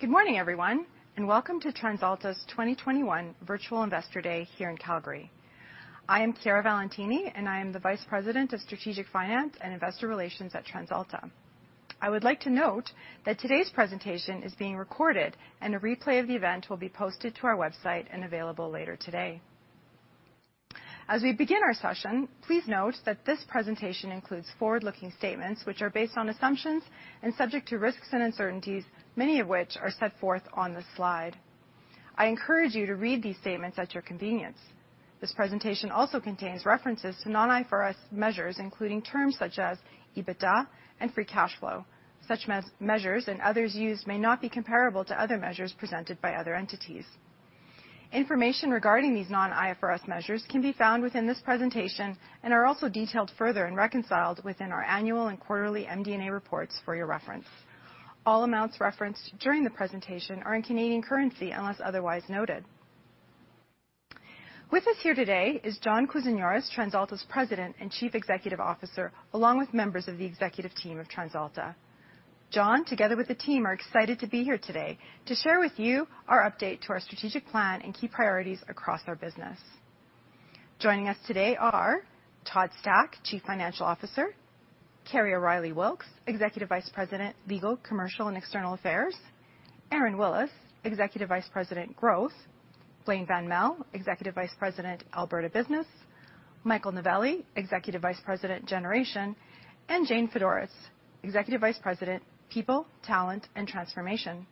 Good morning, everyone, and welcome to TransAlta's 2021 Virtual Investor Day here in Calgary. I am Chiara Valentini, and I am the Vice President of Strategic Finance and Investor Relations at TransAlta. I would like to note that today's presentation is being recorded, and a replay of the event will be posted to our website and available later today. As we begin our session, please note that this presentation includes forward-looking statements which are based on assumptions and subject to risks and uncertainties, many of which are set forth on this slide. I encourage you to read these statements at your convenience. This presentation also contains references to non-IFRS measures, including terms such as EBITDA and free cash flow. Such measures and others used may not be comparable to other measures presented by other entities. Information regarding these non-IFRS measures can be found within this presentation and are also detailed further and reconciled within our annual and quarterly MD&A reports for your reference. All amounts referenced during the presentation are in Canadian currency unless otherwise noted. With us here today is John Kousinioris, TransAlta's President and Chief Executive Officer, along with members of the executive team of TransAlta. John, together with the team, are excited to be here today to share with you our update to our strategic plan and key priorities across our business. Joining us today are Todd Stack, Chief Financial Officer, Kerry O'Reilly Wilks, Executive Vice President, Legal, Commercial, and External Affairs, Aron Willis, Executive Vice President, Growth, Blain van Melle, Executive Vice President, Alberta Business, Michael Novelli, Executive Vice President, Generation, and Jane Fedoretz, Executive Vice President, People, Talent, and Transformation.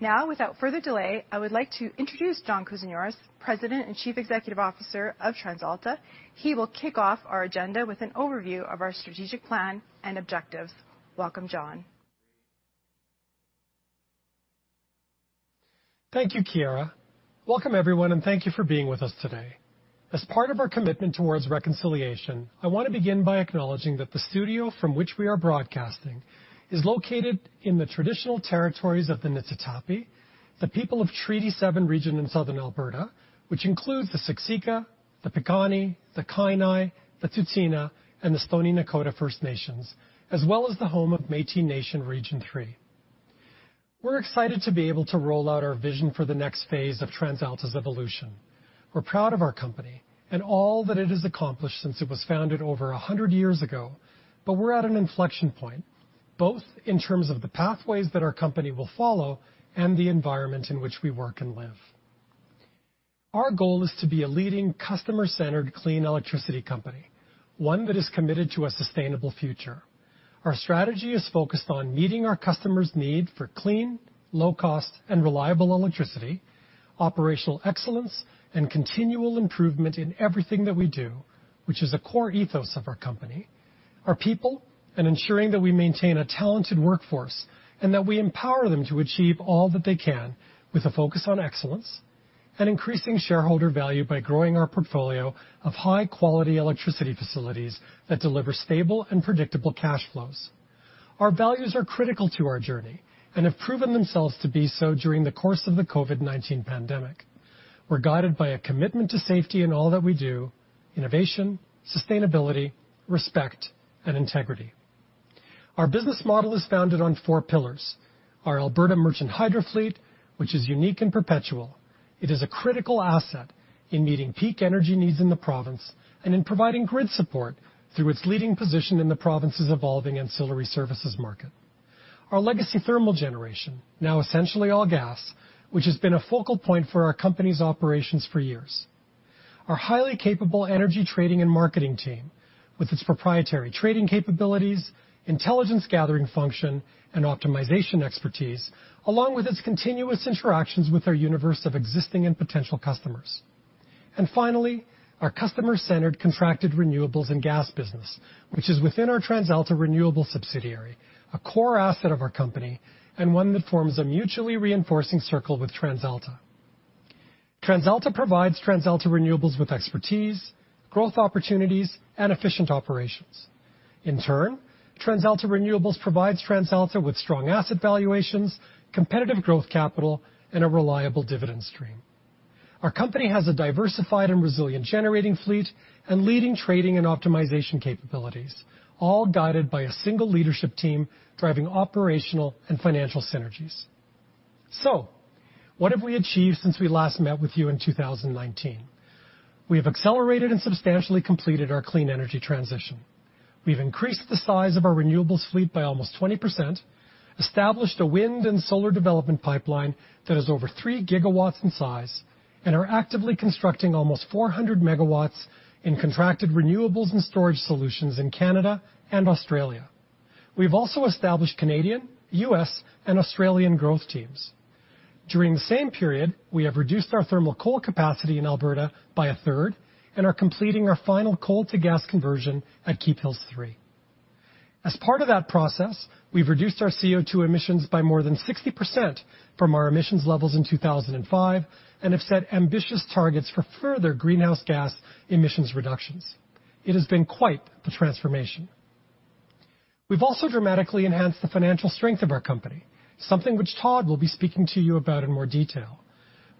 Without further delay, I would like to introduce John Kousinioris, President and Chief Executive Officer of TransAlta. He will kick off our agenda with an overview of our strategic plan and objectives. Welcome, John. Thank you, Chiara. Welcome, everyone, and thank you for being with us today. As part of our commitment towards reconciliation, I want to begin by acknowledging that the studio from which we are broadcasting is located in the traditional territories of the Niitsitapi, the people of Treaty 7 region in Southern Alberta, which includes the Siksika, the Piikani, the Kainai, the Tsuut'ina, and the Stoney Nakoda First Nations, as well as the home of Métis Nation Region 3. We're excited to be able to roll out our vision for the next phase of TransAlta's evolution. We're proud of our company and all that it has accomplished since it was founded over 100 years ago. We're at an inflection point, both in terms of the pathways that our company will follow and the environment in which we work and live. Our goal is to be a leading customer-centered clean electricity company, one that is committed to a sustainable future. Our strategy is focused on meeting our customers' need for clean, low cost, and reliable electricity, operational excellence, and continual improvement in everything that we do, which is a core ethos of our company. Our people, ensuring that we maintain a talented workforce, and that we empower them to achieve all that they can with a focus on excellence. Increasing shareholder value by growing our portfolio of high-quality electricity facilities that deliver stable and predictable cash flows. Our values are critical to our journey and have proven themselves to be so during the course of the COVID-19 pandemic. We're guided by a commitment to safety in all that we do, innovation, sustainability, respect, and integrity. Our business model is founded on four pillars. Our Alberta merchant hydro fleet, which is unique and perpetual. It is a critical asset in meeting peak energy needs in the province and in providing grid support through its leading position in the province's evolving ancillary services market. Our legacy thermal generation, now essentially all gas, which has been a focal point for our company's operations for years. Our highly capable energy trading and marketing team, with its proprietary trading capabilities, intelligence gathering function, and optimization expertise, along with its continuous interactions with our universe of existing and potential customers. Finally, our customer-centered contracted renewables and gas business, which is within our TransAlta Renewables subsidiary, a core asset of our company, and one that forms a mutually reinforcing circle with TransAlta. TransAlta provides TransAlta Renewables with expertise, growth opportunities, and efficient operations. TransAlta Renewables provides TransAlta with strong asset valuations, competitive growth capital, and a reliable dividend stream. Our company has a diversified and resilient generating fleet and leading trading and optimization capabilities, all guided by a single leadership team driving operational and financial synergies. What have we achieved since we last met with you in 2019? We have accelerated and substantially completed our clean energy transition. We've increased the size of our renewables fleet by almost 20%, established a wind and solar development pipeline that is over 3 GW in size, and are actively constructing almost 400 MW in contracted renewables and storage solutions in Canada and Australia. We've also established Canadian, U.S., and Australian growth teams. During the same period, we have reduced our thermal coal capacity in Alberta by 1/3 and are completing our final coal to gas conversion at Keephills 3. As part of that process, we've reduced our CO2 emissions by more than 60% from our emissions levels in 2005 and have set ambitious targets for further greenhouse gas emissions reductions. It has been quite the transformation. We've also dramatically enhanced the financial strength of our company. Something which Todd will be speaking to you about in more detail.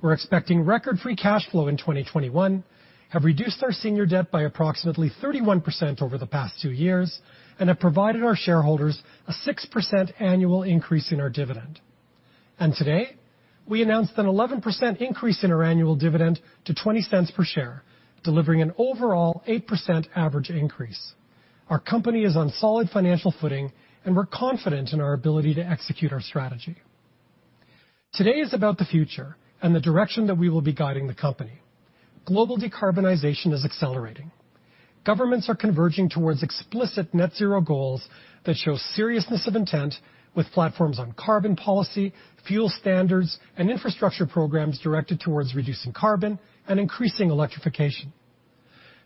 We're expecting record free cash flow in 2021, have reduced our senior debt by approximately 31% over the past two years, and have provided our shareholders a 6% annual increase in our dividend. Today, we announced an 11% increase in our annual dividend to 0.20 per share, delivering an overall 8% average increase. Our company is on solid financial footing, and we're confident in our ability to execute our strategy. Today is about the future and the direction that we will be guiding the company. Global decarbonization is accelerating. Governments are converging towards explicit net zero goals that show seriousness of intent with platforms on carbon policy, fuel standards, and infrastructure programs directed towards reducing carbon and increasing electrification.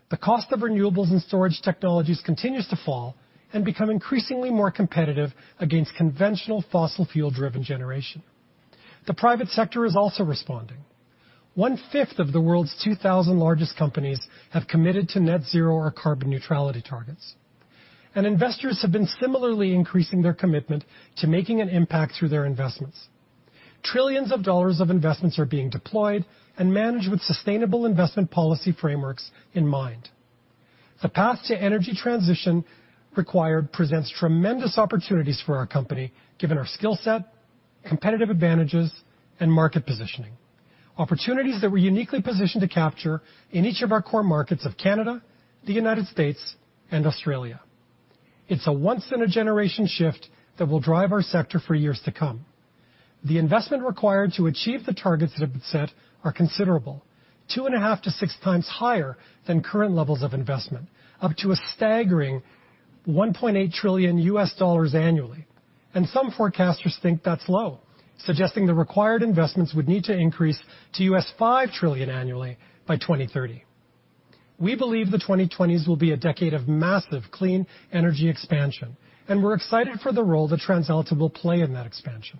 The cost of renewables and storage technologies continues to fall and become increasingly more competitive against conventional fossil fuel-driven generation. The private sector is also responding. One-fifth of the world's 2,000 largest companies have committed to net zero or carbon neutrality targets. Investors have been similarly increasing their commitment to making an impact through their investments. Trillions of dollars of investments are being deployed and managed with sustainable investment policy frameworks in mind. The path to energy transition required presents tremendous opportunities for our company, given our skill set, competitive advantages, and market positioning. Opportunities that we're uniquely positioned to capture in each of our core markets of Canada, the U.S., and Australia. It's a once-in-a-generation shift that will drive our sector for years to come. The investment required to achieve the targets that have been set are considerable. 2.5x-6x higher than current levels of investment, up to a staggering $1.8 trillion annually. Some forecasters think that's low, suggesting the required investments would need to increase to $5 trillion annually by 2030. We believe the 2020s will be a decade of massive clean energy expansion, and we're excited for the role that TransAlta will play in that expansion.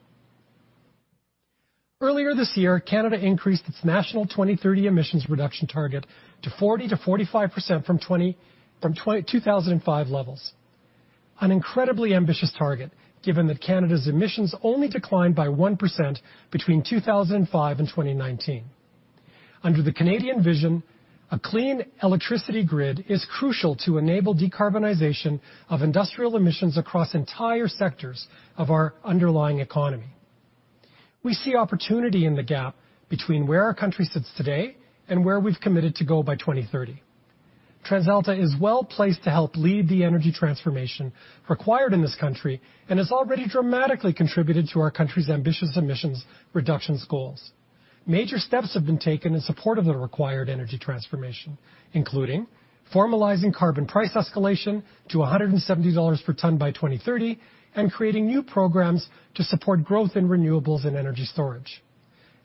Earlier this year, Canada increased its national 2030 emissions reduction target to 40%-45% from 2005 levels. An incredibly ambitious target, given that Canada's emissions only declined by 1% between 2005 and 2019. Under the Canadian vision, a clean electricity grid is crucial to enable decarbonization of industrial emissions across entire sectors of our underlying economy. We see opportunity in the gap between where our country sits today and where we've committed to go by 2030. TransAlta is well-placed to help lead the energy transformation required in this country and has already dramatically contributed to our country's ambitious emissions reductions goals. Major steps have been taken in support of the required energy transformation, including formalizing carbon price escalation to 170 dollars per tonne by 2030 and creating new programs to support growth in renewables and energy storage.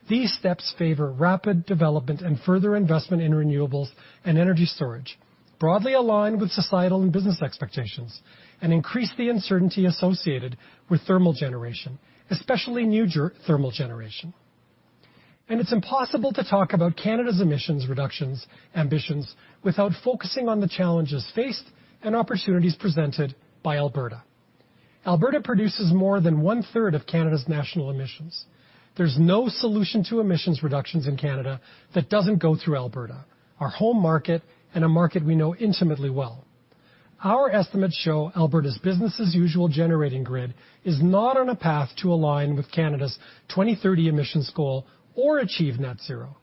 These steps favor rapid development and further investment in renewables and energy storage, broadly align with societal and business expectations, and increase the uncertainty associated with thermal generation, especially new thermal generation. It's impossible to talk about Canada's emissions reductions ambitions without focusing on the challenges faced and opportunities presented by Alberta. Alberta produces more than one-third of Canada's national emissions. There's no solution to emissions reductions in Canada that doesn't go through Alberta, our home market, and a market we know intimately well. Our estimates show Alberta's business-as-usual generating grid is not on a path to align with Canada's 2030 emissions goal or achieve net zero.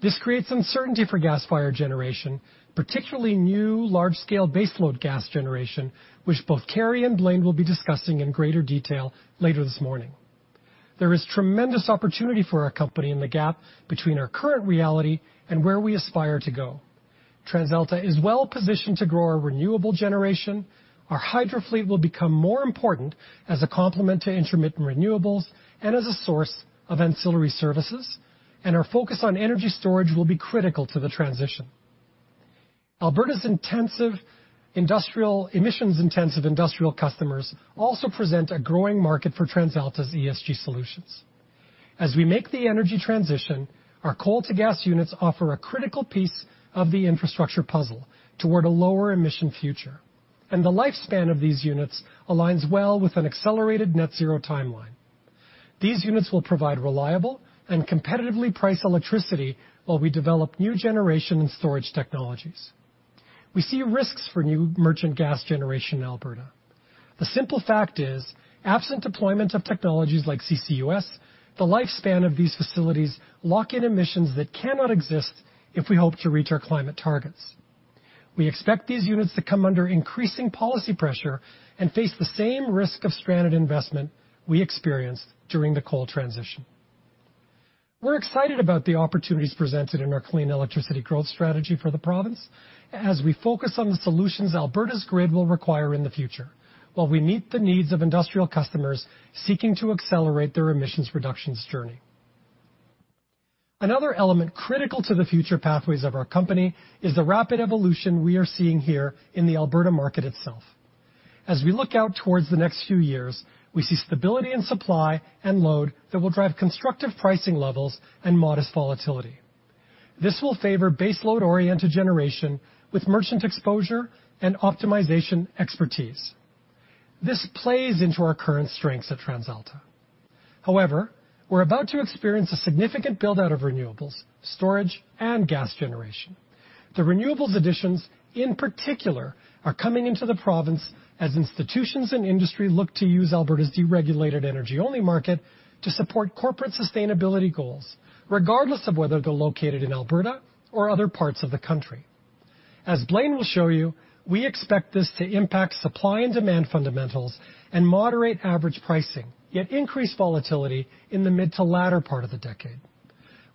This creates uncertainty for gas-fired generation, particularly new large-scale baseload gas generation, which both Kerry and Blain will be discussing in greater detail later this morning. There is tremendous opportunity for our company in the gap between our current reality and where we aspire to go. TransAlta is well positioned to grow our renewable generation. Our hydro fleet will become more important as a complement to intermittent renewables and as a source of ancillary services. Our focus on energy storage will be critical to the transition. Alberta's emissions-intensive industrial customers also present a growing market for TransAlta's ESG solutions. As we make the energy transition, our coal to gas units offer a critical piece of the infrastructure puzzle toward a lower emission future. The lifespan of these units aligns well with an accelerated net zero timeline. These units will provide reliable and competitively priced electricity while we develop new generation and storage technologies. We see risks for new merchant gas generation in Alberta. The simple fact is, absent deployment of technologies like CCUS, the lifespan of these facilities lock in emissions that cannot exist if we hope to reach our climate targets. We expect these units to come under increasing policy pressure and face the same risk of stranded investment we experienced during the coal transition. We're excited about the opportunities presented in our clean electricity growth strategy for the province as we focus on the solutions Alberta's grid will require in the future, while we meet the needs of industrial customers seeking to accelerate their emissions reductions journey. Another element critical to the future pathways of our company is the rapid evolution we are seeing here in the Alberta market itself. As we look out towards the next few years, we see stability in supply and load that will drive constructive pricing levels and modest volatility. This will favor baseload-oriented generation with merchant exposure and optimization expertise. This plays into our current strengths at TransAlta. However, we're about to experience a significant build-out of renewables, storage, and gas generation. The renewables additions, in particular, are coming into the province as institutions and industry look to use Alberta's deregulated energy-only market to support corporate sustainability goals, regardless of whether they're located in Alberta or other parts of the country. As Blain will show you, we expect this to impact supply and demand fundamentals and moderate average pricing, yet increase volatility in the mid to latter part of the decade.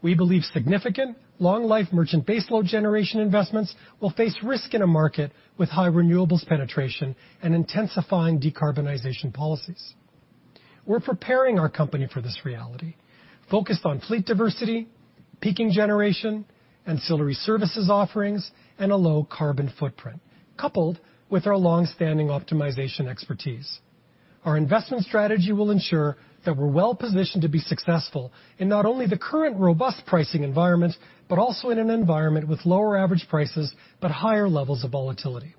We believe significant, long-life merchant baseload generation investments will face risk in a market with high renewables penetration and intensifying decarbonization policies. We're preparing our company for this reality, focused on fleet diversity, peaking generation, ancillary services offerings, and a low carbon footprint, coupled with our long-standing optimization expertise. Our investment strategy will ensure that we're well-positioned to be successful in not only the current robust pricing environment, but also in an environment with lower average prices but higher levels of volatility.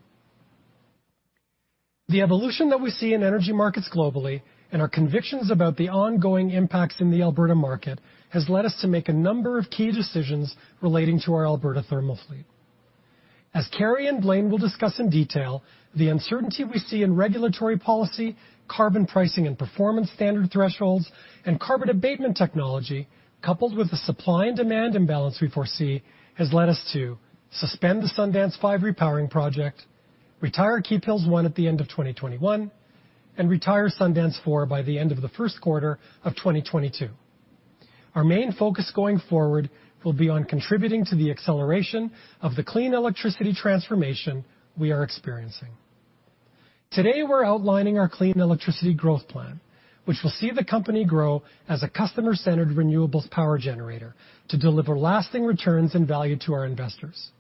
The evolution that we see in energy markets globally and our convictions about the ongoing impacts in the Alberta market has led us to make a number of key decisions relating to our Alberta thermal fleet. As Kerry and Blain will discuss in detail, the uncertainty we see in regulatory policy, carbon pricing and performance standard thresholds, and carbon abatement technology, coupled with the supply and demand imbalance we foresee, has led us to suspend the Sundance 5 repowering project, retire Keephills 1 at the end of 2021, and retire Sundance 4 by the end of the first quarter of 2022. Our main focus going forward will be on contributing to the acceleration of the clean electricity transformation we are experiencing. Today, we're outlining our clean electricity growth plan, which will see the company grow as a customer-centered renewables power generator to deliver lasting returns and value to our investors.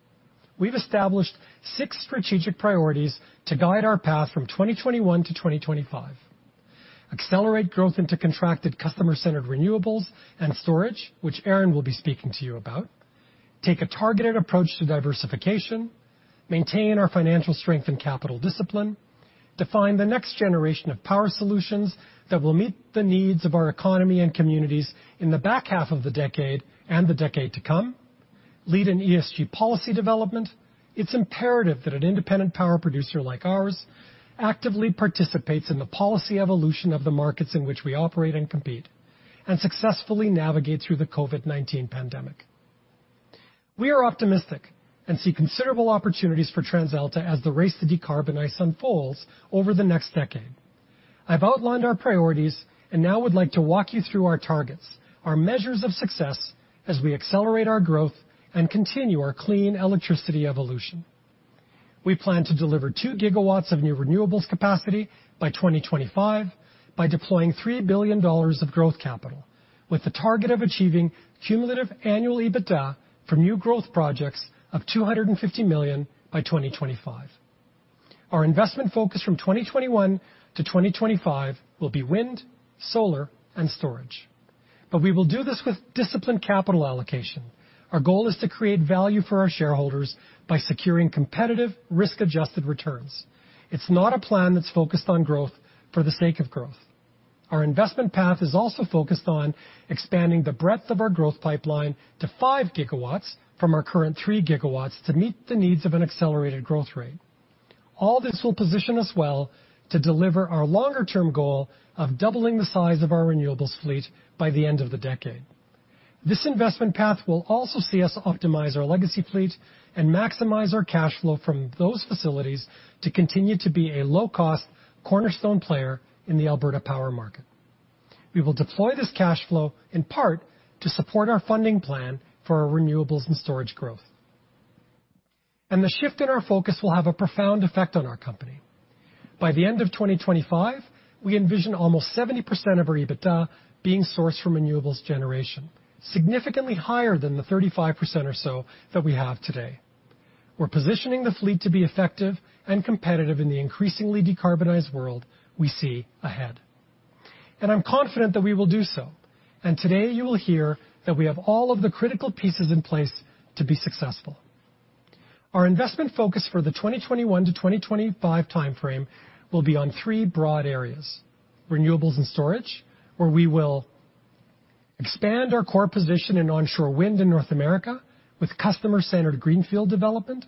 We've established 6 strategic priorities to guide our path from 2021 to 2025. Accelerate growth into contracted customer-centered renewables and storage, which Aron will be speaking to you about. Take a targeted approach to diversification. Maintain our financial strength and capital discipline. Define the next generation of power solutions that will meet the needs of our economy and communities in the back half of the decade and the decade to come. Lead in ESG policy development. It's imperative that an independent power producer like ours actively participates in the policy evolution of the markets in which we operate and compete, and successfully navigate through the COVID-19 pandemic. We are optimistic and see considerable opportunities for TransAlta as the race to decarbonize unfolds over the next decade. I've outlined our priorities and now would like to walk you through our targets, our measures of success, as we accelerate our growth and continue our clean electricity evolution. We plan to deliver 2 GW of new renewables capacity by 2025 by deploying 3 billion dollars of growth capital, with the target of achieving cumulative annual EBITDA for new growth projects of 250 million by 2025. Our investment focus from 2021 to 2025 will be wind, solar, and storage. We will do this with disciplined capital allocation. Our goal is to create value for our shareholders by securing competitive, risk-adjusted returns. It's not a plan that's focused on growth for the sake of growth. Our investment path is also focused on expanding the breadth of our growth pipeline to 5 GW from our current 3 GW to meet the needs of an accelerated growth rate. All this will position us well to deliver our longer-term goal of doubling the size of our renewables fleet by the end of the decade. This investment path will also see us optimize our legacy fleet and maximize our cash flow from those facilities to continue to be a low-cost cornerstone player in the Alberta power market. We will deploy this cash flow in part to support our funding plan for our renewables and storage growth. The shift in our focus will have a profound effect on our company. By the end of 2025, we envision almost 70% of our EBITDA being sourced from renewables generation, significantly higher than the 35% or so that we have today. We're positioning the fleet to be effective and competitive in the increasingly decarbonized world we see ahead, and I'm confident that we will do so. Today, you will hear that we have all of the critical pieces in place to be successful. Our investment focus for the 2021 to 2025 time frame will be on three broad areas. Renewables and storage, where we will expand our core position in onshore wind in North America with customer-centered greenfield development,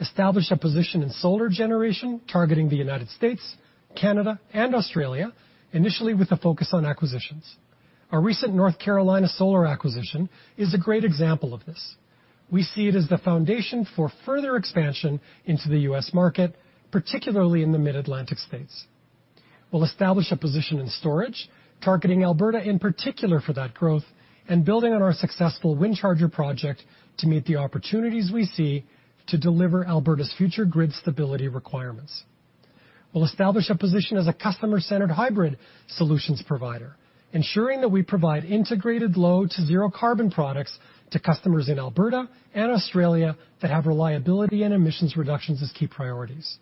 establish a position in solar generation, targeting the U.S., Canada, and Australia, initially with a focus on acquisitions. Our recent North Carolina solar acquisition is a great example of this. We see it as the foundation for further expansion into the U.S. market, particularly in the Mid-Atlantic states. We'll establish a position in storage, targeting Alberta in particular for that growth, and building on our successful WindCharger project to meet the opportunities we see to deliver Alberta's future grid stability requirements. We'll establish a position as a customer-centered hybrid solutions provider, ensuring that we provide integrated low to zero carbon products to customers in Alberta and Australia that have reliability and emissions reductions as key priorities.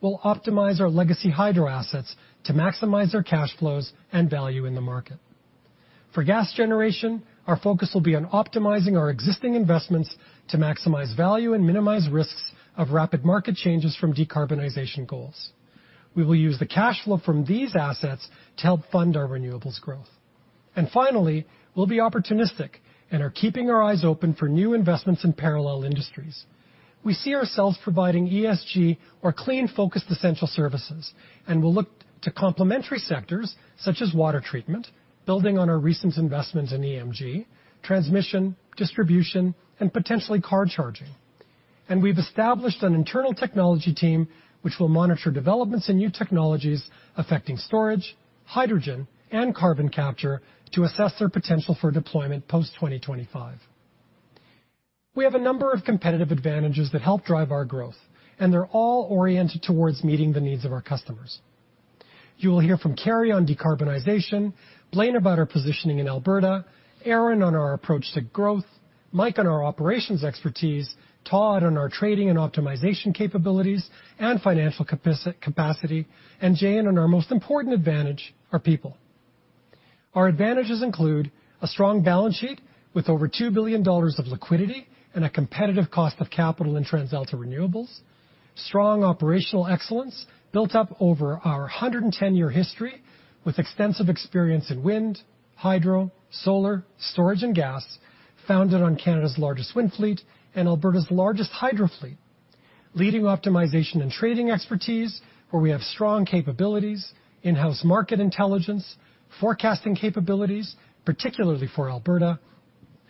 We'll optimize our legacy hydro assets to maximize our cash flows and value in the market. For gas generation, our focus will be on optimizing our existing investments to maximize value and minimize risks of rapid market changes from decarbonization goals. We will use the cash flow from these assets to help fund our renewables growth. Finally, we'll be opportunistic and are keeping our eyes open for new investments in parallel industries. We see ourselves providing ESG or clean-focused essential services, and we'll look to complementary sectors such as water treatment, building on our recent investment in EMG, transmission, distribution, and potentially car charging. We've established an internal technology team which will monitor developments in new technologies affecting storage, hydrogen, and carbon capture to assess their potential for deployment post 2025. We have a number of competitive advantages that help drive our growth, and they're all oriented towards meeting the needs of our customers. You will hear from Kerry on decarbonization, Blain about our positioning in Alberta, Aron on our approach to growth, Mike on our operations expertise, Todd on our trading and optimization capabilities and financial capacity, and Jane on our most important advantage, our people. Our advantages include a strong balance sheet with over 2 billion dollars of liquidity and a competitive cost of capital in TransAlta Renewables. Strong operational excellence built up over our 110-year history with extensive experience in wind, hydro, solar, storage, and gas, founded on Canada's largest wind fleet and Alberta's largest hydro fleet. Leading optimization and trading expertise, where we have strong capabilities, in-house market intelligence, forecasting capabilities, particularly for Alberta,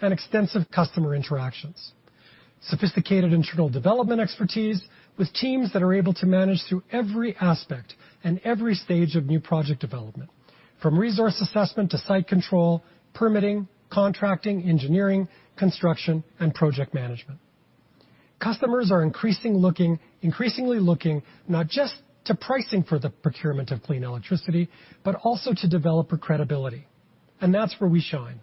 and extensive customer interactions. Sophisticated internal development expertise with teams that are able to manage through every aspect and every stage of new project development, from resource assessment to site control, permitting, contracting, engineering, construction, and project management. Customers are increasingly looking not just to pricing for the procurement of clean electricity, but also to developer credibility. That's where we shine.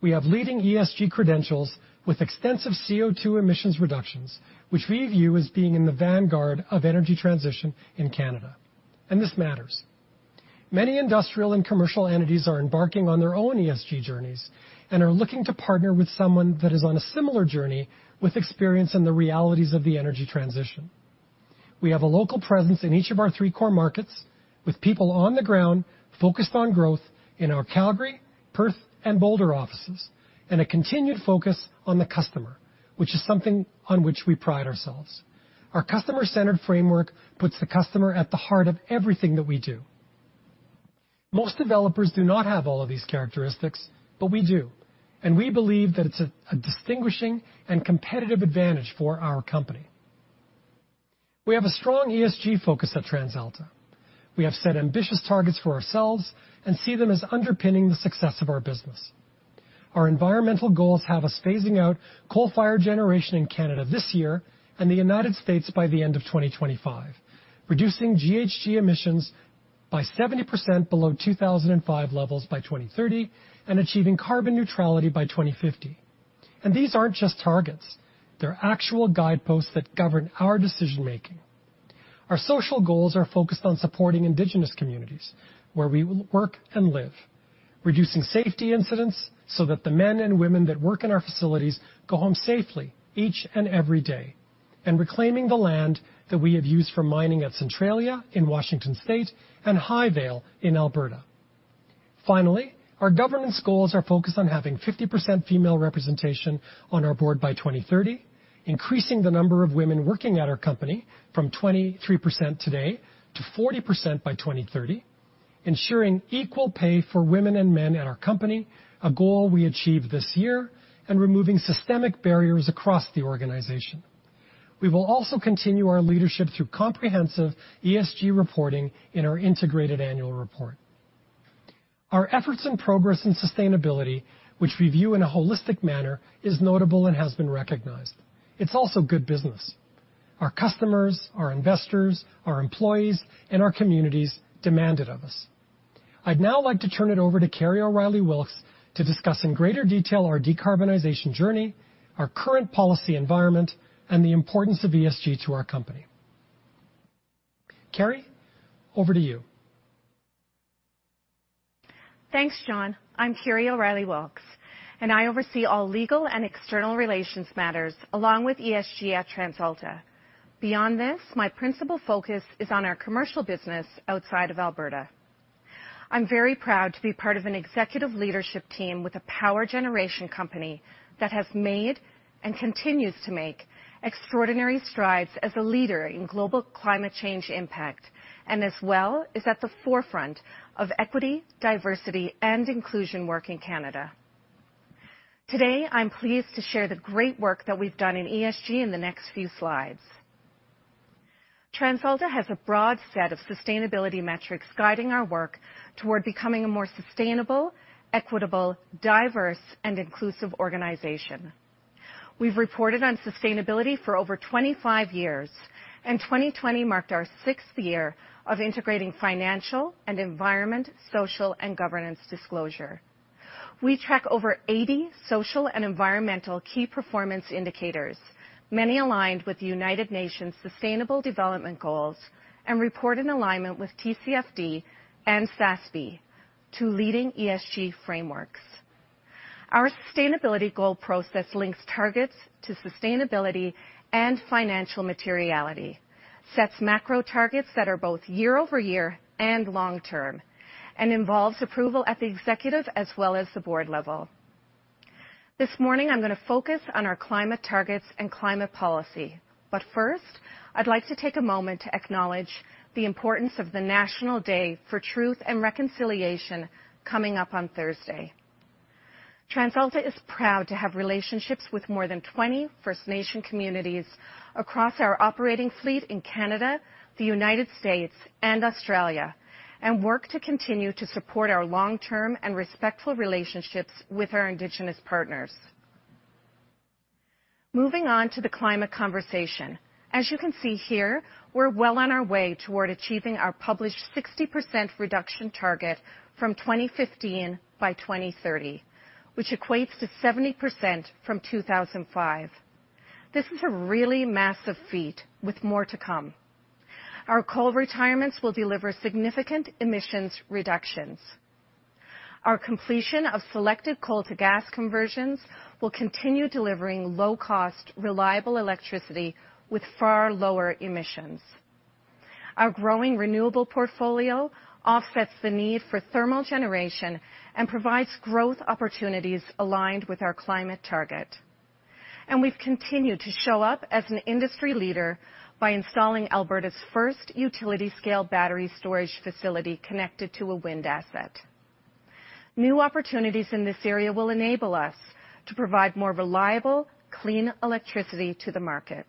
We have leading ESG credentials with extensive CO2 emissions reductions, which we view as being in the vanguard of energy transition in Canada, and this matters. Many industrial and commercial entities are embarking on their own ESG journeys and are looking to partner with someone that is on a similar journey with experience in the realities of the energy transition. We have a local presence in each of our three core markets with people on the ground focused on growth in our Calgary, Perth, and Boulder offices, and a continued focus on the customer, which is something on which we pride ourselves. Our customer-centered framework puts the customer at the heart of everything that we do. Most developers do not have all of these characteristics, but we do. We believe that it's a distinguishing and competitive advantage for our company. We have a strong ESG focus at TransAlta. We have set ambitious targets for ourselves and see them as underpinning the success of our business. Our environmental goals have us phasing out coal-fired generation in Canada this year and the United States by the end of 2025. Reducing GHG emissions by 70% below 2005 levels by 2030, achieving carbon neutrality by 2050. These aren't just targets. They're actual guideposts that govern our decision-making. Our social goals are focused on supporting indigenous communities where we work and live. Reducing safety incidents so that the men and women that work in our facilities go home safely each and every day. Reclaiming the land that we have used for mining at Centralia in Washington State and Highvale in Alberta. Finally, our governance goals are focused on having 50% female representation on our board by 2030. Increasing the number of women working at our company from 23% today to 40% by 2030. Ensuring equal pay for women and men at our company, a goal we achieved this year, and removing systemic barriers across the organization. We will also continue our leadership through comprehensive ESG reporting in our integrated annual report. Our efforts and progress in sustainability, which we view in a holistic manner, is notable and has been recognized. It's also good business. Our customers, our investors, our employees, and our communities demand it of us. I'd now like to turn it over to Kerry O'Reilly Wilks to discuss in greater detail our decarbonization journey, our current policy environment, and the importance of ESG to our company. Kerry, over to you. Thanks, John. I'm Kerry O'Reilly Wilks, and I oversee all legal and external relations matters along with ESG at TransAlta. Beyond this, my principal focus is on our commercial business outside of Alberta. I'm very proud to be part of an executive leadership team with a power generation company that has made, and continues to make, extraordinary strides as a leader in global climate change impact, and as well is at the forefront of Equity, Diversity, and Inclusion work in Canada. Today, I'm pleased to share the great work that we've done in ESG in the next few slides. TransAlta has a broad set of sustainability metrics guiding our work toward becoming a more sustainable, equitable, diverse, and inclusive organization. We've reported on sustainability for over 25 years, and 2020 marked our sixth year of integrating financial and environment, social, and governance disclosure. We track over 80 social and environmental key performance indicators, many aligned with United Nations Sustainable Development Goals, and report in alignment with TCFD and SASB, two leading ESG frameworks. Our sustainability goal process links targets to sustainability and financial materiality, sets macro targets that are both year-over-year and long-term, and involves approval at the executive as well as the board level. This morning, I'm going to focus on our climate targets and climate policy. First, I'd like to take a moment to acknowledge the importance of the National Day for Truth and Reconciliation coming up on Thursday. TransAlta is proud to have relationships with more than 20 First Nation communities across our operating fleet in Canada, the U.S., and Australia, work to continue to support our long-term and respectful relationships with our indigenous partners. Moving on to the climate conversation. As you can see here, we're well on our way toward achieving our published 60% reduction target from 2015 by 2030, which equates to 70% from 2005. This is a really massive feat with more to come. Our coal retirements will deliver significant emissions reductions. Our completion of selected coal to gas conversions will continue delivering low-cost, reliable electricity with far lower emissions. Our growing renewable portfolio offsets the need for thermal generation, provides growth opportunities aligned with our climate target. We've continued to show up as an industry leader by installing Alberta's first utility-scale battery storage facility connected to a wind asset. New opportunities in this area will enable us to provide more reliable, clean electricity to the market.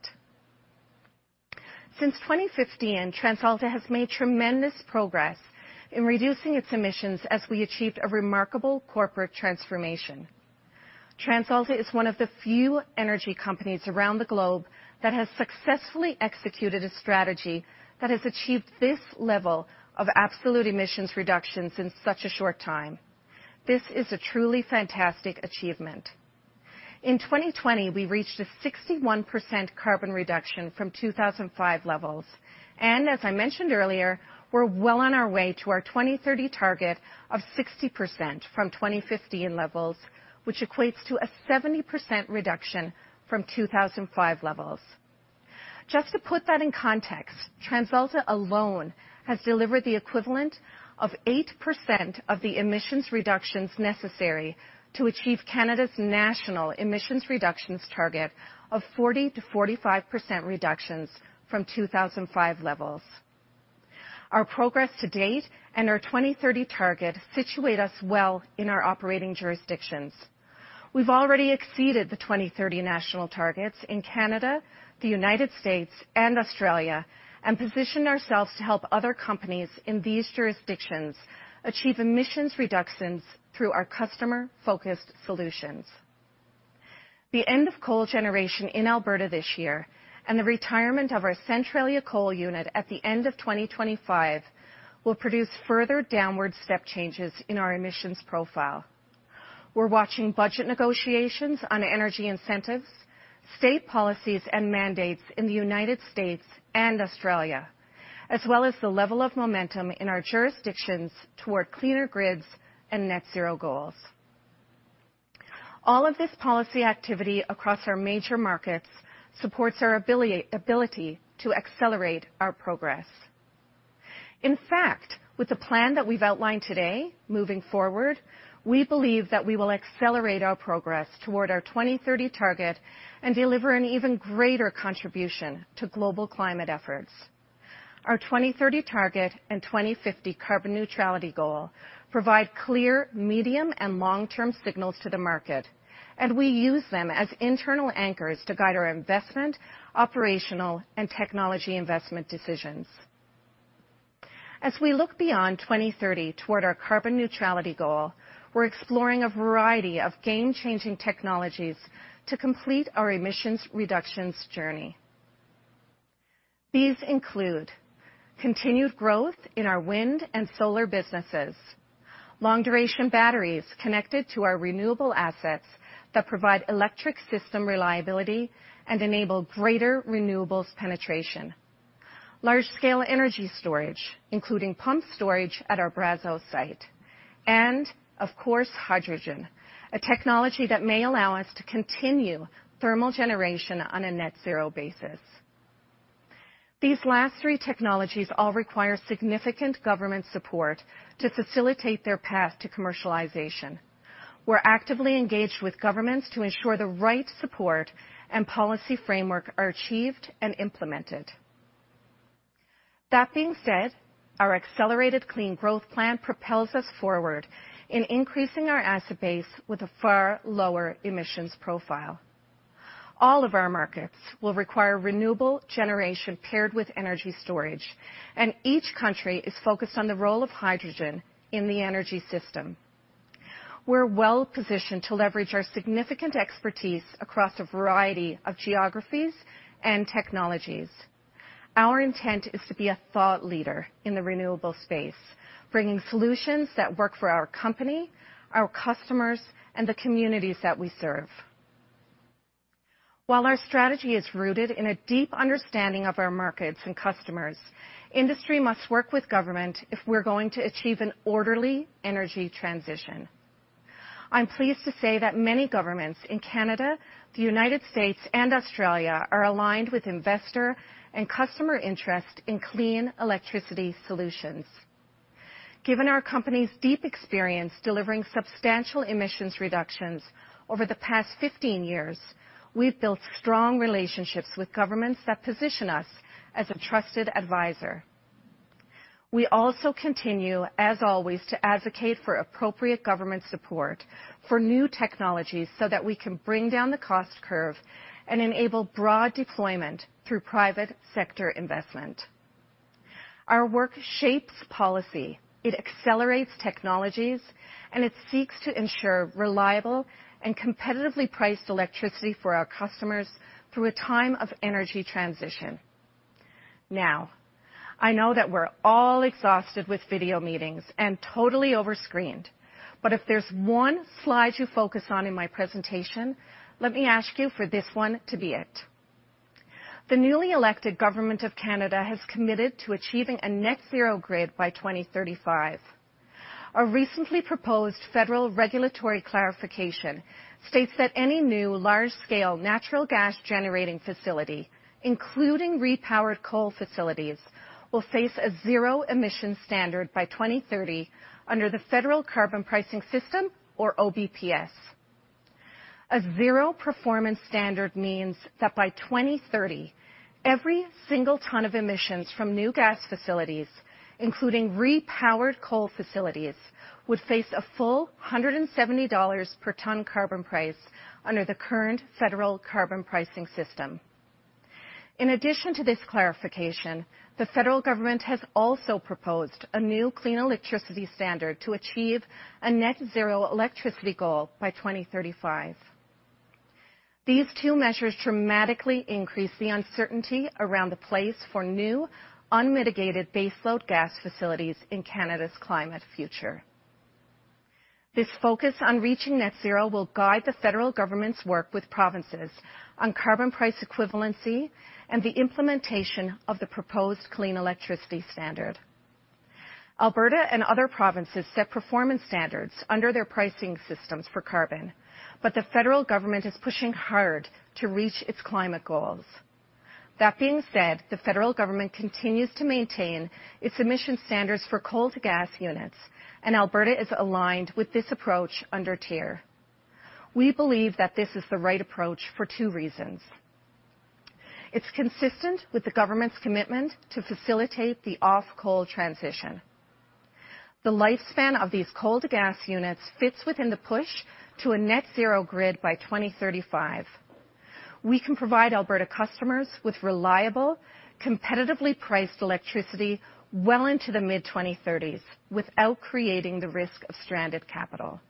Since 2015, TransAlta has made tremendous progress in reducing its emissions as we achieved a remarkable corporate transformation. TransAlta is one of the few energy companies around the globe that has successfully executed a strategy that has achieved this level of absolute emissions reduction in such a short time. This is a truly fantastic achievement. In 2020, we reached a 61% carbon reduction from 2005 levels. As I mentioned earlier, we're well on our way to our 2030 target of 60% from 2015 levels, which equates to a 70% reduction from 2005 levels. Just to put that in context, TransAlta alone has delivered the equivalent of 8% of the emissions reductions necessary to achieve Canada's national emissions reductions target of 40%-45% reductions from 2005 levels. Our progress to date and our 2030 target situate us well in our operating jurisdictions. We've already exceeded the 2030 national targets in Canada, the United States, and Australia, and positioned ourselves to help other companies in these jurisdictions achieve emissions reductions through our customer-focused solutions. The end of coal generation in Alberta this year and the retirement of our Centralia coal unit at the end of 2025 will produce further downward step changes in our emissions profile. We're watching budget negotiations on energy incentives, state policies, and mandates in the United States and Australia, as well as the level of momentum in our jurisdictions toward cleaner grids and net zero goals. All of this policy activity across our major markets supports our ability to accelerate our progress. In fact, with the plan that we've outlined today, moving forward, we believe that we will accelerate our progress toward our 2030 target and deliver an even greater contribution to global climate efforts. Our 2030 target and 2050 carbon neutrality goal provide clear, medium, and long-term signals to the market. We use them as internal anchors to guide our investment, operational, and technology investment decisions. As we look beyond 2030 toward our carbon neutrality goal, we're exploring a variety of game-changing technologies to complete our emissions reductions journey. These include continued growth in our wind and solar businesses, long-duration batteries connected to our renewable assets that provide electric system reliability and enable greater renewables penetration, large-scale energy storage, including pump storage at our Brazeau site, and of course, hydrogen, a technology that may allow us to continue thermal generation on a net zero basis. These last three technologies all require significant government support to facilitate their path to commercialization. We're actively engaged with governments to ensure the right support and policy framework are achieved and implemented. That being said, our accelerated clean growth plan propels us forward in increasing our asset base with a far lower emissions profile. All of our markets will require renewable generation paired with energy storage, and each country is focused on the role of hydrogen in the energy system. We're well positioned to leverage our significant expertise across a variety of geographies and technologies. Our intent is to be a thought leader in the renewable space, bringing solutions that work for our company, our customers, and the communities that we serve. While our strategy is rooted in a deep understanding of our markets and customers, industry must work with government if we're going to achieve an orderly energy transition. I'm pleased to say that many governments in Canada, the United States, and Australia are aligned with investor and customer interest in clean electricity solutions. Given our company's deep experience delivering substantial emissions reductions over the past 15 years, we've built strong relationships with governments that position us as a trusted advisor. We also continue, as always, to advocate for appropriate government support for new technologies so that we can bring down the cost curve and enable broad deployment through private sector investment. Our work shapes policy, it accelerates technologies, and it seeks to ensure reliable and competitively priced electricity for our customers through a time of energy transition. Now, I know that we're all exhausted with video meetings and totally over screened. If there's one slide you focus on in my presentation, let me ask you for this one to be it. The newly elected government of Canada has committed to achieving a net-zero grid by 2035. A recently proposed federal regulatory clarification states that any new large-scale natural gas generating facility, including repowered coal facilities, will face a zero-emission standard by 2030 under the federal carbon pricing system, or OBPS. A zero-performance standard means that by 2030, every single ton of emissions from new gas facilities, including repowered coal facilities, would face a full 170 dollars per tonne carbon price under the current federal carbon pricing system. In addition to this clarification, the federal government has also proposed a new clean electricity standard to achieve a net-zero electricity goal by 2035. These two measures dramatically increase the uncertainty around the place for new unmitigated baseload gas facilities in Canada's climate future. This focus on reaching net zero will guide the federal government's work with provinces on carbon price equivalency and the implementation of the proposed clean electricity standard. Alberta and other provinces set performance standards under their pricing systems for carbon, but the federal government is pushing hard to reach its climate goals. That being said, the federal government continues to maintain its emission standards for coal to gas units, and Alberta is aligned with this approach under TIER. We believe that this is the right approach for two reasons. It's consistent with the government's commitment to facilitate the off-coal transition. The lifespan of these coal to gas units fits within the push to a net zero grid by 2035. We can provide Alberta customers with reliable, competitively priced electricity well into the mid-2030s without creating the risk of stranded capital.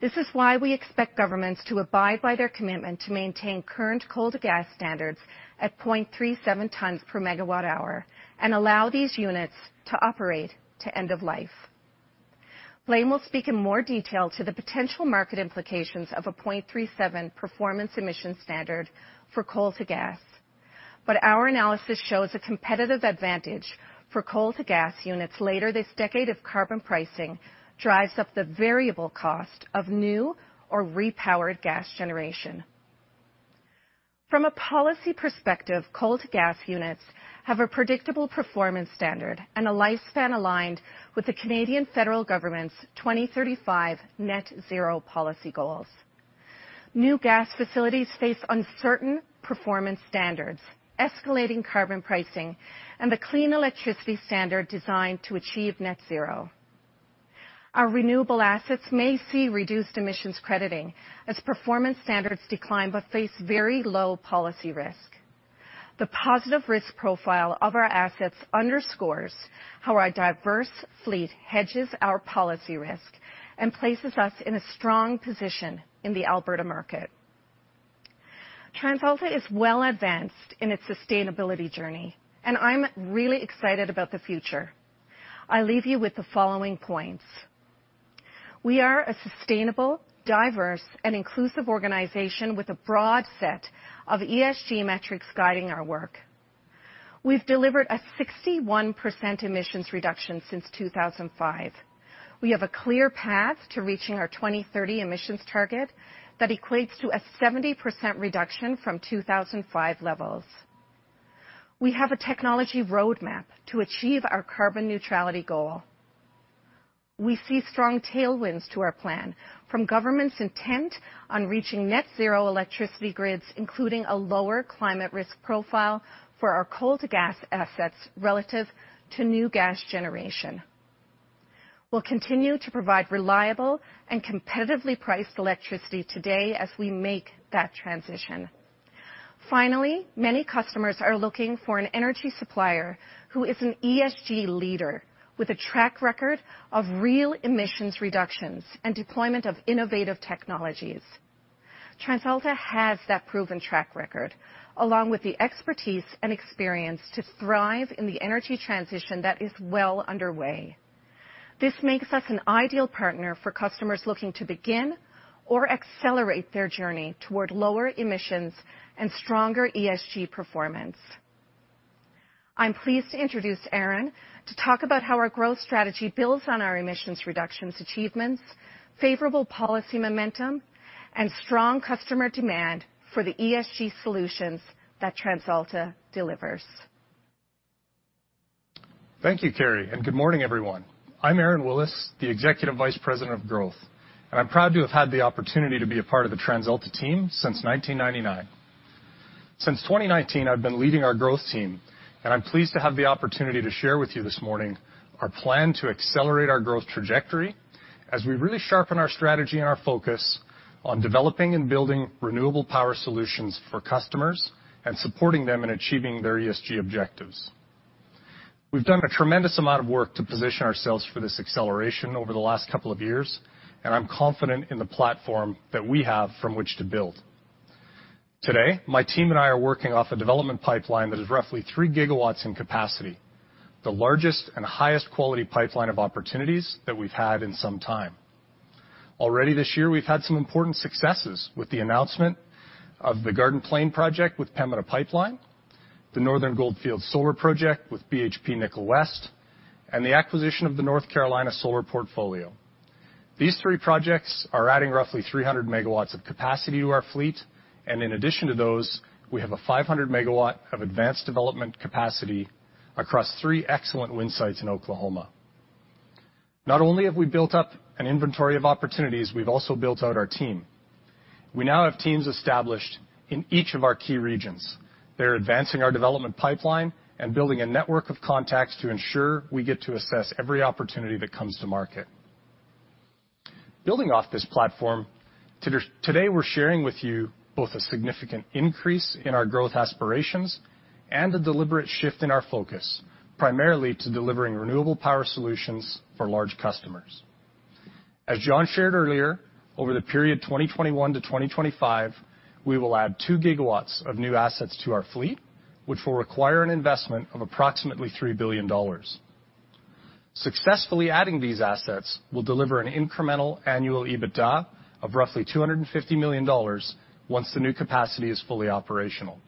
This is why we expect governments to abide by their commitment to maintain current coal to gas standards at 0.37 tonnes per megawatt hour and allow these units to operate to end of life. Blain will speak in more detail to the potential market implications of a 0.37 performance emission standard for coal to gas. Our analysis shows a competitive advantage for coal to gas units later this decade of carbon pricing drives up the variable cost of new or repowered gas generation. From a policy perspective, coal to gas units have a predictable performance standard and a lifespan aligned with the Canadian federal government's 2035 net zero policy goals. New gas facilities face uncertain performance standards, escalating carbon pricing, and the clean electricity standard designed to achieve net zero. Our renewable assets may see reduced emissions crediting as performance standards decline, but face very low policy risk. The positive risk profile of our assets underscores how our diverse fleet hedges our policy risk and places us in a strong position in the Alberta market. TransAlta is well advanced in its sustainability journey, and I'm really excited about the future. I leave you with the following points. We are a sustainable, diverse, and inclusive organization with a broad set of ESG metrics guiding our work. We've delivered a 61% emissions reduction since 2005. We have a clear path to reaching our 2030 emissions target that equates to a 70% reduction from 2005 levels. We have a technology roadmap to achieve our carbon neutrality goal. We see strong tailwinds to our plan from government's intent on reaching net zero electricity grids, including a lower climate risk profile for our coal to gas assets relative to new gas generation. We'll continue to provide reliable and competitively priced electricity today as we make that transition. Finally, many customers are looking for an energy supplier who is an ESG leader with a track record of real emissions reductions and deployment of innovative technologies. TransAlta has that proven track record, along with the expertise and experience to thrive in the energy transition that is well underway. This makes us an ideal partner for customers looking to begin or accelerate their journey toward lower emissions and stronger ESG performance. I'm pleased to introduce Aron to talk about how our growth strategy builds on our emissions reductions achievements, favorable policy momentum, and strong customer demand for the ESG solutions that TransAlta delivers. Thank you, Kerry, and good morning, everyone. I'm Aron Willis, the Executive Vice President of Growth, and I'm proud to have had the opportunity to be a part of the TransAlta team since 1999. Since 2019, I've been leading our growth team, and I'm pleased to have the opportunity to share with you this morning our plan to accelerate our growth trajectory as we really sharpen our strategy and our focus on developing and building renewable power solutions for customers and supporting them in achieving their ESG objectives. We've done a tremendous amount of work to position ourselves for this acceleration over the last couple of years, and I'm confident in the platform that we have from which to build. Today, my team and I are working off a development pipeline that is roughly 3 GW in capacity, the largest and highest quality pipeline of opportunities that we've had in some time. Already this year, we've had some important successes with the announcement of the Garden Plain project with Pembina Pipeline, the Northern Goldfields Solar project with BHP Nickel West, and the acquisition of the North Carolina Solar portfolio. These three projects are adding roughly 300 MW of capacity to our fleet, and in addition to those, we have a 500 MW of advanced development capacity across three excellent wind sites in Oklahoma. Not only have we built up an inventory of opportunities, we've also built out our team. We now have teams established in each of our key regions. They're advancing our development pipeline and building a network of contacts to ensure we get to assess every opportunity that comes to market. Building off this platform, today we're sharing with you both a significant increase in our growth aspirations and a deliberate shift in our focus, primarily to delivering renewable power solutions for large customers. As John shared earlier, over the period 2021 to 2025, we will add 2 GW of new assets to our fleet, which will require an investment of approximately 3 billion dollars. Successfully adding these assets will deliver an incremental annual EBITDA of roughly 250 million dollars once the new capacity is fully operational.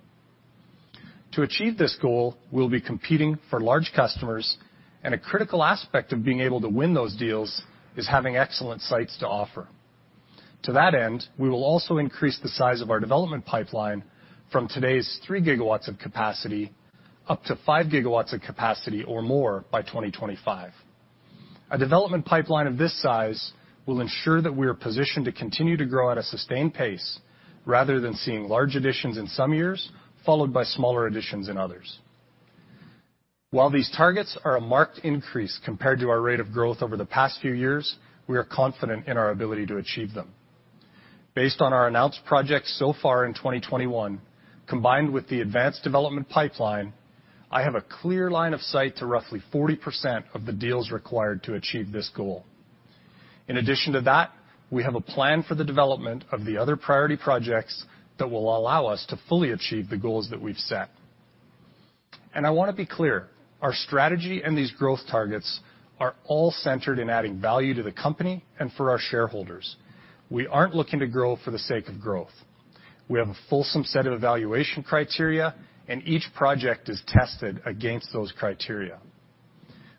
To achieve this goal, we'll be competing for large customers, and a critical aspect of being able to win those deals is having excellent sites to offer. To that end, we will also increase the size of our development pipeline from today's 3 GW of capacity up to 5 GW of capacity or more by 2025. A development pipeline of this size will ensure that we are positioned to continue to grow at a sustained pace rather than seeing large additions in some years followed by smaller additions in others. While these targets are a marked increase compared to our rate of growth over the past few years, we are confident in our ability to achieve them. Based on our announced projects so far in 2021, combined with the advanced development pipeline, I have a clear line of sight to roughly 40% of the deals required to achieve this goal. In addition to that, we have a plan for the development of the other priority projects that will allow us to fully achieve the goals that we've set. I want to be clear, our strategy and these growth targets are all centered in adding value to the company and for our shareholders. We aren't looking to grow for the sake of growth. We have a fulsome set of evaluation criteria, and each project is tested against those criteria.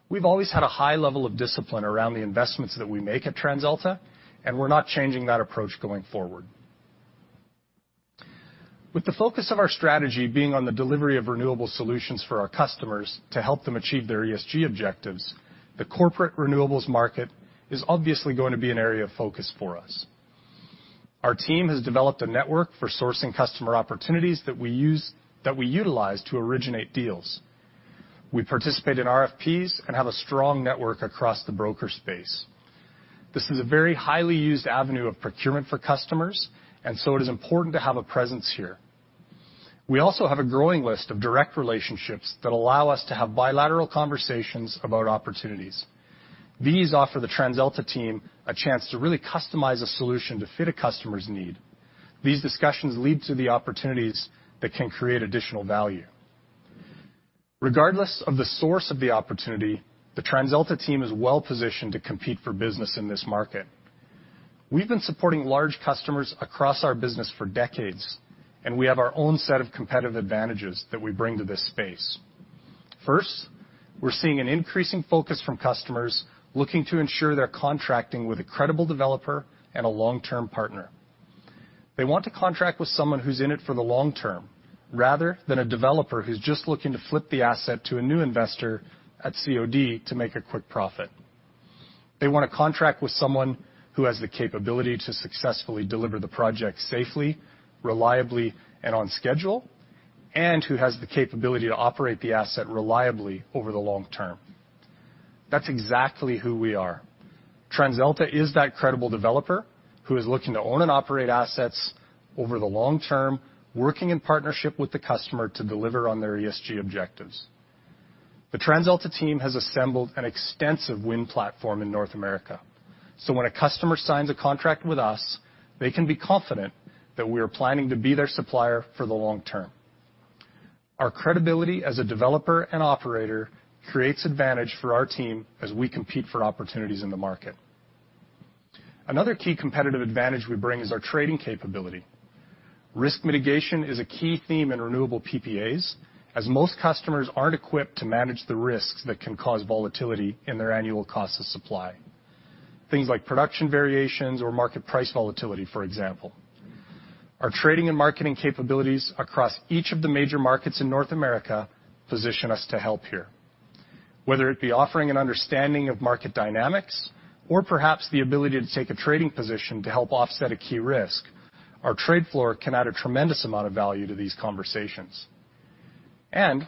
We've always had a high level of discipline around the investments that we make at TransAlta, and we're not changing that approach going forward. With the focus of our strategy being on the delivery of renewable solutions for our customers to help them achieve their ESG objectives, the corporate renewables market is obviously going to be an area of focus for us. Our team has developed a network for sourcing customer opportunities that we utilize to originate deals. We participate in RFPs and have a strong network across the broker space. This is a very highly used avenue of procurement for customers, and so it is important to have a presence here. We also have a growing list of direct relationships that allow us to have bilateral conversations about opportunities. These offer the TransAlta team a chance to really customize a solution to fit a customer's need. These discussions lead to the opportunities that can create additional value. Regardless of the source of the opportunity, the TransAlta team is well-positioned to compete for business in this market. We've been supporting large customers across our business for decades, and we have our own set of competitive advantages that we bring to this space. First, we're seeing an increasing focus from customers looking to ensure they're contracting with a credible developer and a long-term partner. They want to contract with someone who's in it for the long term, rather than a developer who's just looking to flip the asset to a new investor at COD to make a quick profit. They want to contract with someone who has the capability to successfully deliver the project safely, reliably, and on schedule, and who has the capability to operate the asset reliably over the long term. That's exactly who we are. TransAlta is that credible developer who is looking to own and operate assets over the long term, working in partnership with the customer to deliver on their ESG objectives. The TransAlta team has assembled an extensive wind platform in North America. When a customer signs a contract with us, they can be confident that we are planning to be their supplier for the long term. Our credibility as a developer and operator creates advantage for our team as we compete for opportunities in the market. Another key competitive advantage we bring is our trading capability. Risk mitigation is a key theme in renewable PPAs, as most customers aren't equipped to manage the risks that can cause volatility in their annual cost of supply. Things like production variations or market price volatility, for example. Our trading and marketing capabilities across each of the major markets in North America position us to help here. Whether it be offering an understanding of market dynamics, or perhaps the ability to take a trading position to help offset a key risk, our trade floor can add a tremendous amount of value to these conversations.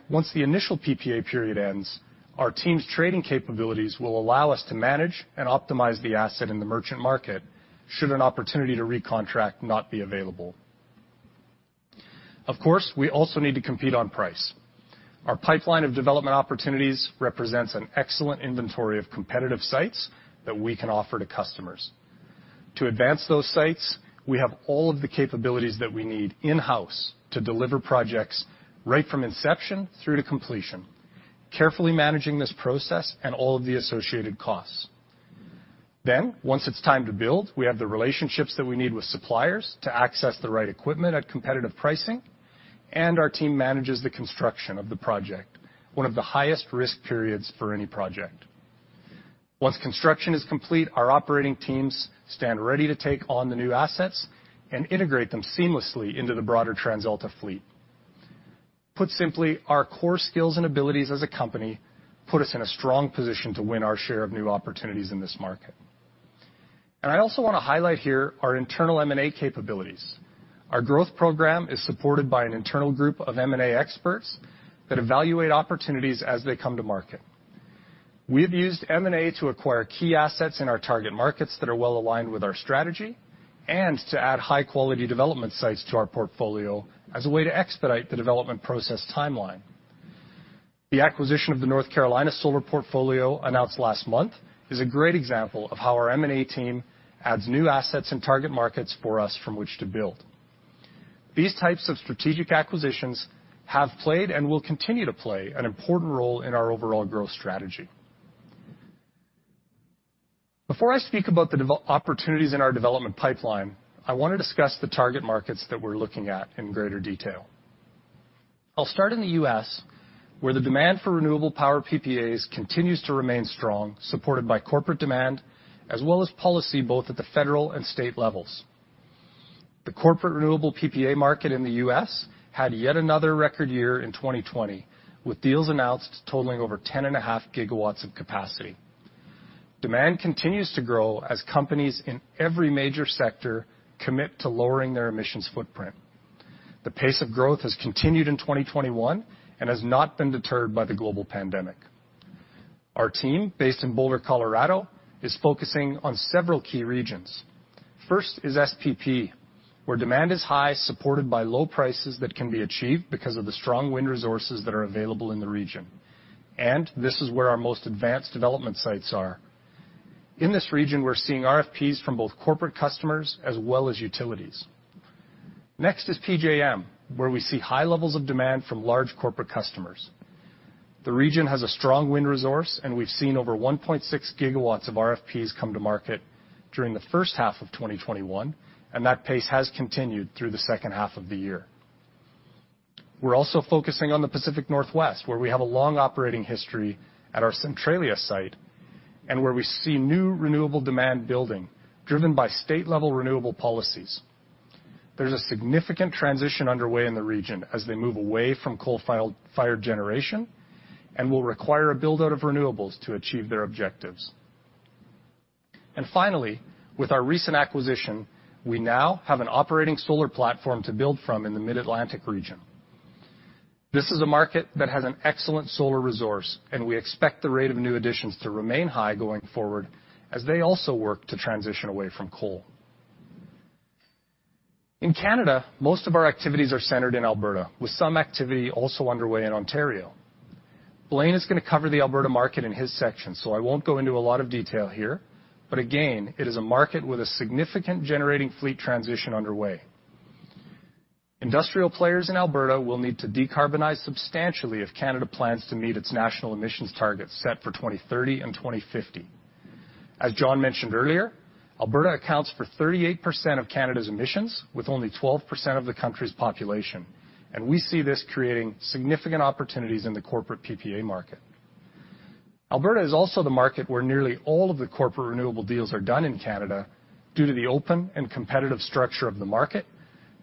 Once the initial PPA period ends, our team's trading capabilities will allow us to manage and optimize the asset in the merchant market should an opportunity to recontract not be available. Of course, we also need to compete on price. Our pipeline of development opportunities represents an excellent inventory of competitive sites that we can offer to customers. To advance those sites, we have all of the capabilities that we need in-house to deliver projects right from inception through to completion, carefully managing this process and all of the associated costs. Once it's time to build, we have the relationships that we need with suppliers to access the right equipment at competitive pricing, and our team manages the construction of the project, one of the highest risk periods for any project. Once construction is complete, our operating teams stand ready to take on the new assets and integrate them seamlessly into the broader TransAlta fleet. Put simply, our core skills and abilities as a company put us in a strong position to win our share of new opportunities in this market. I also want to highlight here our internal M&A capabilities. Our growth program is supported by an internal group of M&A experts that evaluate opportunities as they come to market. We have used M&A to acquire key assets in our target markets that are well aligned with our strategy and to add high-quality development sites to our portfolio as a way to expedite the development process timeline. The acquisition of the North Carolina solar portfolio announced last month is a great example of how our M&A team adds new assets and target markets for us from which to build. These types of strategic acquisitions have played and will continue to play an important role in our overall growth strategy. Before I speak about the opportunities in our development pipeline, I want to discuss the target markets that we're looking at in greater detail. I'll start in the U.S., where the demand for renewable power PPAs continues to remain strong, supported by corporate demand, as well as policy, both at the federal and state levels. The corporate renewable PPA market in the U.S. had yet another record year in 2020, with deals announced totaling over 10.5 GW of capacity. Demand continues to grow as companies in every major sector commit to lowering their emissions footprint. The pace of growth has continued in 2021 and has not been deterred by the global pandemic. Our team, based in Boulder, Colorado, is focusing on several key regions. First is SPP, where demand is high, supported by low prices that can be achieved because of the strong wind resources that are available in the region. This is where our most advanced development sites are. In this region, we're seeing RFPs from both corporate customers as well as utilities. Next is PJM, where we see high levels of demand from large corporate customers. The region has a strong wind resource, and we've seen over 1.6 GW of RFPs come to market during the first half of 2021, and that pace has continued through the second half of the year. We're also focusing on the Pacific Northwest, where we have a long operating history at our Centralia site and where we see new renewable demand building, driven by state-level renewable policies. There's a significant transition underway in the region as they move away from coal-fired generation and will require a build-out of renewables to achieve their objectives. Finally, with our recent acquisition, we now have an operating solar platform to build from in the Mid-Atlantic region. This is a market that has an excellent solar resource, and we expect the rate of new additions to remain high going forward as they also work to transition away from coal. In Canada, most of our activities are centered in Alberta, with some activity also underway in Ontario. Blain is going to cover the Alberta market in his section, so I won't go into a lot of detail here, but again, it is a market with a significant generating fleet transition underway. Industrial players in Alberta will need to decarbonize substantially if Canada plans to meet its national emissions targets set for 2030 and 2050. As John mentioned earlier, Alberta accounts for 38% of Canada's emissions, with only 12% of the country's population. We see this creating significant opportunities in the corporate PPA market. Alberta is also the market where nearly all of the corporate renewable deals are done in Canada due to the open and competitive structure of the market,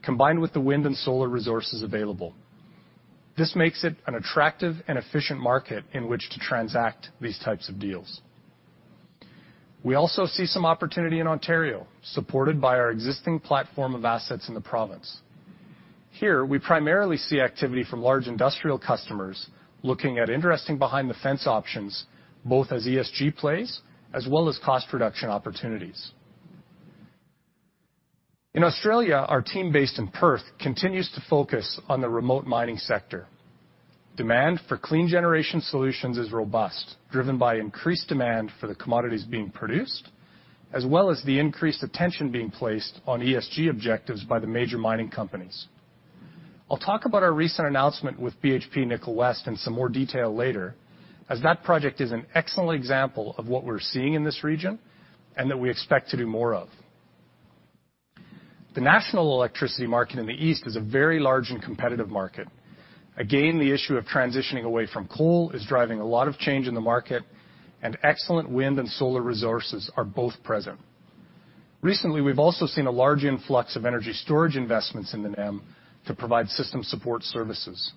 combined with the wind and solar resources available. This makes it an attractive and efficient market in which to transact these types of deals. We also see some opportunity in Ontario, supported by our existing platform of assets in the province. Here, we primarily see activity from large industrial customers looking at interesting behind-the-fence options, both as ESG plays as well as cost reduction opportunities. In Australia, our team based in Perth continues to focus on the remote mining sector. Demand for clean generation solutions is robust, driven by increased demand for the commodities being produced, as well as the increased attention being placed on ESG objectives by the major mining companies. I'll talk about our recent announcement with BHP Nickel West in some more detail later, as that project is an excellent example of what we're seeing in this region and that we expect to do more of. The National Electricity Market in the East is a very large and competitive market. Again, the issue of transitioning away from coal is driving a lot of change in the market, and excellent wind and solar resources are both present. Recently, we've also seen a large influx of energy storage investments in the NEM to provide system support services.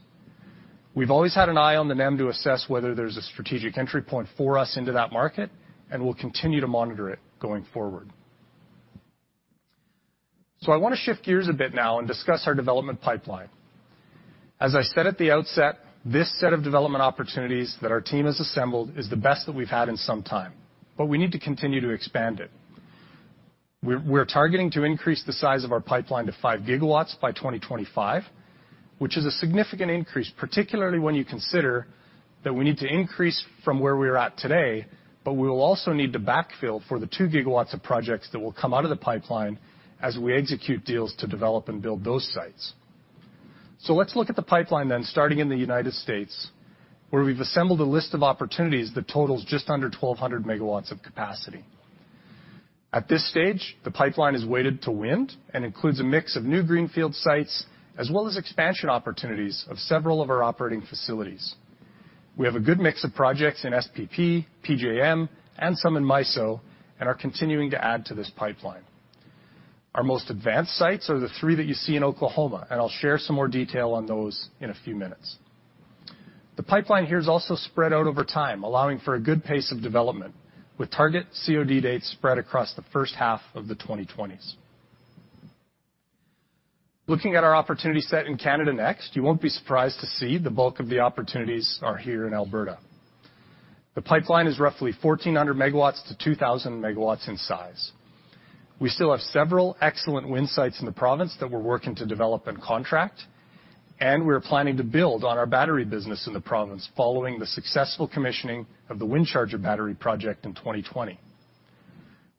We've always had an eye on the NEM to assess whether there's a strategic entry point for us into that market, and we'll continue to monitor it going forward. I want to shift gears a bit now and discuss our development pipeline. As I said at the outset, this set of development opportunities that our team has assembled is the best that we've had in some time, but we need to continue to expand it. We're targeting to increase the size of our pipeline to 5 GW by 2025, which is a significant increase, particularly when you consider that we need to increase from where we're at today. We will also need to backfill for the 2 GW of projects that will come out of the pipeline as we execute deals to develop and build those sites. Let's look at the pipeline starting in the United States, where we've assembled a list of opportunities that totals just under 1,200 megawatts of capacity. At this stage, the pipeline is weighted to wind and includes a mix of new greenfield sites as well as expansion opportunities of several of our operating facilities. We have a good mix of projects in SPP, PJM, and some in MISO and are continuing to add to this pipeline. Our most advanced sites are the three that you see in Oklahoma. I'll share some more detail on those in a few minutes. The pipeline here is also spread out over time, allowing for a good pace of development, with target COD dates spread across the first half of the 2020s. Looking at our opportunity set in Canada next, you won't be surprised to see the bulk of the opportunities are here in Alberta. The pipeline is roughly 1,400 MW-2,000 MW in size. We still have several excellent wind sites in the province that we're working to develop and contract. We're planning to build on our battery business in the province following the successful commissioning of the WindCharger battery project in 2020.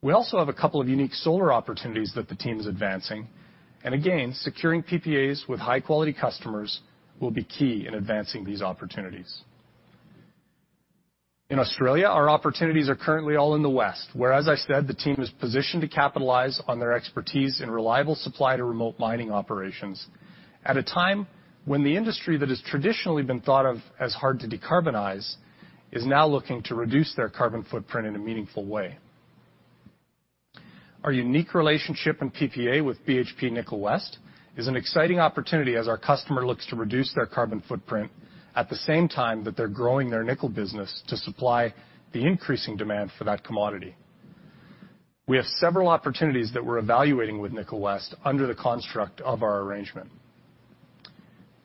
We also have a couple of unique solar opportunities that the team is advancing, and again, securing PPAs with high-quality customers will be key in advancing these opportunities. In Australia, our opportunities are currently all in the West, where, as I said, the team is positioned to capitalize on their expertise in reliable supply to remote mining operations at a time when the industry that has traditionally been thought of as hard to decarbonize is now looking to reduce their carbon footprint in a meaningful way. Our unique relationship and PPA with BHP Nickel West is an exciting opportunity as our customer looks to reduce their carbon footprint at the same time that they're growing their nickel business to supply the increasing demand for that commodity. We have several opportunities that we're evaluating with Nickel West under the construct of our arrangement.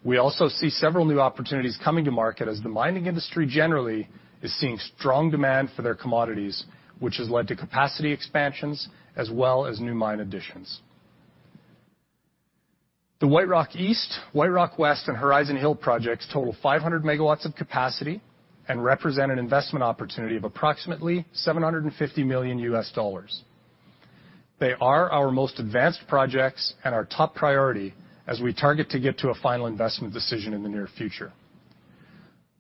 We also see several new opportunities coming to market as the mining industry generally is seeing strong demand for their commodities, which has led to capacity expansions as well as new mine additions. The White Rock East, White Rock West, and Horizon Hill projects total 500 MW of capacity and represent an investment opportunity of approximately $750 million. They are our most advanced projects and our top priority as we target to get to a final investment decision in the near future.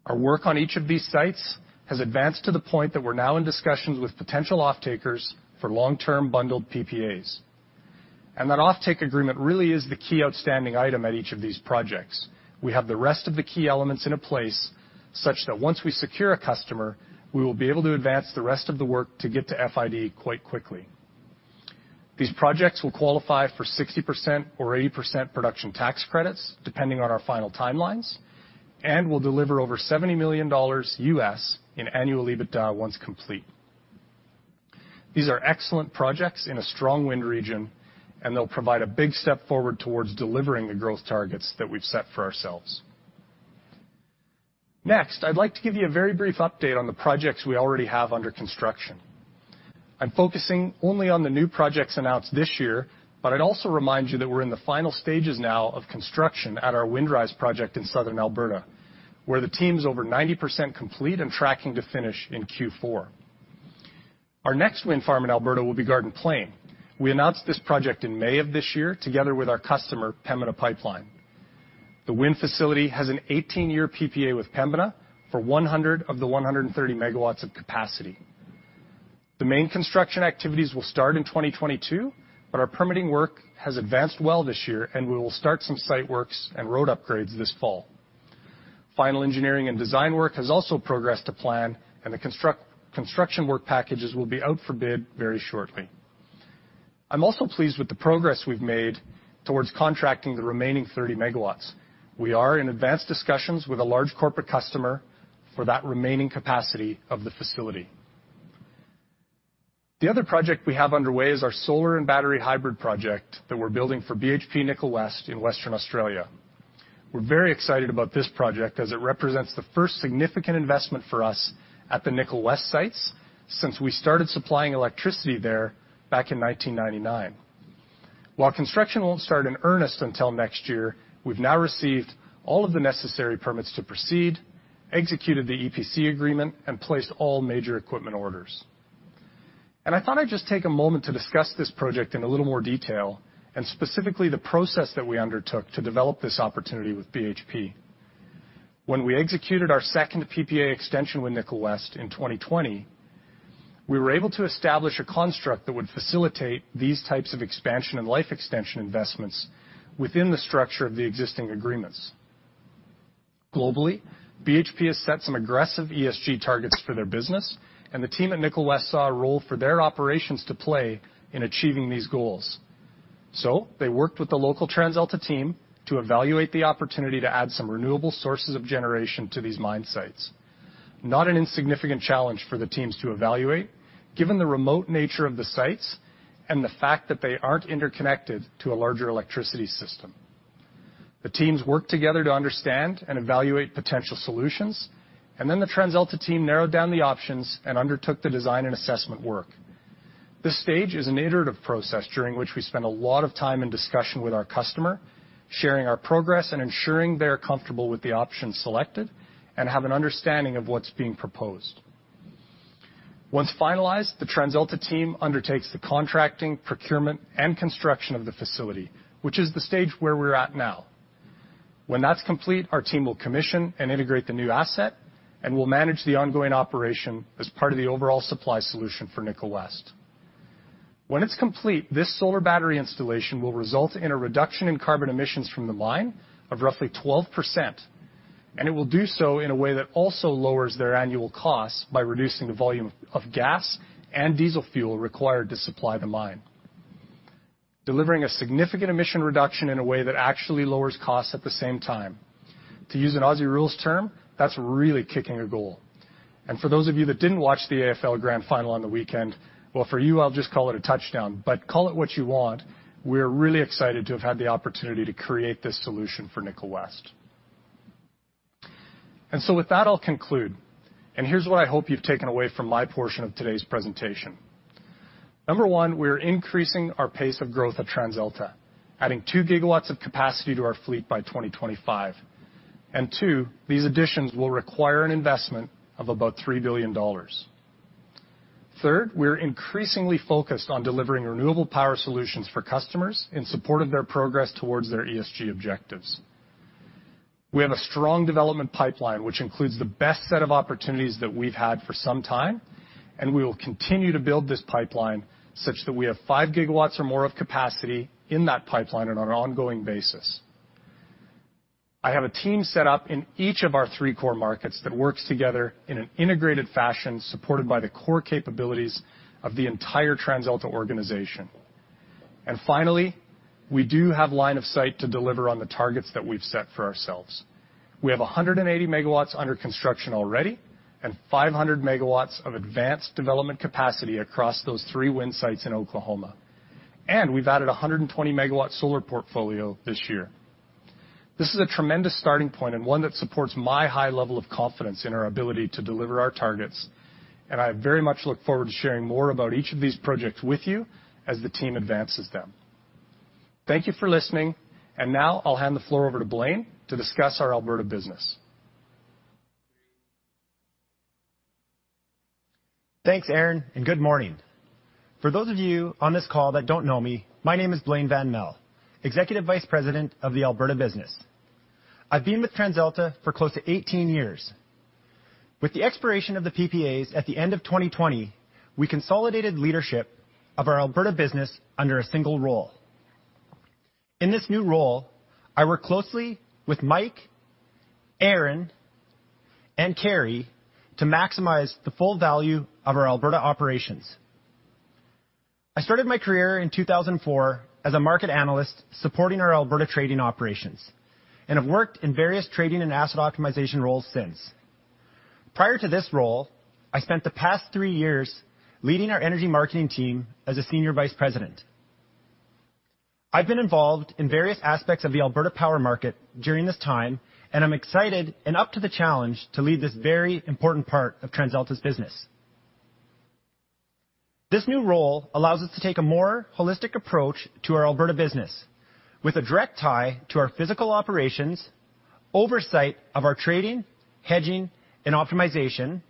Our work on each of these sites has advanced to the point that we're now in discussions with potential off-takers for long-term bundled PPAs. That off-take agreement really is the key outstanding item at each of these projects. We have the rest of the key elements in a place such that once we secure a customer, we will be able to advance the rest of the work to get to FID quite quickly. These projects will qualify for 60% or 80% production tax credits, depending on our final timelines, and will deliver over $70 million in annual EBITDA once complete. These are excellent projects in a strong wind region, and they'll provide a big step forward towards delivering the growth targets that we've set for ourselves. Next, I'd like to give you a very brief update on the projects we already have under construction. I'm focusing only on the new projects announced this year, but I'd also remind you that we're in the final stages now of construction at our Windrise project in Southern Alberta, where the team is over 90% complete and tracking to finish in Q4. Our next wind farm in Alberta will be Garden Plain. We announced this project in May of this year together with our customer, Pembina Pipeline. The wind facility has an 18-year PPA with Pembina for 100 MW of the 130 MW of capacity. The main construction activities will start in 2022, but our permitting work has advanced well this year, and we will start some site works and road upgrades this fall. Final engineering and design work has also progressed to plan, and the construction work packages will be out for bid very shortly. I'm also pleased with the progress we've made towards contracting the remaining 30 megawatts. We are in advanced discussions with a large corporate customer for that remaining capacity of the facility. The other project we have underway is our solar and battery hybrid project that we're building for BHP Nickel West in Western Australia. We're very excited about this project as it represents the first significant investment for us at the Nickel West sites since we started supplying electricity there back in 1999. While construction won't start in earnest until next year, we've now received all of the necessary permits to proceed, executed the EPC agreement, and placed all major equipment orders. I thought I'd just take a moment to discuss this project in a little more detail, and specifically the process that we undertook to develop this opportunity with BHP. When we executed our second PPA extension with Nickel West in 2020, we were able to establish a construct that would facilitate these types of expansion and life extension investments within the structure of the existing agreements. Globally, BHP has set some aggressive ESG targets for their business, and the team at Nickel West saw a role for their operations to play in achieving these goals. They worked with the local TransAlta team to evaluate the opportunity to add some renewable sources of generation to these mine sites. Not an insignificant challenge for the teams to evaluate, given the remote nature of the sites and the fact that they aren't interconnected to a larger electricity system. The teams worked together to understand and evaluate potential solutions, and then the TransAlta team narrowed down the options and undertook the design and assessment work. This stage is an iterative process, during which we spend a lot of time in discussion with our customer, sharing our progress, and ensuring they are comfortable with the options selected and have an understanding of what's being proposed. Once finalized, the TransAlta team undertakes the contracting, procurement, and construction of the facility, which is the stage where we're at now. When that's complete, our team will commission and integrate the new asset, and we'll manage the ongoing operation as part of the overall supply solution for Nickel West. When it's complete, this solar battery installation will result in a reduction in carbon emissions from the mine of roughly 12%, and it will do so in a way that also lowers their annual costs by reducing the volume of gas and diesel fuel required to supply the mine. Delivering a significant emission reduction in a way that actually lowers costs at the same time. To use an Aussie rules term, that's really kicking a goal. For those of you that didn't watch the AFL Grand Final on the weekend, well, for you, I'll just call it a touchdown, but call it what you want. We're really excited to have had the opportunity to create this solution for BHP Nickel West. With that, I'll conclude, and here's what I hope you've taken away from my portion of today's presentation. Number one, we are increasing our pace of growth at TransAlta, adding 2 GW of capacity to our fleet by 2025. Two, these additions will require an investment of about 3 billion dollars. Third, we're increasingly focused on delivering renewable power solutions for customers in support of their progress towards their ESG objectives. We have a strong development pipeline, which includes the best set of opportunities that we've had for some time, we will continue to build this pipeline such that we have 5 GW or more of capacity in that pipeline on an ongoing basis. I have a team set up in each of our three core markets that works together in an integrated fashion, supported by the core capabilities of the entire TransAlta organization. Finally, we do have line of sight to deliver on the targets that we've set for ourselves. We have 180 MW under construction already and 500 MW of advanced development capacity across those three wind sites in Oklahoma. We've added 120 MW solar portfolio this year. This is a tremendous starting point and one that supports my high level of confidence in our ability to deliver our targets, and I very much look forward to sharing more about each of these projects with you as the team advances them. Thank you for listening. Now I'll hand the floor over to Blain to discuss our Alberta Business. Thanks, Aron, good morning. For those of you on this call that don't know me, my name is Blain van Melle, Executive Vice President of the Alberta business. I've been with TransAlta for close to 18 years. With the expiration of the PPAs at the end of 2020, we consolidated leadership of our Alberta business under a single role. In this new role, I work closely with Mike, Aron, and Kerry to maximize the full value of our Alberta operations. I started my career in 2004 as a market analyst supporting our Alberta trading operations, and have worked in various trading and asset optimization roles since. Prior to this role, I spent the past three years leading our Energy Marketing team as a Senior Vice President. I've been involved in various aspects of the Alberta power market during this time, and I'm excited and up to the challenge to lead this very important part of TransAlta's business. This new role allows us to take a more holistic approach to our Alberta business with a direct tie to our physical operations, oversight of our trading, hedging, and optimization,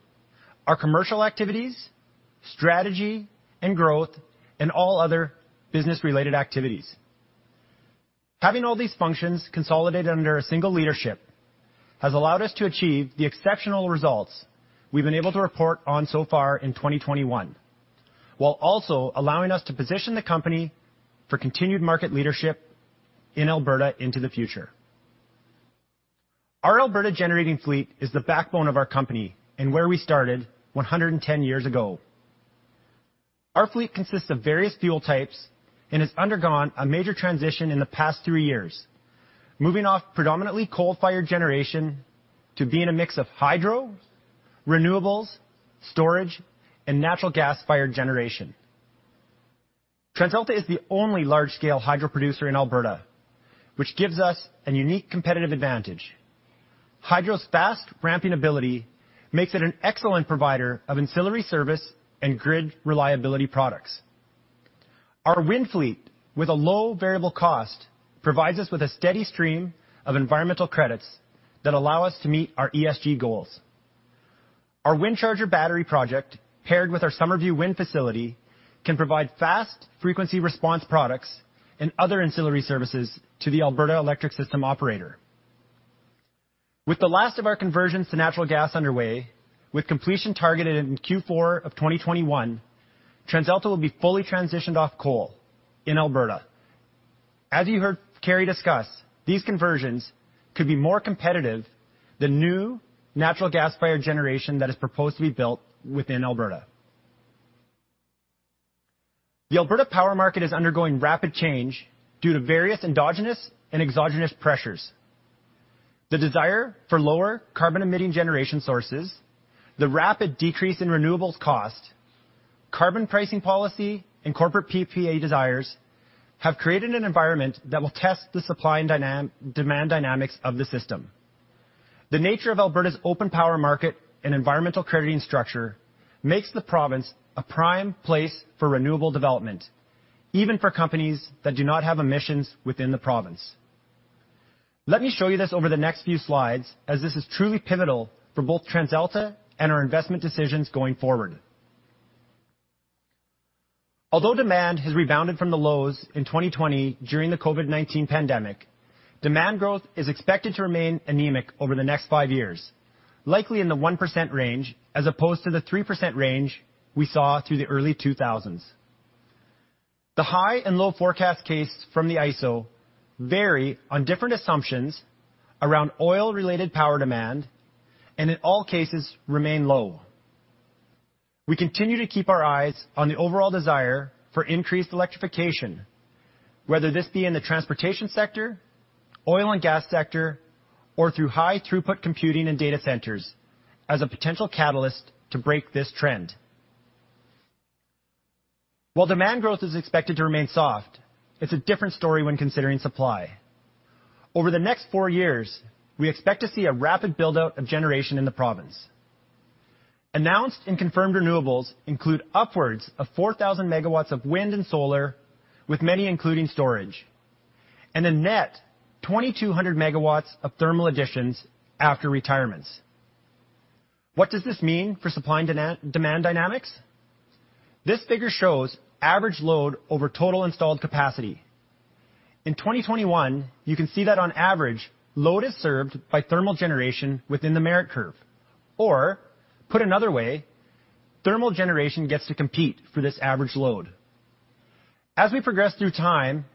our commercial activities, strategy and growth, and all other business-related activities. Having all these functions consolidated under a single leadership has allowed us to achieve the exceptional results we've been able to report on so far in 2021, while also allowing us to position the company for continued market leadership in Alberta into the future. Our Alberta generating fleet is the backbone of our company and where we started 110 years ago. Our fleet consists of various fuel types and has undergone a major transition in the past three years. Moving off predominantly coal-fired generation to being a mix of hydro, renewables, storage, and natural gas-fired generation. TransAlta is the only large-scale hydro producer in Alberta, which gives us a unique competitive advantage. Hydro's fast ramping ability makes it an excellent provider of ancillary service and grid reliability products. Our wind fleet, with a low variable cost, provides us with a steady stream of environmental credits that allow us to meet our ESG goals. Our WindCharger battery project, paired with our Summerview wind facility, can provide fast frequency response products and other ancillary services to the Alberta Electric System Operator. With the last of our conversions to natural gas underway, with completion targeted in Q4 of 2021, TransAlta will be fully transitioned off coal in Alberta. As you heard Kerry discuss, these conversions could be more competitive than new natural gas-fired generation that is proposed to be built within Alberta. The Alberta power market is undergoing rapid change due to various endogenous and exogenous pressures. The desire for lower carbon-emitting generation sources, the rapid decrease in renewables cost, carbon pricing policy, and corporate PPA desires have created an environment that will test the supply and demand dynamics of the system. The nature of Alberta's open power market and environmental crediting structure makes the province a prime place for renewable development, even for companies that do not have emissions within the province. Let me show you this over the next few slides, as this is truly pivotal for both TransAlta and our investment decisions going forward. Although demand has rebounded from the lows in 2020 during the COVID-19 pandemic, demand growth is expected to remain anemic over the next five years, likely in the 1% range as opposed to the 3% range we saw through the early 2000s. The high and low forecast case from the AESO vary on different assumptions around oil-related power demand, and in all cases, remain low. We continue to keep our eyes on the overall desire for increased electrification, whether this be in the transportation sector, oil and gas sector, or through high throughput computing and data centers as a potential catalyst to break this trend. While demand growth is expected to remain soft, it's a different story when considering supply. Over the next four years, we expect to see a rapid build-out of generation in the province. Announced and confirmed renewables include upwards of 4,000 MW of wind and solar, with many including storage, and a net 2,200 MW of thermal additions after retirements. What does this mean for supply and demand dynamics? This figure shows average load over total installed capacity. In 2021, you can see that on average, load is served by thermal generation within the merit curve, or put another way, thermal generation gets to compete for this average load. As we progress through time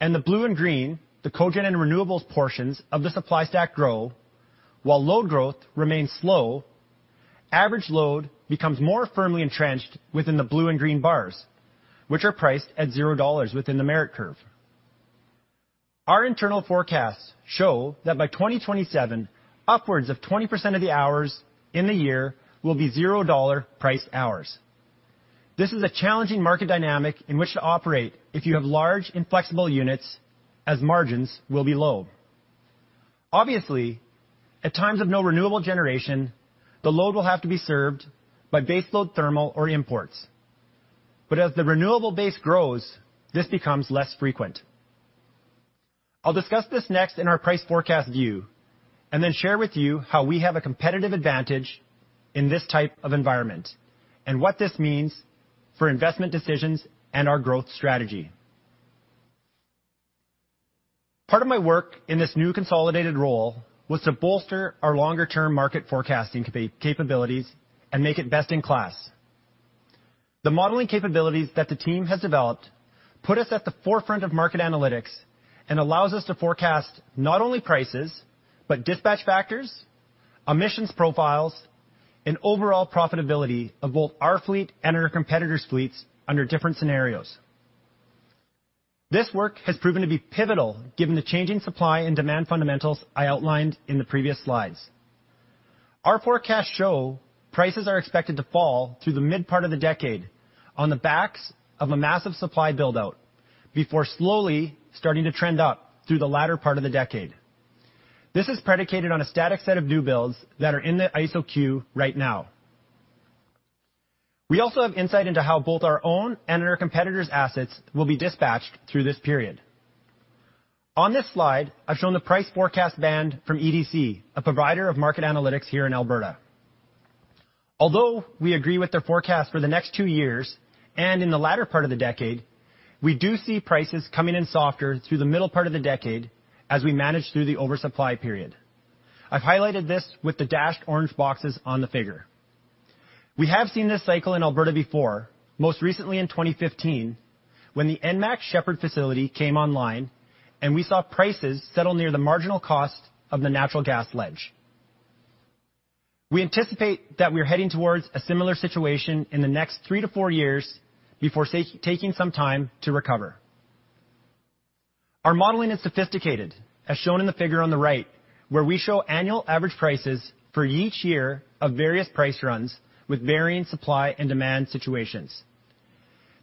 and the blue and green, the cogen and renewables portions of the supply stack grow, while load growth remains slow, average load becomes more firmly entrenched within the blue and green bars, which are priced at 0 dollars within the merit curve. Our internal forecasts show that by 2027, upwards of 20% of the hours in the year will be 0 dollar price hours. This is a challenging market dynamic in which to operate if you have large inflexible units as margins will be low. Obviously, at times of no renewable generation, the load will have to be served by base load thermal or imports. As the renewable base grows, this becomes less frequent. I'll discuss this next in our price forecast view and then share with you how we have a competitive advantage in this type of environment and what this means for investment decisions and our growth strategy. Part of my work in this new consolidated role was to bolster our longer-term market forecasting capabilities and make it best in class. The modeling capabilities that the team has developed put us at the forefront of market analytics and allows us to forecast not only prices, but dispatch factors, emissions profiles, and overall profitability of both our fleet and our competitors' fleets under different scenarios. This work has proven to be pivotal given the changing supply and demand fundamentals I outlined in the previous slides. Our forecasts show prices are expected to fall through the mid part of the decade on the backs of a massive supply build-out before slowly starting to trend up through the latter part of the decade. This is predicated on a static set of new builds that are in the AESO queue right now. We also have insight into how both our own and our competitors' assets will be dispatched through this period. On this slide, I've shown the price forecast band from EDC, a provider of market analytics here in Alberta. Although we agree with their forecast for the next two years and in the latter part of the decade, we do see prices coming in softer through the middle part of the decade as we manage through the oversupply period. I've highlighted this with the dashed orange boxes on the figure. We have seen this cycle in Alberta before, most recently in 2015, when the ENMAX Shepard facility came online, and we saw prices settle near the marginal cost of the natural gas ledge. We anticipate that we're heading towards a similar situation in the next three to four years before taking some time to recover. Our modeling is sophisticated, as shown in the figure on the right, where we show annual average prices for each year of various price runs with varying supply and demand situations.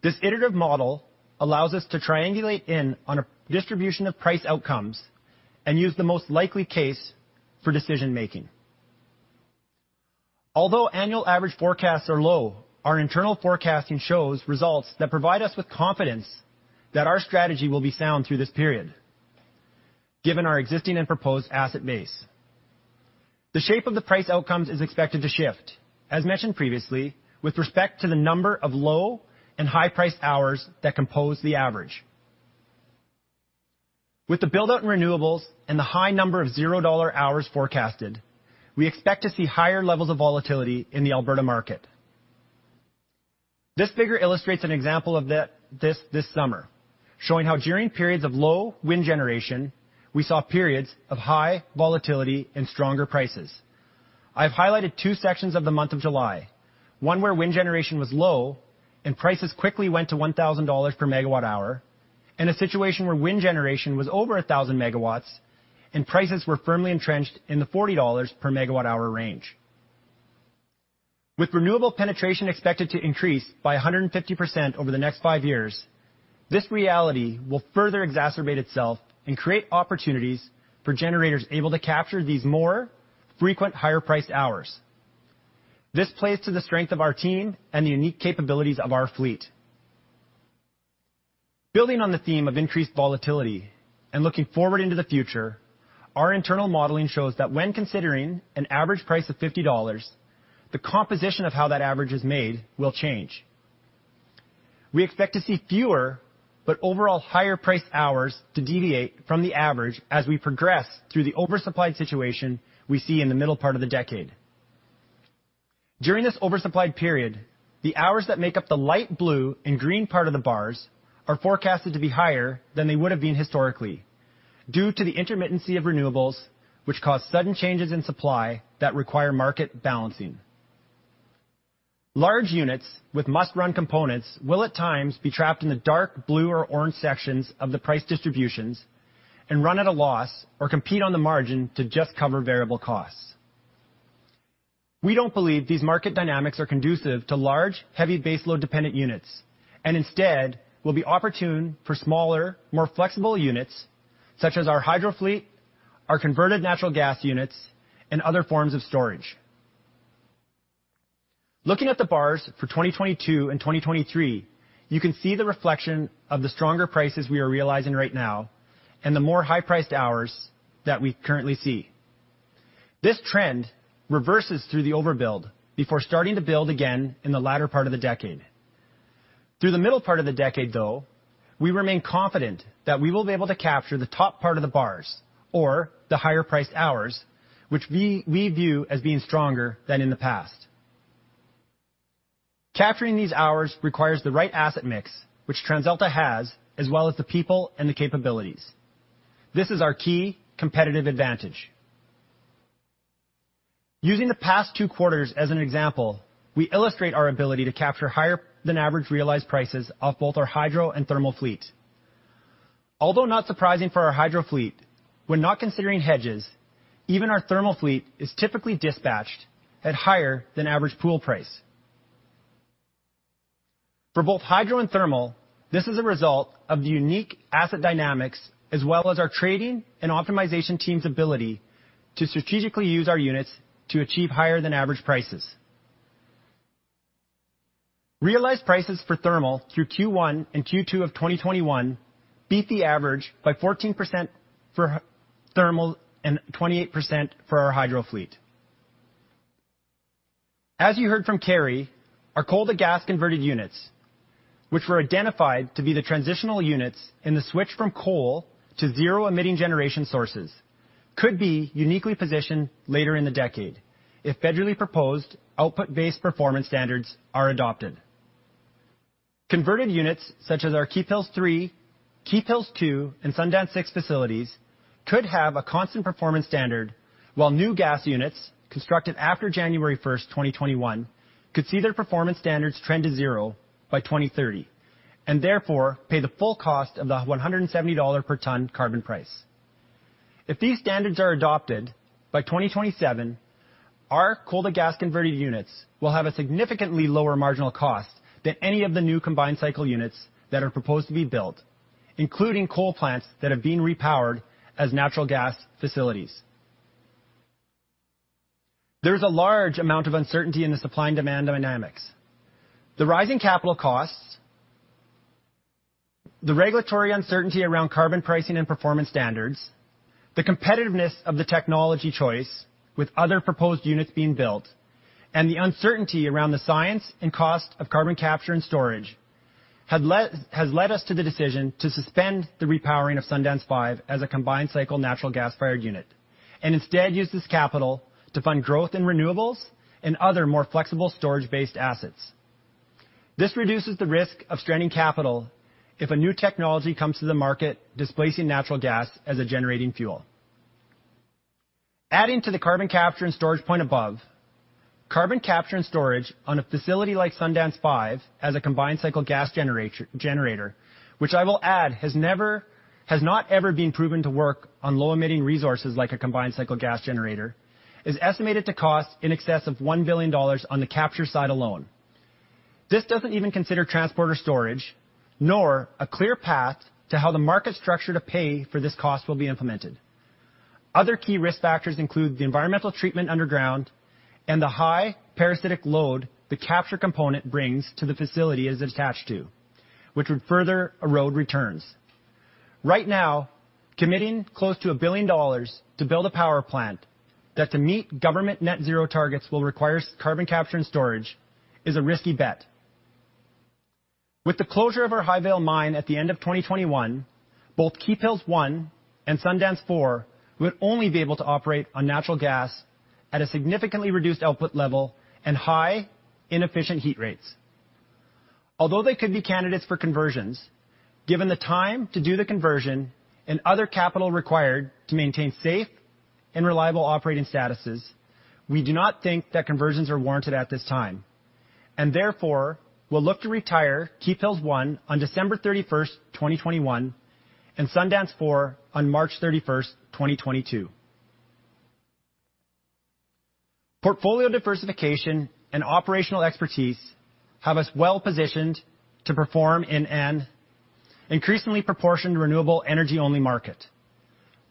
This iterative model allows us to triangulate in on a distribution of price outcomes and use the most likely case for decision-making. Although annual average forecasts are low, our internal forecasting shows results that provide us with confidence that our strategy will be sound through this period, given our existing and proposed asset base. The shape of the price outcomes is expected to shift, as mentioned previously, with respect to the number of low and high-priced hours that compose the average. With the build-out in renewables and the high number of 0 hours forecasted, we expect to see higher levels of volatility in the Alberta market. This figure illustrates an example of this summer, showing how during periods of low wind generation, we saw periods of high volatility and stronger prices. I've highlighted two sections of the month of July, one where wind generation was low and prices quickly went to 1,000 dollars per megawatt hour, and a situation where wind generation was over 1,000 MW and prices were firmly entrenched in the 40 dollars per megawatt hour range. With renewable penetration expected to increase by 150% over the next five years, this reality will further exacerbate itself and create opportunities for generators able to capture these more frequent higher-priced hours. This plays to the strength of our team and the unique capabilities of our fleet. Building on the theme of increased volatility and looking forward into the future, our internal modeling shows that when considering an average price of 50 dollars, the composition of how that average is made will change. We expect to see fewer but overall higher-priced hours to deviate from the average as we progress through the oversupplied situation we see in the middle part of the decade. During this oversupplied period, the hours that make up the light blue and green part of the bars are forecasted to be higher than they would have been historically due to the intermittency of renewables, which cause sudden changes in supply that require market balancing. Large units with must-run components will at times be trapped in the dark blue or orange sections of the price distributions and run at a loss or compete on the margin to just cover variable costs. We don't believe these market dynamics are conducive to large, heavy baseload-dependent units, and instead will be opportune for smaller, more flexible units, such as our hydro fleet, our converted natural gas units, and other forms of storage. Looking at the bars for 2022 and 2023, you can see the reflection of the stronger prices we are realizing right now and the more high-priced hours that we currently see. This trend reverses through the overbuild before starting to build again in the latter part of the decade. Through the middle part of the decade, though, we remain confident that we will be able to capture the top part of the bars or the higher-priced hours, which we view as being stronger than in the past. Capturing these hours requires the right asset mix, which TransAlta has, as well as the people and the capabilities. This is our key competitive advantage. Using the past two quarters as an example, we illustrate our ability to capture higher-than-average realized prices off both our hydro and thermal fleet. Although not surprising for our hydro fleet, when not considering hedges, even our thermal fleet is typically dispatched at higher than average pool price. For both hydro and thermal, this is a result of the unique asset dynamics as well as our trading and optimization team's ability to strategically use our units to achieve higher than average prices. Realized prices for thermal through Q1 and Q2 of 2021 beat the average by 14% for thermal and 28% for our hydro fleet. As you heard from Kerry, our coal-to-gas converted units, which were identified to be the transitional units in the switch from coal to zero-emitting generation sources, could be uniquely positioned later in the decade if federally proposed output-based performance standards are adopted. Converted units such as our Keephills 3, Keephills 2, and Sundance 6 facilities could have a constant performance standard while new gas units constructed after January 1st, 2021, could see their performance standards trend to zero by 2030, and therefore pay the full cost of the 170 dollar per tonne carbon price. If these standards are adopted by 2027, our coal-to-gas converted units will have a significantly lower marginal cost than any of the new combined cycle units that are proposed to be built, including coal plants that have been repowered as natural gas facilities. There is a large amount of uncertainty in the supply and demand dynamics. The rising capital costs, the regulatory uncertainty around carbon pricing and performance standards, the competitiveness of the technology choice with other proposed units being built, and the uncertainty around the science and cost of carbon capture and storage has led us to the decision to suspend the repowering of Sundance 5 as a combined-cycle natural gas-fired unit, and instead use this capital to fund growth in renewables and other more flexible storage-based assets. This reduces the risk of stranding capital if a new technology comes to the market displacing natural gas as a generating fuel. Adding to the carbon capture and storage point above, carbon capture and storage on a facility like Sundance 5 has a combined cycle gas generator, which I will add has not ever been proven to work on low-emitting resources like a combined cycle gas generator, is estimated to cost in excess of 1 billion dollars on the capture side alone. This doesn't even consider transport or storage, nor a clear path to how the market structure to pay for this cost will be implemented. Other key risk factors include the environmental treatment underground and the high parasitic load the capture component brings to the facility it is attached to, which would further erode returns. Right now, committing close to 1 billion dollars to build a power plant that to meet government net zero targets will require carbon capture and storage is a risky bet. With the closure of our Highvale Mine at the end of 2021, both Keephills 1 and Sundance 4 would only be able to operate on natural gas at a significantly reduced output level and high inefficient heat rates. Although they could be candidates for conversions, given the time to do the conversion and other capital required to maintain safe and reliable operating statuses, we do not think that conversions are warranted at this time. Therefore, we'll look to retire Keephills 1 on December 31st, 2021 and Sundance 4 on March 31st, 2022. Portfolio diversification and operational expertise have us well positioned to perform in an increasingly proportioned renewable energy-only market.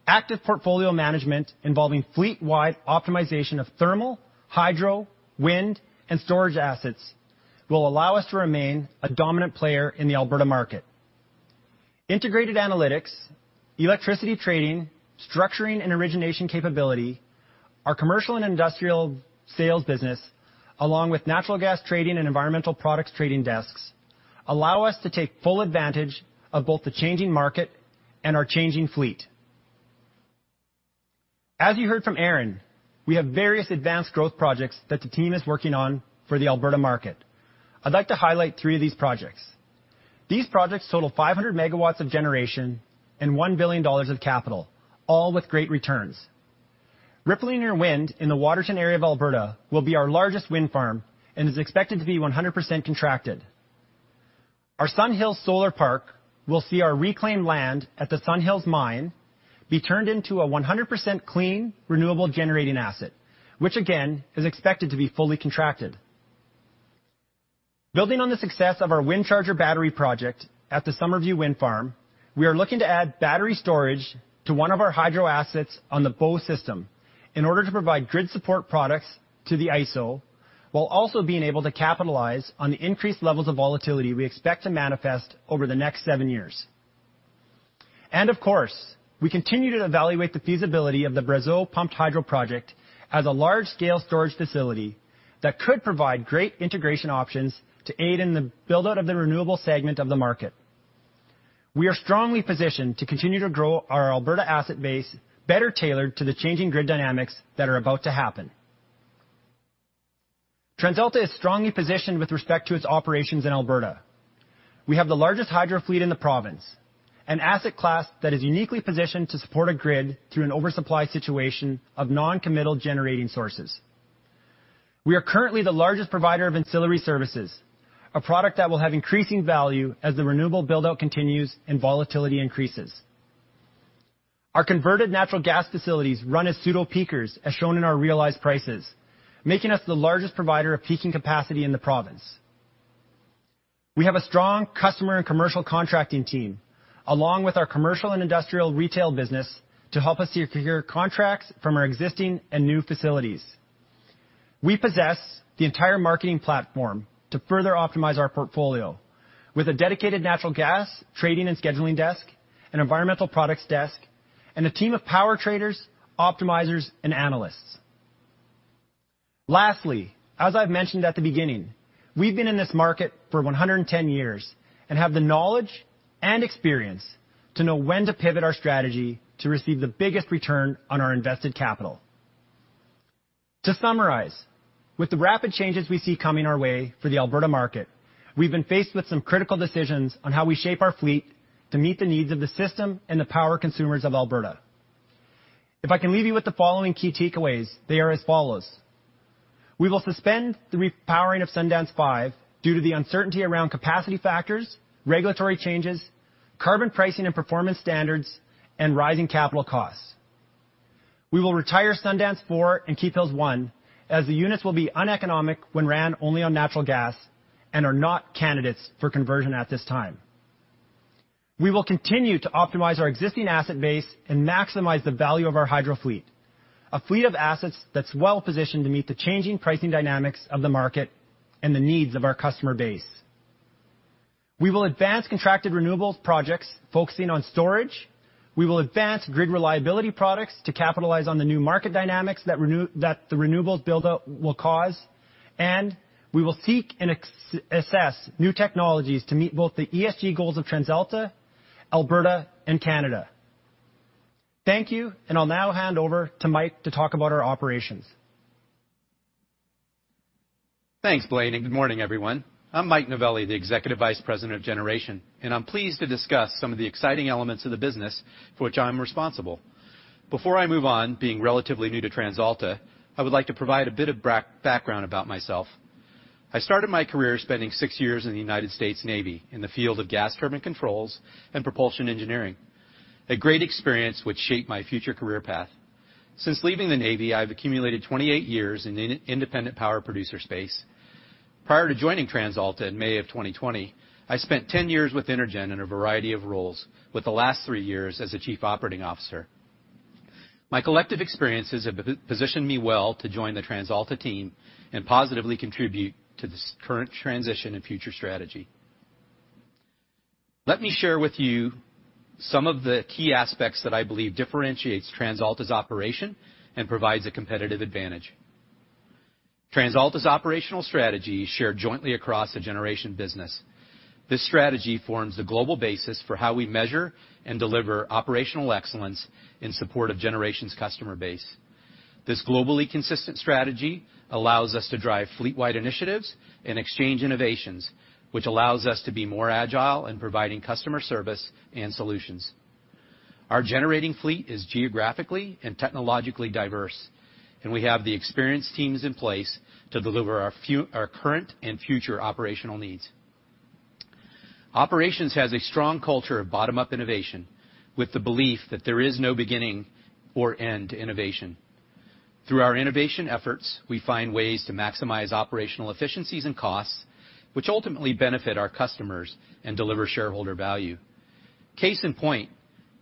Active portfolio management involving fleet-wide optimization of thermal, hydro, wind, and storage assets will allow us to remain a dominant player in the Alberta market. Integrated analytics, electricity trading, structuring and origination capability, our commercial and industrial sales business, along with natural gas trading and environmental products trading desks, allow us to take full advantage of both the changing market and our changing fleet. As you heard from Aron, we have various advanced growth projects that the team is working on for the Alberta market. I'd like to highlight three of these projects. These projects total 500 MW of generation and 1 billion dollars of capital, all with great returns. Riplinger Wind in the Waterton area of Alberta will be our largest wind farm and is expected to be 100% contracted. Our SunHills Solar Project will see our reclaimed land at the SunHills Mine be turned into a 100% clean, renewable generating asset, which again is expected to be fully contracted. Building on the success of our WindCharger battery project at the Summerview Wind Farm, we are looking to add battery storage to one of our hydro assets on the Bow system in order to provide grid support products to the AESO while also being able to capitalize on the increased levels of volatility we expect to manifest over the next seven years. Of course, we continue to evaluate the feasibility of the Brazeau Pumped Hydro Project as a large-scale storage facility that could provide great integration options to aid in the build-out of the renewable segment of the market. We are strongly positioned to continue to grow our Alberta asset base better tailored to the changing grid dynamics that are about to happen. TransAlta is strongly positioned with respect to its operations in Alberta. We have the largest hydro fleet in the province, an asset class that is uniquely positioned to support a grid through an oversupply situation of non-committal generating sources. We are currently the largest provider of ancillary services, a product that will have increasing value as the renewable build-out continues and volatility increases. Our converted natural gas facilities run as pseudo-peakers, as shown in our realized prices, making us the largest provider of peaking capacity in the province. We have a strong customer and commercial contracting team, along with our commercial and industrial retail business to help us secure contracts from our existing and new facilities. We possess the entire marketing platform to further optimize our portfolio with a dedicated natural gas trading and scheduling desk, an environmental products desk, and a team of power traders, optimizers, and analysts. As I've mentioned at the beginning, we've been in this market for 110 years and have the knowledge and experience to know when to pivot our strategy to receive the biggest return on our invested capital. With the rapid changes we see coming our way for the Alberta market, we've been faced with some critical decisions on how we shape our fleet to meet the needs of the system and the power consumers of Alberta. If I can leave you with the following key takeaways, they are as follows. We will suspend the repowering of Sundance 5 due to the uncertainty around capacity factors, regulatory changes, carbon pricing and performance standards, and rising capital costs. We will retire Sundance 4 and Keephills 1, as the units will be uneconomic when ran only on natural gas and are not candidates for conversion at this time. We will continue to optimize our existing asset base and maximize the value of our hydro fleet, a fleet of assets that is well-positioned to meet the changing pricing dynamics of the market and the needs of our customer base. We will advance contracted renewables projects focusing on storage. We will advance grid reliability products to capitalize on the new market dynamics that the renewables build-up will cause, and we will seek and assess new technologies to meet both the ESG goals of TransAlta, Alberta, and Canada. Thank you. I'll now hand over to Mike to talk about our operations. Thanks, Blain. Good morning, everyone. I'm Mike Novelli, the Executive Vice President of Generation. I'm pleased to discuss some of the exciting elements of the business for which I'm responsible. Before I move on, being relatively new to TransAlta, I would like to provide a bit of background about myself. I started my career spending six years in the United States Navy in the field of gas turbine controls and propulsion engineering. A great experience which shaped my future career path. Since leaving the Navy, I've accumulated 28 years in independent power producer space. Prior to joining TransAlta in May of 2020, I spent 10 years with InterGen in a variety of roles, with the last three years as the Chief Operating Officer. My collective experiences have positioned me well to join the TransAlta team and positively contribute to this current transition and future strategy. Let me share with you some of the key aspects that I believe differentiates TransAlta's operation and provides a competitive advantage. TransAlta's operational strategy shared jointly across the Generation business. This strategy forms the global basis for how we measure and deliver operational excellence in support of Generation's customer base. This globally consistent strategy allows us to drive fleet-wide initiatives and exchange innovations, which allows us to be more agile in providing customer service and solutions. Our generating fleet is geographically and technologically diverse, and we have the experienced teams in place to deliver our current and future operational needs. Operations has a strong culture of bottom-up innovation with the belief that there is no beginning or end to innovation. Through our innovation efforts, we find ways to maximize operational efficiencies and costs, which ultimately benefit our customers and deliver shareholder value. Case in point,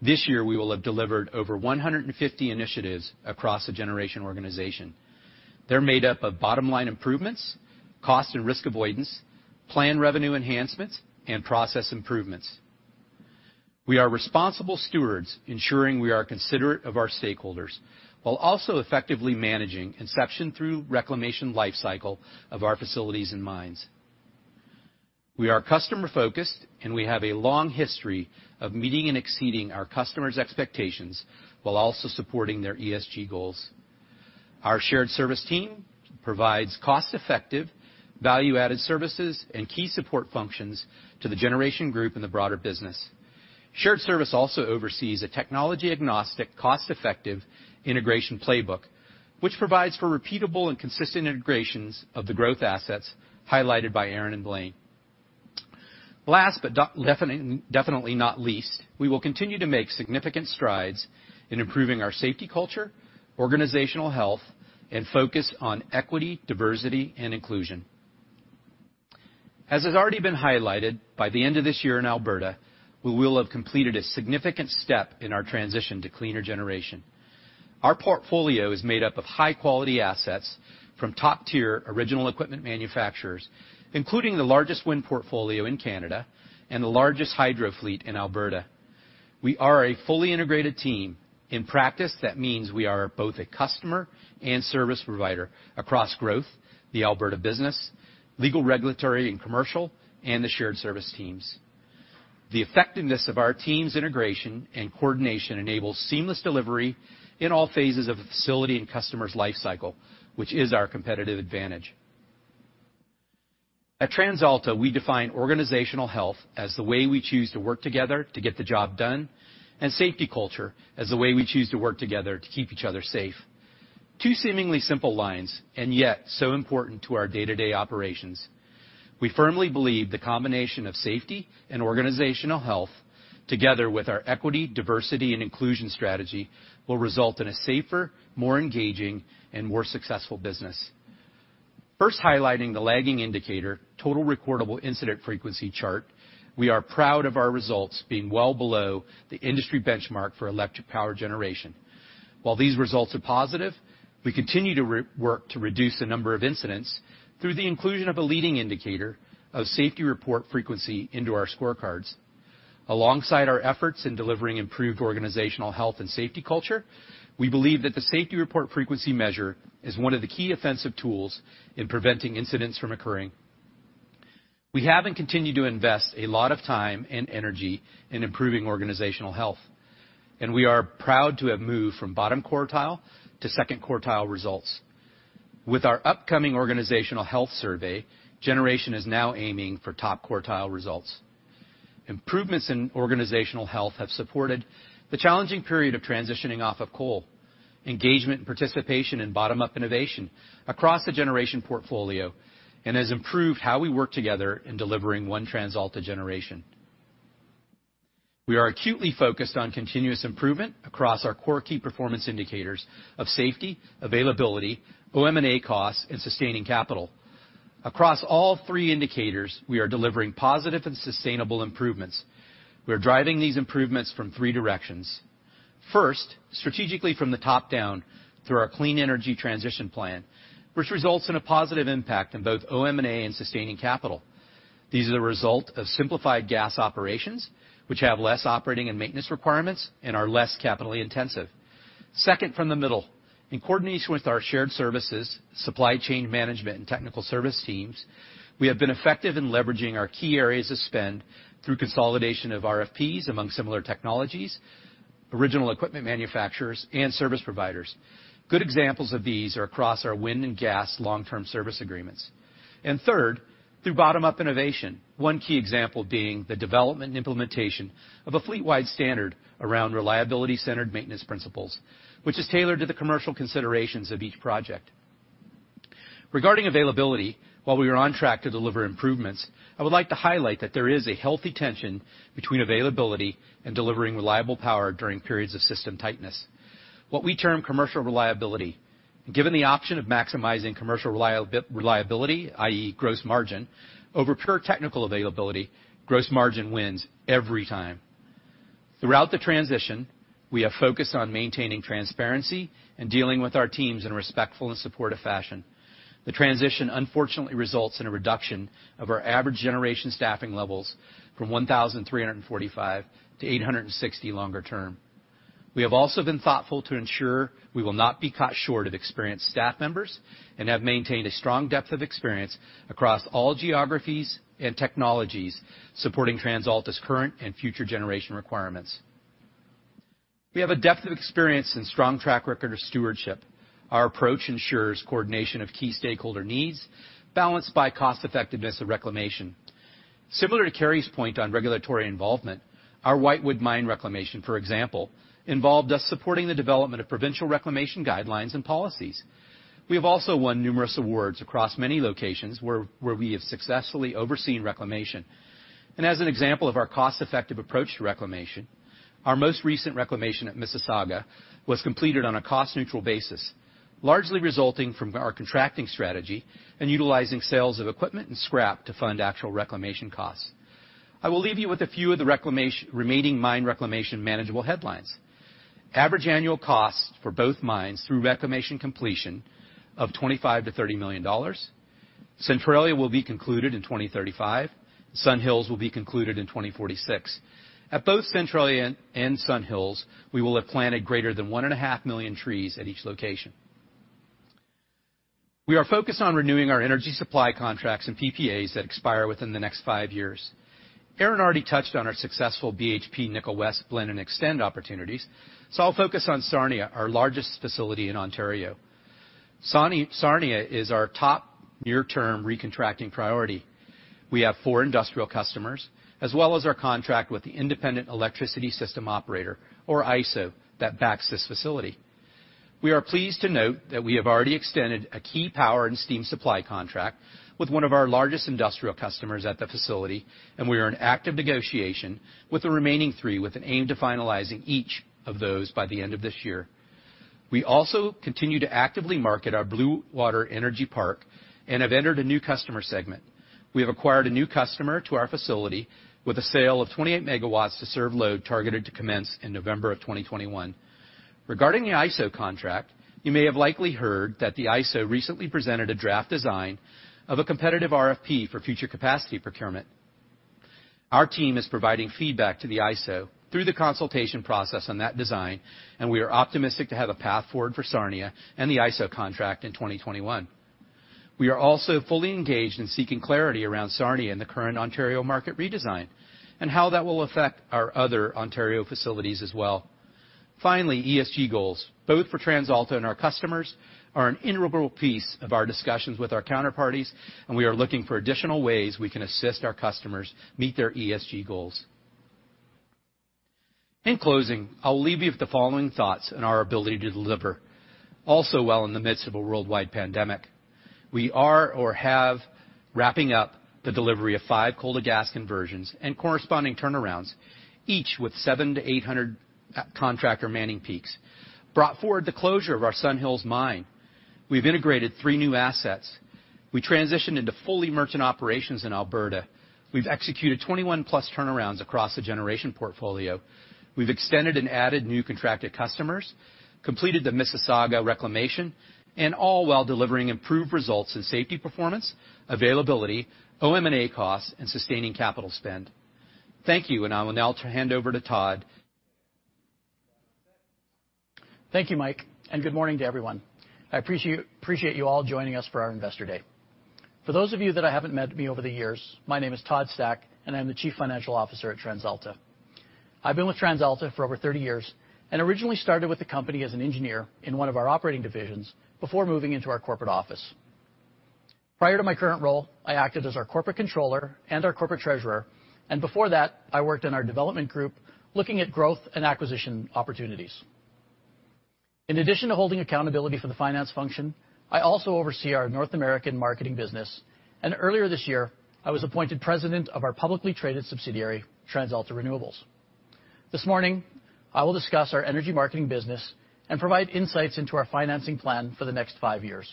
this year, we will have delivered over 150 initiatives across the Generation organization. They're made up of bottom-line improvements, cost and risk avoidance, planned revenue enhancements, and process improvements. We are responsible stewards, ensuring we are considerate of our stakeholders, while also effectively managing inception through reclamation life cycle of our facilities and mines. We are customer-focused, we have a long history of meeting and exceeding our customers' expectations while also supporting their ESG goals. Our shared service team provides cost-effective, value-added services and key support functions to the Generation group and the broader business. Shared service also oversees a technology-agnostic, cost-effective integration playbook, which provides for repeatable and consistent integrations of the growth assets highlighted by Aron and Blain. Last but definitely not least, we will continue to make significant strides in improving our safety culture, organizational health, and focus on equity, diversity, and inclusion. As has already been highlighted, by the end of this year in Alberta, we will have completed a significant step in our transition to cleaner generation. Our portfolio is made up of high-quality assets from top-tier original equipment manufacturers, including the largest wind portfolio in Canada and the largest hydro fleet in Alberta. We are a fully integrated team. In practice, that means we are both a customer and service provider across growth, the Alberta business, legal, regulatory, and commercial, and the shared service teams. The effectiveness of our team's integration and coordination enables seamless delivery in all phases of a facility and customer's life cycle, which is our competitive advantage. At TransAlta, we define organizational health as the way we choose to work together to get the job done and safety culture as the way we choose to work together to keep each other safe. Two seemingly simple lines, and yet so important to our day-to-day operations. We firmly believe the combination of safety and organizational health, together with our Equity, Diversity, and Inclusion strategy, will result in a safer, more engaging, and more successful business. First highlighting the lagging indicator, total recordable incident frequency chart. We are proud of our results being well below the industry benchmark for electric power generation. While these results are positive, we continue to work to reduce the number of incidents through the inclusion of a leading indicator of safety report frequency into our scorecards. Alongside our efforts in delivering improved organizational health and safety culture, we believe that the safety report frequency measure is one of the key offensive tools in preventing incidents from occurring. We have and continue to invest a lot of time and energy in improving organizational health, and we are proud to have moved from bottom quartile to second quartile results. With our upcoming organizational health survey, Generation is now aiming for top quartile results. Improvements in organizational health have supported the challenging period of transitioning off of coal, engagement and participation in bottom-up innovation across the Generation portfolio, and has improved how we work together in delivering one TransAlta Generation. We are acutely focused on continuous improvement across our core key performance indicators of safety, availability, OM&A costs, and sustaining capital. Across all three indicators, we are delivering positive and sustainable improvements. We are driving these improvements from three directions. First, strategically from the top down through our Clean Energy Transition Plan, which results in a positive impact in both OM&A and sustaining capital. These are the result of simplified gas operations, which have less operating and maintenance requirements and are less capitally intensive. Second, from the middle. In coordination with our shared services, supply chain management, and technical service teams, we have been effective in leveraging our key areas of spend through consolidation of RFPs among similar technologies, original equipment manufacturers and service providers. Good examples of these are across our wind and gas long-term service agreements. Third, through bottom-up innovation. One key example being the development and implementation of a fleet-wide standard around reliability-centered maintenance principles, which is tailored to the commercial considerations of each project. Regarding availability, while we are on track to deliver improvements, I would like to highlight that there is a healthy tension between availability and delivering reliable power during periods of system tightness, what we term commercial reliability. Given the option of maximizing commercial reliability, i.e., gross margin, over pure technical availability, gross margin wins every time. Throughout the transition, we have focused on maintaining transparency and dealing with our teams in a respectful and supportive fashion. The transition, unfortunately, results in a reduction of our average generation staffing levels from 1,345 to 860 longer term. We have also been thoughtful to ensure we will not be caught short of experienced staff members and have maintained a strong depth of experience across all geographies and technologies supporting TransAlta's current and future generation requirements. We have a depth of experience and strong track record of stewardship. Our approach ensures coordination of key stakeholder needs, balanced by cost effectiveness of reclamation. Similar to Kerry's point on regulatory involvement, our Whitewood Mine reclamation, for example, involved us supporting the development of provincial reclamation guidelines and policies. We have also won numerous awards across many locations where we have successfully overseen reclamation. As an example of our cost-effective approach to reclamation, our most recent reclamation at SunHills was completed on a cost-neutral basis, largely resulting from our contracting strategy and utilizing sales of equipment and scrap to fund actual reclamation costs. I will leave you with a few of the remaining mine reclamation manageable headlines. Average annual cost for both mines through reclamation completion of 25 million-30 million dollars. Centralia will be concluded in 2035. SunHills will be concluded in 2046. At both Centralia and SunHills, we will have planted greater than 1.5 million trees at each location. We are focused on renewing our energy supply contracts and PPAs that expire within the next five years. Aron Willis already touched on our successful BHP Nickel West blend and extend opportunities, so I'll focus on Sarnia, our largest facility in Ontario. Sarnia is our top near-term recontracting priority. We have four industrial customers, as well as our contract with the Independent Electricity System Operator, or IESO, that backs this facility. We are pleased to note that we have already extended a key power and steam supply contract with one of our largest industrial customers at the facility, and we are in active negotiation with the remaining three with an aim to finalizing each of those by the end of this year. We also continue to actively market our Bluewater Energy Park and have entered a new customer segment. We have acquired a new customer to our facility with a sale of 28 MW to serve load targeted to commence in November of 2021. Regarding the IESO contract, you may have likely heard that the ISO recently presented a draft design of a competitive RFP for future capacity procurement. Our team is providing feedback to the IESO through the consultation process on that design, and we are optimistic to have a path forward for Sarnia and the IESO contract in 2021. We are also fully engaged in seeking clarity around Sarnia and the current Ontario market redesign, and how that will affect our other Ontario facilities as well. Finally, ESG goals, both for TransAlta and our customers, are an integral piece of our discussions with our counterparties, and we are looking for additional ways we can assist our customers meet their ESG goals. In closing, I will leave you with the following thoughts on our ability to deliver, all so well in the midst of a worldwide pandemic. We are or have wrapping up the delivery of five coal-to-gas conversions and corresponding turnarounds, each with 700 to 800 contractor manning peaks. Brought forward the closure of our SunHills Mine. We've integrated three new assets. We transitioned into fully merchant operations in Alberta. We've executed 21-plus turnarounds across the generation portfolio. We've extended and added new contracted customers, completed the Mississauga reclamation, All while delivering improved results in safety performance, availability, OM&A costs, and sustaining capital spend. Thank you, and I will now hand over to Todd. Thank you, Mike. Good morning to everyone. I appreciate you all joining us for our Investor Day. For those of you that haven't met me over the years, my name is Todd Stack, and I'm the Chief Financial Officer at TransAlta. I've been with TransAlta for over 30 years and originally started with the company as an engineer in one of our operating divisions before moving into our corporate office. Prior to my current role, I acted as our corporate controller and our corporate treasurer, and before that, I worked in our development group looking at growth and acquisition opportunities. In addition to holding accountability for the finance function, I also oversee our North American Marketing business, and earlier this year, I was appointed President of our publicly traded subsidiary, TransAlta Renewables. This morning, I will discuss our Energy Marketing business and provide insights into our financing plan for the next five years.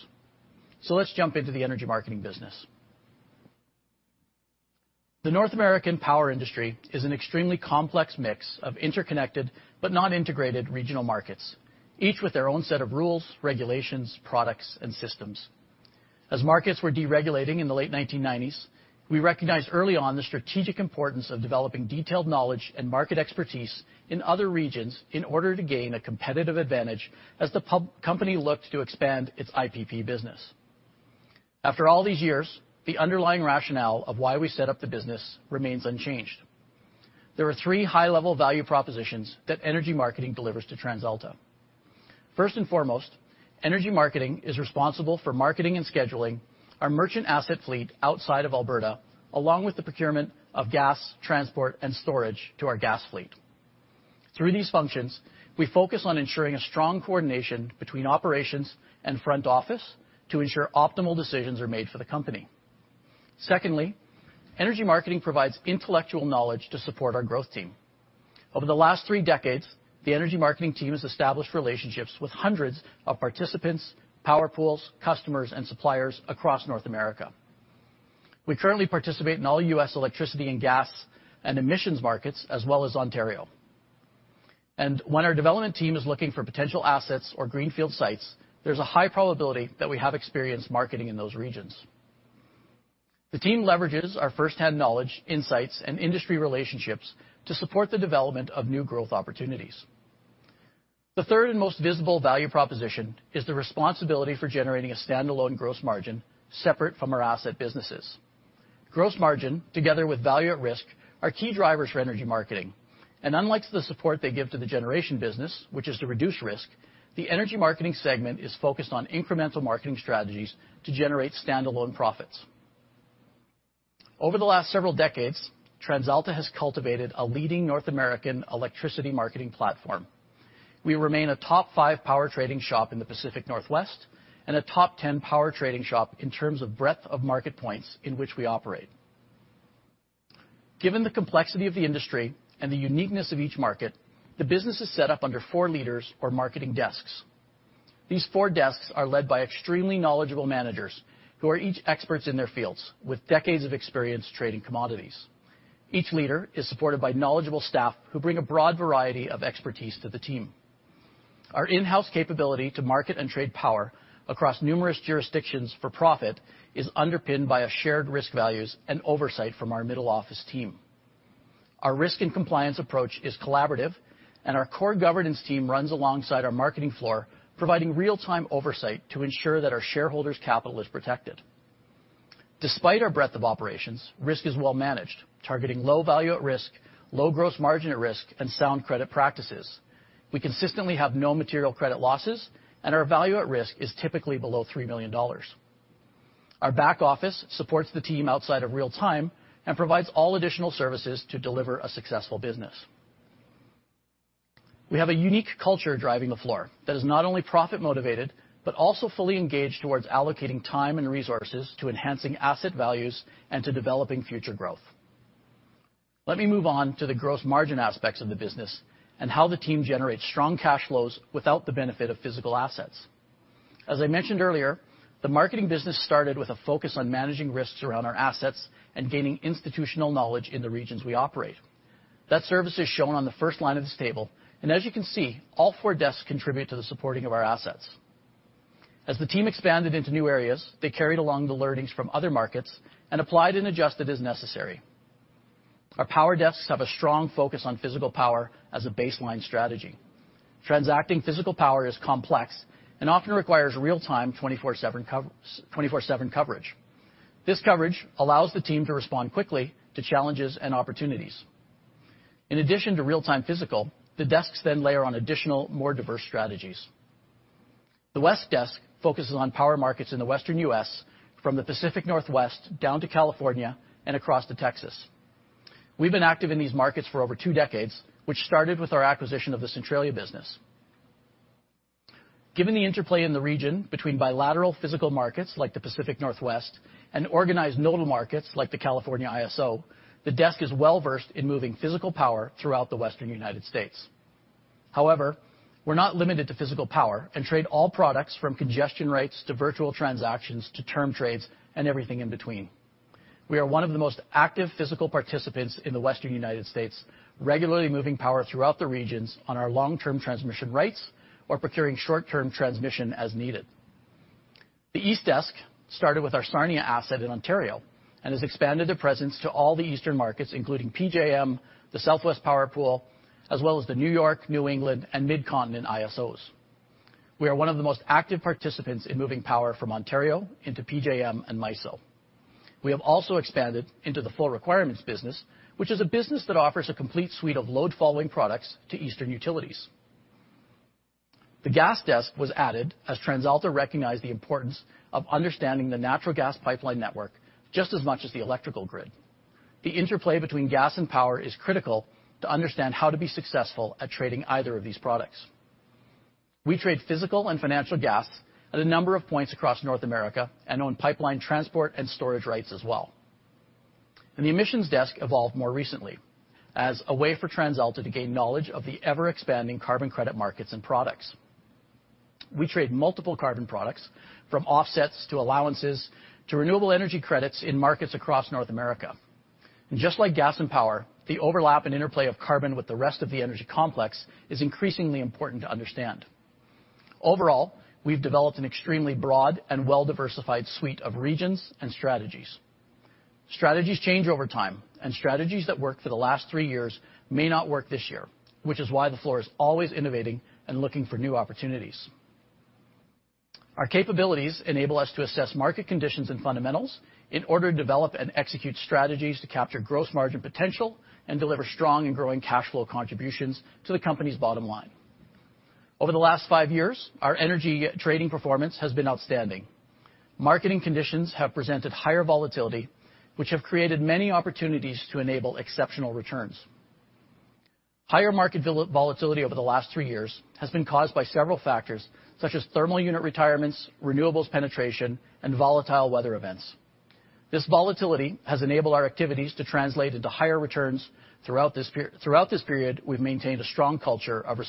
Let's jump into the Energy Marketing business. The North American power industry is an extremely complex mix of interconnected but not integrated regional markets, each with their own set of rules, regulations, products, and systems. As markets were deregulating in the late 1990s, we recognized early on the strategic importance of developing detailed knowledge and market expertise in other regions in order to gain a competitive advantage as the company looked to expand its IPP business. After all these years, the underlying rationale of why we set up the business remains unchanged. There are three high-level value propositions that Energy Marketing delivers to TransAlta. First and foremost, Energy Marketing is responsible for marketing and scheduling our merchant asset fleet outside of Alberta, along with the procurement of gas transport and storage to our gas fleet. Through these functions, we focus on ensuring a strong coordination between operations and front office to ensure optimal decisions are made for the company. Secondly, Energy Marketing provides intellectual knowledge to support our growth team. Over the last three decades, the Energy Marketing team has established relationships with hundreds of participants, power pools, customers, and suppliers across North America. We currently participate in all U.S. electricity and gas and emissions markets, as well as Ontario. When our development team is looking for potential assets or greenfield sites, there's a high probability that we have experience marketing in those regions. The team leverages our firsthand knowledge, insights, and industry relationships to support the development of new growth opportunities. The third and most visible value proposition is the responsibility for generating a standalone gross margin separate from our asset businesses. Gross margin, together with value at risk, are key drivers for Energy Marketing. Unlike the support they give to the generation business, which is to reduce risk, the Energy Marketing segment is focused on incremental marketing strategies to generate standalone profits. Over the last several decades, TransAlta has cultivated a leading North American electricity marketing platform. We remain a top 5 power trading shop in the Pacific Northwest and a top 10 power trading shop in terms of breadth of market points in which we operate. Given the complexity of the industry and the uniqueness of each market, the business is set up under four leaders or marketing desks. These four desks are led by extremely knowledgeable managers who are each experts in their fields, with decades of experience trading commodities. Each leader is supported by knowledgeable staff who bring a broad variety of expertise to the team. Our in-house capability to market and trade power across numerous jurisdictions for profit is underpinned by a shared risk values and oversight from our middle office team. Our risk and compliance approach is collaborative, and our core governance team runs alongside our marketing floor, providing real-time oversight to ensure that our shareholders' capital is protected. Despite our breadth of operations, risk is well managed, targeting low value at risk, low gross margin at risk, and sound credit practices. We consistently have no material credit losses, and our value at risk is typically below 3 million dollars. Our back office supports the team outside of real time and provides all additional services to deliver a successful business. We have a unique culture driving the floor that is not only profit-motivated but also fully engaged towards allocating time and resources to enhancing asset values and to developing future growth. Let me move on to the gross margin aspects of the business and how the team generates strong cash flows without the benefit of physical assets. As I mentioned earlier, the marketing business started with a focus on managing risks around our assets and gaining institutional knowledge in the regions we operate. That service is shown on the first line of this table, and as you can see, all four desks contribute to the supporting of our assets. As the team expanded into new areas, they carried along the learnings from other markets and applied and adjusted as necessary. Our power desks have a strong focus on physical power as a baseline strategy. Transacting physical power is complex and often requires real-time, 24/7 coverage. This coverage allows the team to respond quickly to challenges and opportunities. In addition to real-time physical, the desks then layer on additional, more diverse strategies. The West desk focuses on power markets in the Western U.S., from the Pacific Northwest down to California and across to Texas. We've been active in these markets for over two decades, which started with our acquisition of the Centralia business. Given the interplay in the region between bilateral physical markets, like the Pacific Northwest, and organized nodal markets, like the California ISO, the desk is well-versed in moving physical power throughout the Western United States. However, we're not limited to physical power and trade all products from congestion rights to virtual transactions to term trades and everything in between. We are one of the most active physical participants in the Western U.S., regularly moving power throughout the regions on our long-term transmission rights or procuring short-term transmission as needed. The East desk started with our Sarnia asset in Ontario and has expanded the presence to all the eastern markets, including PJM, the Southwest Power Pool, as well as the New York, New England, and Mid-Continent ISOs. We are one of the most active participants in moving power from Ontario into PJM and MISO. We have also expanded into the full requirements business, which is a business that offers a complete suite of load-following products to eastern utilities. The gas desk was added as TransAlta recognized the importance of understanding the natural gas pipeline network just as much as the electrical grid. The interplay between gas and power is critical to understand how to be successful at trading either of these products. We trade physical and financial gas at a number of points across North America and own pipeline transport and storage rights as well. The emissions desk evolved more recently as a way for TransAlta to gain knowledge of the ever-expanding carbon credit markets and products. We trade multiple carbon products, from offsets to allowances to renewable energy credits in markets across North America. Just like gas and power, the overlap and interplay of carbon with the rest of the energy complex is increasingly important to understand. Overall, we've developed an extremely broad and well-diversified suite of regions and strategies. Strategies change over time, and strategies that worked for the last three years may not work this year, which is why the firm is always innovating and looking for new opportunities. Our capabilities enable us to assess market conditions and fundamentals in order to develop and execute strategies to capture gross margin potential and deliver strong and growing cash flow contributions to the company's bottom line. Over the last five years, our energy trading performance has been outstanding. Marketing conditions have presented higher volatility, which have created many opportunities to enable exceptional returns. Higher market volatility over the last three years has been caused by several factors, such as thermal unit retirements, renewables penetration, and volatile weather events. This volatility has enabled our activities to translate into higher returns. Throughout this period, we've maintained a strong culture of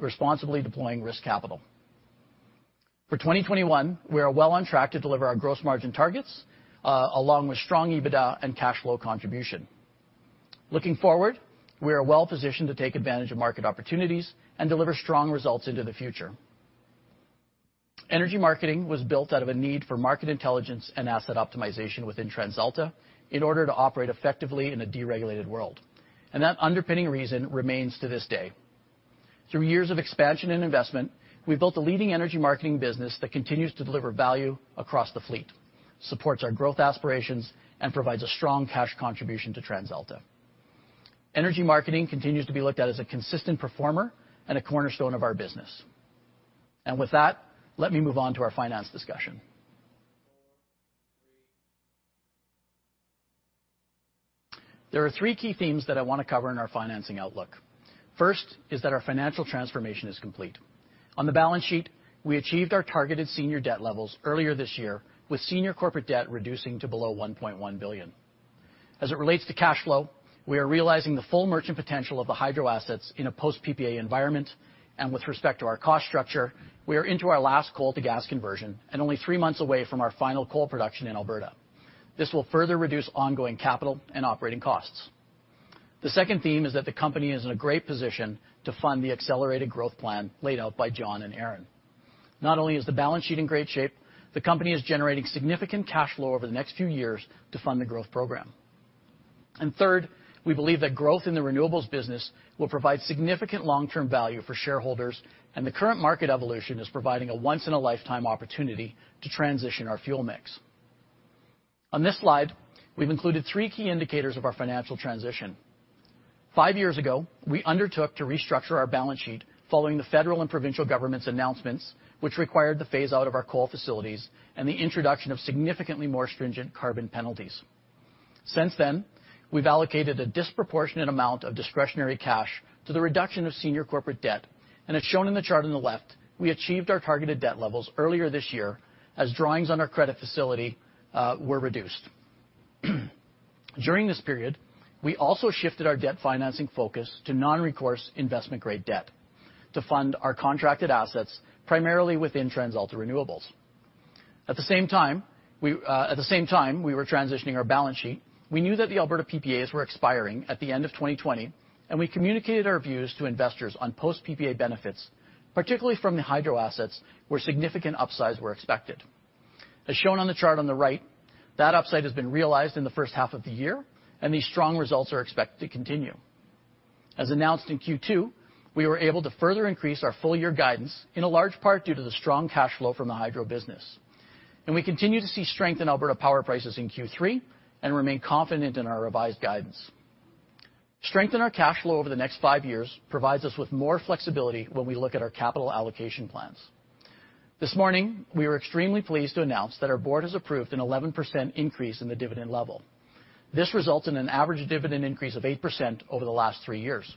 responsibly deploying risk capital. For 2021, we are well on track to deliver our gross margin targets, along with strong EBITDA and cash flow contribution. Looking forward, we are well-positioned to take advantage of market opportunities and deliver strong results into the future. Energy Marketing was built out of a need for market intelligence and asset optimization within TransAlta in order to operate effectively in a deregulated world, and that underpinning reason remains to this day. Through years of expansion and investment, we've built a leading Energy Marketing business that continues to deliver value across the fleet, supports our growth aspirations, and provides a strong cash contribution to TransAlta. Energy Marketing continues to be looked at as a consistent performer and a cornerstone of our business. With that, let me move on to our finance discussion. There are three key themes that I want to cover in our financing outlook. First is that our financial transformation is complete. On the balance sheet, we achieved our targeted senior debt levels earlier this year, with senior corporate debt reducing to below 1.1 billion. As it relates to cash flow, we are realizing the full merchant potential of the hydro assets in a post-PPA environment, and with respect to our cost structure, we are into our last coal to gas conversion and only three months away from our final coal production in Alberta. This will further reduce ongoing capital and operating costs. The second theme is that the company is in a great position to fund the accelerated growth plan laid out by John and Aron. Not only is the balance sheet in great shape, the company is generating significant cash flow over the next few years to fund the growth program. Third, we believe that growth in the renewables business will provide significant long-term value for shareholders, and the current market evolution is providing a once-in-a-lifetime opportunity to transition our fuel mix. On this slide, we've included three key indicators of our financial transition. Five years ago, we undertook to restructure our balance sheet following the federal and provincial government's announcements, which required the phase-out of our coal facilities and the introduction of significantly more stringent carbon penalties. Since then, we've allocated a disproportionate amount of discretionary cash to the reduction of senior corporate debt, and as shown in the chart on the left, we achieved our targeted debt levels earlier this year as drawings on our credit facility were reduced. During this period, we also shifted our debt financing focus to non-recourse investment-grade debt to fund our contracted assets, primarily within TransAlta Renewables. At the same time we were transitioning our balance sheet, we knew that the Alberta PPAs were expiring at the end of 2020, and we communicated our views to investors on post-PPA benefits, particularly from the hydro assets, where significant upsides were expected. As shown on the chart on the right, that upside has been realized in the first half of the year. These strong results are expected to continue. As announced in Q2, we were able to further increase our full-year guidance, in a large part due to the strong cash flow from the hydro business. We continue to see strength in Alberta power prices in Q3 and remain confident in our revised guidance. Strength in our cash flow over the next five years provides us with more flexibility when we look at our capital allocation plans. This morning, we were extremely pleased to announce that our board has approved an 11% increase in the dividend level. This results in an average dividend increase of 8% over the last three years.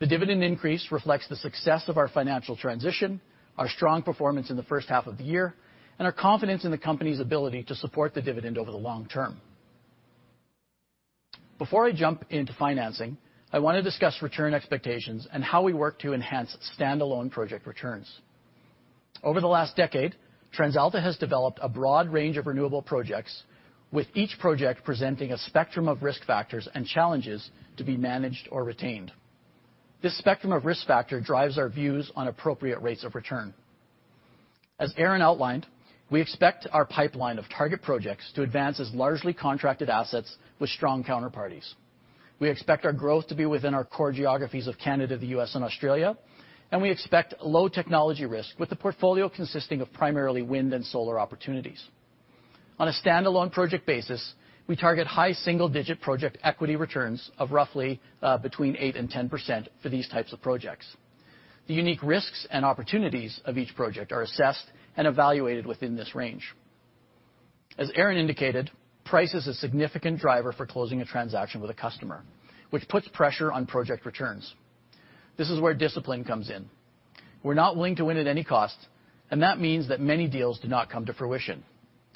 The dividend increase reflects the success of our financial transition, our strong performance in the first half of the year, and our confidence in the company's ability to support the dividend over the long term. Before I jump into financing, I want to discuss return expectations and how we work to enhance standalone project returns. Over the last decade, TransAlta has developed a broad range of renewable projects, with each project presenting a spectrum of risk factors and challenges to be managed or retained. This spectrum of risk factor drives our views on appropriate rates of return. As Aron outlined, we expect our pipeline of target projects to advance as largely contracted assets with strong counterparties. We expect our growth to be within our core geographies of Canada, the U.S., and Australia, and we expect low technology risk with the portfolio consisting of primarily wind and solar opportunities. On a standalone project basis, we target high single-digit project equity returns of roughly between 8%-10% for these types of projects. The unique risks and opportunities of each project are assessed and evaluated within this range. As Aron indicated, price is a significant driver for closing a transaction with a customer, which puts pressure on project returns. This is where discipline comes in. We're not willing to win at any cost, and that means that many deals do not come to fruition.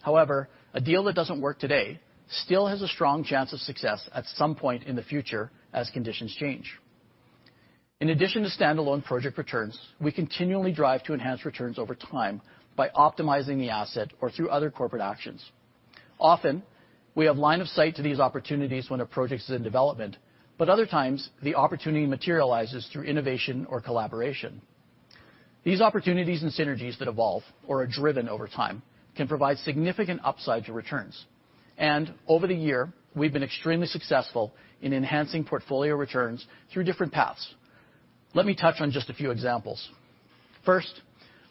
However, a deal that doesn't work today still has a strong chance of success at some point in the future as conditions change. In addition to standalone project returns, we continually drive to enhance returns over time by optimizing the asset or through other corporate actions. Often, we have line of sight to these opportunities when a project is in development, but other times, the opportunity materializes through innovation or collaboration. These opportunities and synergies that evolve or are driven over time can provide significant upside to returns. Over the year, we've been extremely successful in enhancing portfolio returns through different paths. Let me touch on just a few examples. First,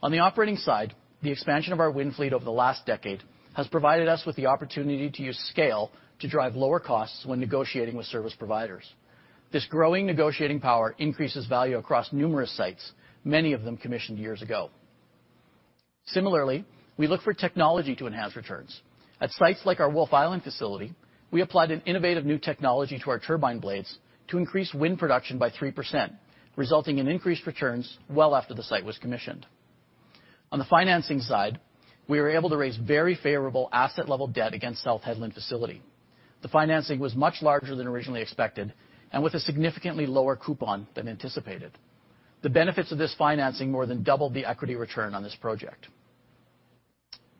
on the operating side, the expansion of our wind fleet over the last decade has provided us with the opportunity to use scale to drive lower costs when negotiating with service providers. This growing negotiating power increases value across numerous sites, many of them commissioned years ago. Similarly, we look for technology to enhance returns. At sites like our Wolfe Island facility, we applied an innovative new technology to our turbine blades to increase wind production by 3%, resulting in increased returns well after the site was commissioned. On the financing side, we were able to raise very favorable asset-level debt against South Hedland facility. The financing was much larger than originally expected and with a significantly lower coupon than anticipated. The benefits of this financing more than doubled the equity return on this project.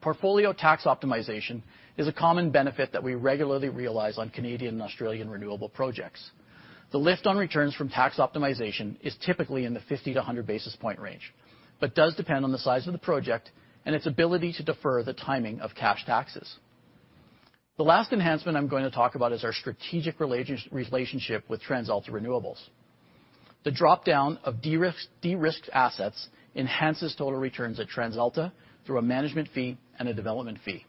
Portfolio tax optimization is a common benefit that we regularly realize on Canadian and Australian renewable projects. The lift on returns from tax optimization is typically in the 50-100 basis point range, but does depend on the size of the project and its ability to defer the timing of cash taxes. The last enhancement I'm going to talk about is our strategic relationship with TransAlta Renewables. The drop-down of de-risked assets enhances total returns at TransAlta through a management fee and a development fee.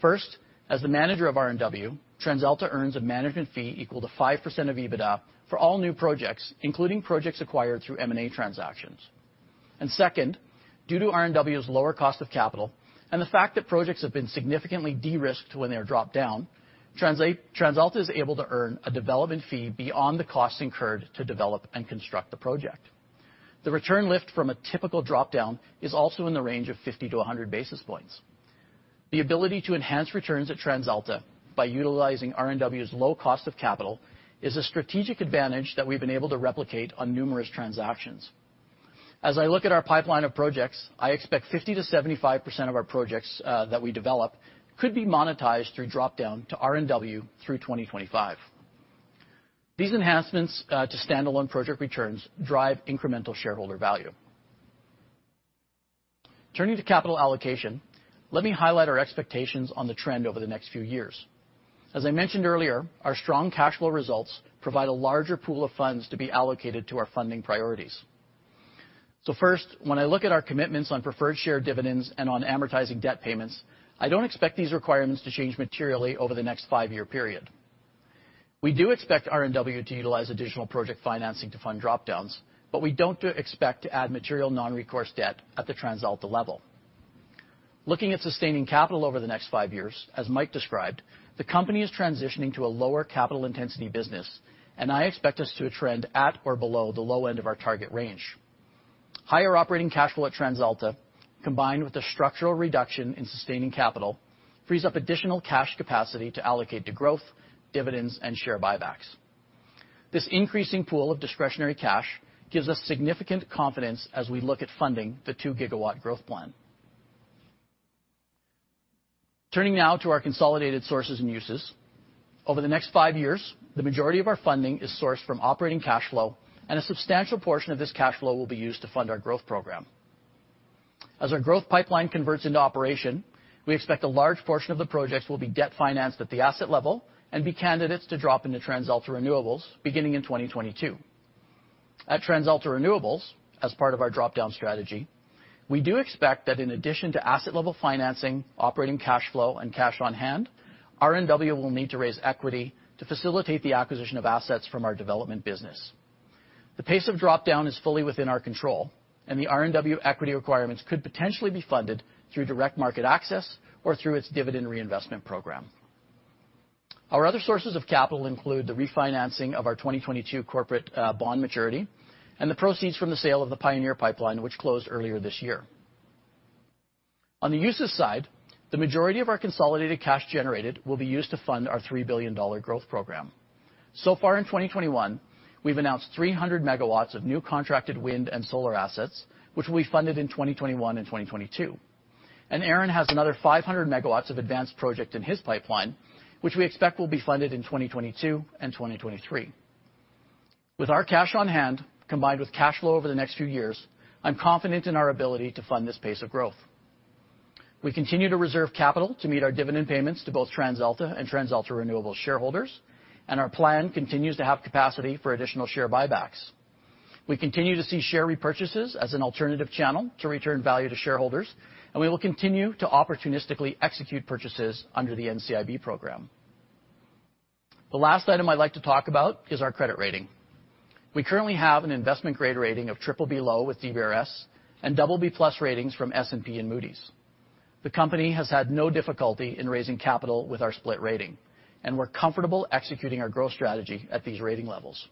First, as the manager of RNW, TransAlta earns a management fee equal to 5% of EBITDA for all new projects, including projects acquired through M&A transactions. Second, due to RNW's lower cost of capital and the fact that projects have been significantly de-risked when they are dropped down, TransAlta is able to earn a development fee beyond the costs incurred to develop and construct the project. The return lift from a typical drop-down is also in the range of 50-100 basis points. The ability to enhance returns at TransAlta by utilizing RNW's low cost of capital is a strategic advantage that we've been able to replicate on numerous transactions. As I look at our pipeline of projects, I expect 50%-75% of our projects that we develop could be monetized through drop-down to RNW through 2025. These enhancements to stand-alone project returns drive incremental shareholder value. Turning to capital allocation, let me highlight our expectations on the trend over the next few years. As I mentioned earlier, our strong cash flow results provide a larger pool of funds to be allocated to our funding priorities. First, when I look at our commitments on preferred share dividends and on amortizing debt payments, I don't expect these requirements to change materially over the next five-year period. We do expect RNW to utilize additional project financing to fund drop-downs, but we don't expect to add material non-recourse debt at the TransAlta level. Looking at sustaining capital over the next five years, as Mike described, the company is transitioning to a lower capital intensity business, and I expect us to trend at or below the low end of our target range. Higher operating cash flow at TransAlta, combined with the structural reduction in sustaining capital, frees up additional cash capacity to allocate to growth, dividends, and share buybacks. This increasing pool of discretionary cash gives us significant confidence as we look at funding the 2 GW growth plan. Turning now to our consolidated sources and uses. Over the next five years, the majority of our funding is sourced from operating cash flow, and a substantial portion of this cash flow will be used to fund our growth program. As our growth pipeline converts into operation, we expect a large portion of the projects will be debt-financed at the asset level and be candidates to drop into TransAlta Renewables beginning in 2022. At TransAlta Renewables, as part of our drop-down strategy, we do expect that in addition to asset-level financing, operating cash flow, and cash on hand, RNW will need to raise equity to facilitate the acquisition of assets from our development business. The pace of drop-down is fully within our control, and the RNW equity requirements could potentially be funded through direct market access or through its dividend reinvestment program Our other sources of capital include the refinancing of our 2022 corporate bond maturity and the proceeds from the sale of the Pioneer Pipeline, which closed earlier this year. On the uses side, the majority of our consolidated cash generated will be used to fund our 3 billion dollar growth program. Far in 2021, we've announced 300 MW of new contracted wind and solar assets, which will be funded in 2021 and 2022. Aron has another 500 MW of advanced project in his pipeline, which we expect will be funded in 2022 and 2023. With our cash on hand, combined with cash flow over the next few years, I'm confident in our ability to fund this pace of growth. We continue to reserve capital to meet our dividend payments to both TransAlta and TransAlta Renewable shareholders, our plan continues to have capacity for additional share buybacks. We continue to see share repurchases as an alternative channel to return value to shareholders, and we will continue to opportunistically execute purchases under the NCIB program. The last item I'd like to talk about is our credit rating. We currently have an investment-grade rating of BBB low with DBRS and BB+ ratings from S&P and Moody's. The company has had no difficulty in raising capital with our split rating, and we're comfortable executing our growth strategy at these rating levels.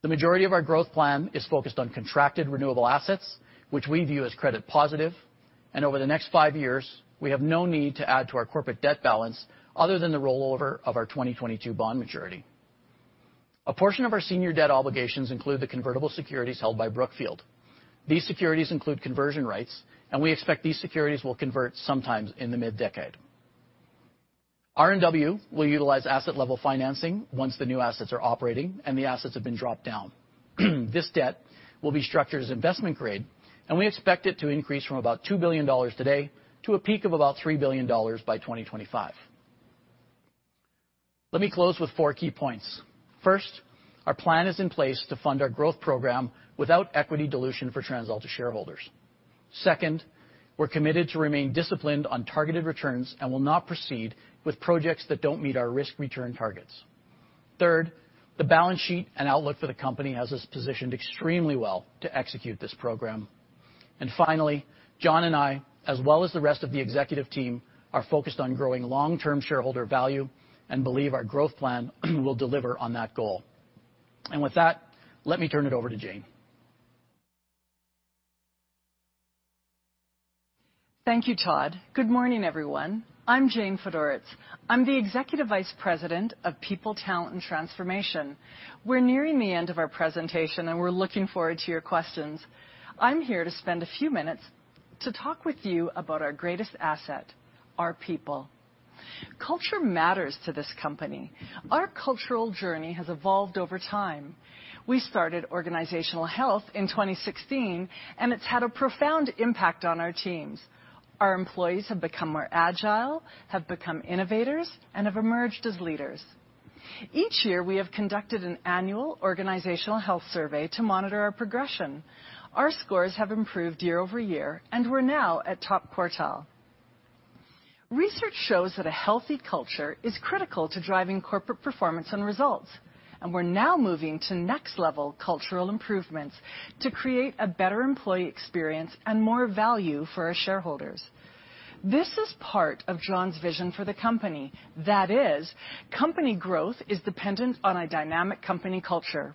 The majority of our growth plan is focused on contracted renewable assets, which we view as credit positive, and over the next five years, we have no need to add to our corporate debt balance other than the rollover of our 2022 bond maturity. A portion of our senior debt obligations include the convertible securities held by Brookfield. These securities include conversion rights, and we expect these securities will convert sometime in the mid-decade. RNW will utilize asset-level financing once the new assets are operating and the assets have been dropped down. This debt will be structured as investment grade, and we expect it to increase from about 2 billion dollars today to a peak of about 3 billion dollars by 2025. Let me close with four key points. First, our plan is in place to fund our growth program without equity dilution for TransAlta shareholders. Second, we're committed to remain disciplined on targeted returns and will not proceed with projects that don't meet our risk-return targets. Third, the balance sheet and outlook for the company has us positioned extremely well to execute this program. Finally, John and I, as well as the rest of the executive team, are focused on growing long-term shareholder value and believe our growth plan will deliver on that goal. With that, let me turn it over to Jane. Thank you, Todd. Good morning, everyone. I'm Jane Fedoretz. I'm the Executive Vice President of People, Talent, and Transformation. We're nearing the end of our presentation, and we're looking forward to your questions. I'm here to spend a few minutes to talk with you about our greatest asset, our people. Culture matters to this company. Our cultural journey has evolved over time. We started organizational health in 2016, and it's had a profound impact on our teams. Our employees have become more agile, have become innovators, and have emerged as leaders. Each year, we have conducted an annual organizational health survey to monitor our progression. Our scores have improved year-over-year, and we're now at top quartile. Research shows that a healthy culture is critical to driving corporate performance and results. We're now moving to next-level cultural improvements to create a better employee experience and more value for our shareholders. This is part of John's vision for the company. That is, company growth is dependent on a dynamic company culture.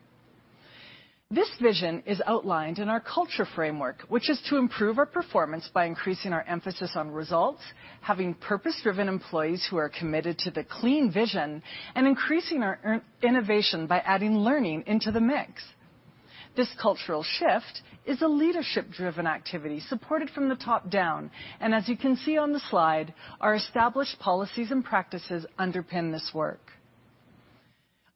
This vision is outlined in our culture framework, which is to improve our performance by increasing our emphasis on results, having purpose-driven employees who are committed to the clean vision, increasing our innovation by adding learning into the mix. This cultural shift is a leadership-driven activity supported from the top down. As you can see on the slide, our established policies and practices underpin this work.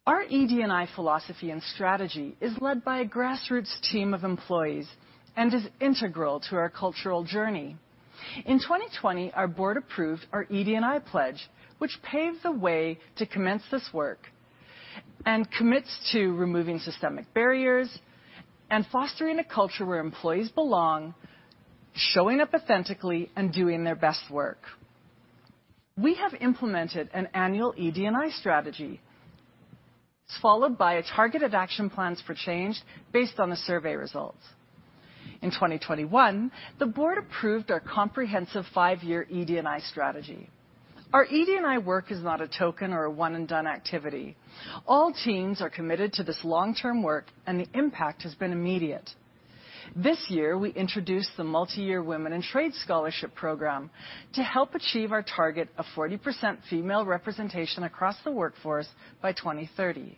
Our ED&I philosophy and strategy is led by a grassroots team of employees and is integral to our cultural journey. In 2020, our board approved our ED&I pledge, which paved the way to commence this work and commits to removing systemic barriers and fostering a culture where employees belong, showing up authentically, and doing their best work. We have implemented an annual ED&I strategy. It's followed by targeted action plans for change based on the survey results. In 2021, the board approved our comprehensive five-year ED&I strategy. Our ED&I work is not a token or a one and-done activity. All teams are committed to this long-term work, and the impact has been immediate. This year, we introduced the multi-year Women in Trades scholarship program to help achieve our target of 40% female representation across the workforce by 2030.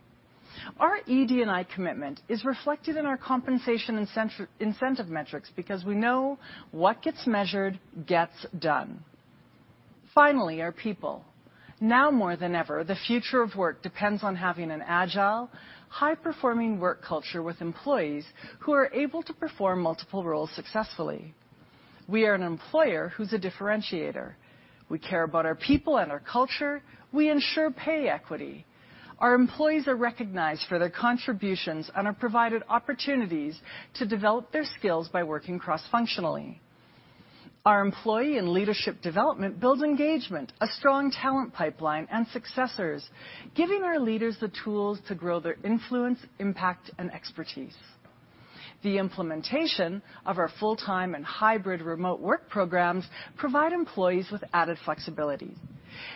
Our ED&I commitment is reflected in our compensation incentive metrics because we know what gets measured gets done. Finally, our people. Now more than ever, the future of work depends on having an agile, high-performing work culture with employees who are able to perform multiple roles successfully. We are an employer who's a differentiator. We care about our people and our culture. We ensure pay equity. Our employees are recognized for their contributions and are provided opportunities to develop their skills by working cross-functionally. Our employee and leadership development builds engagement, a strong talent pipeline, and successors, giving our leaders the tools to grow their influence, impact, and expertise. The implementation of our full-time and hybrid remote work programs provide employees with added flexibility.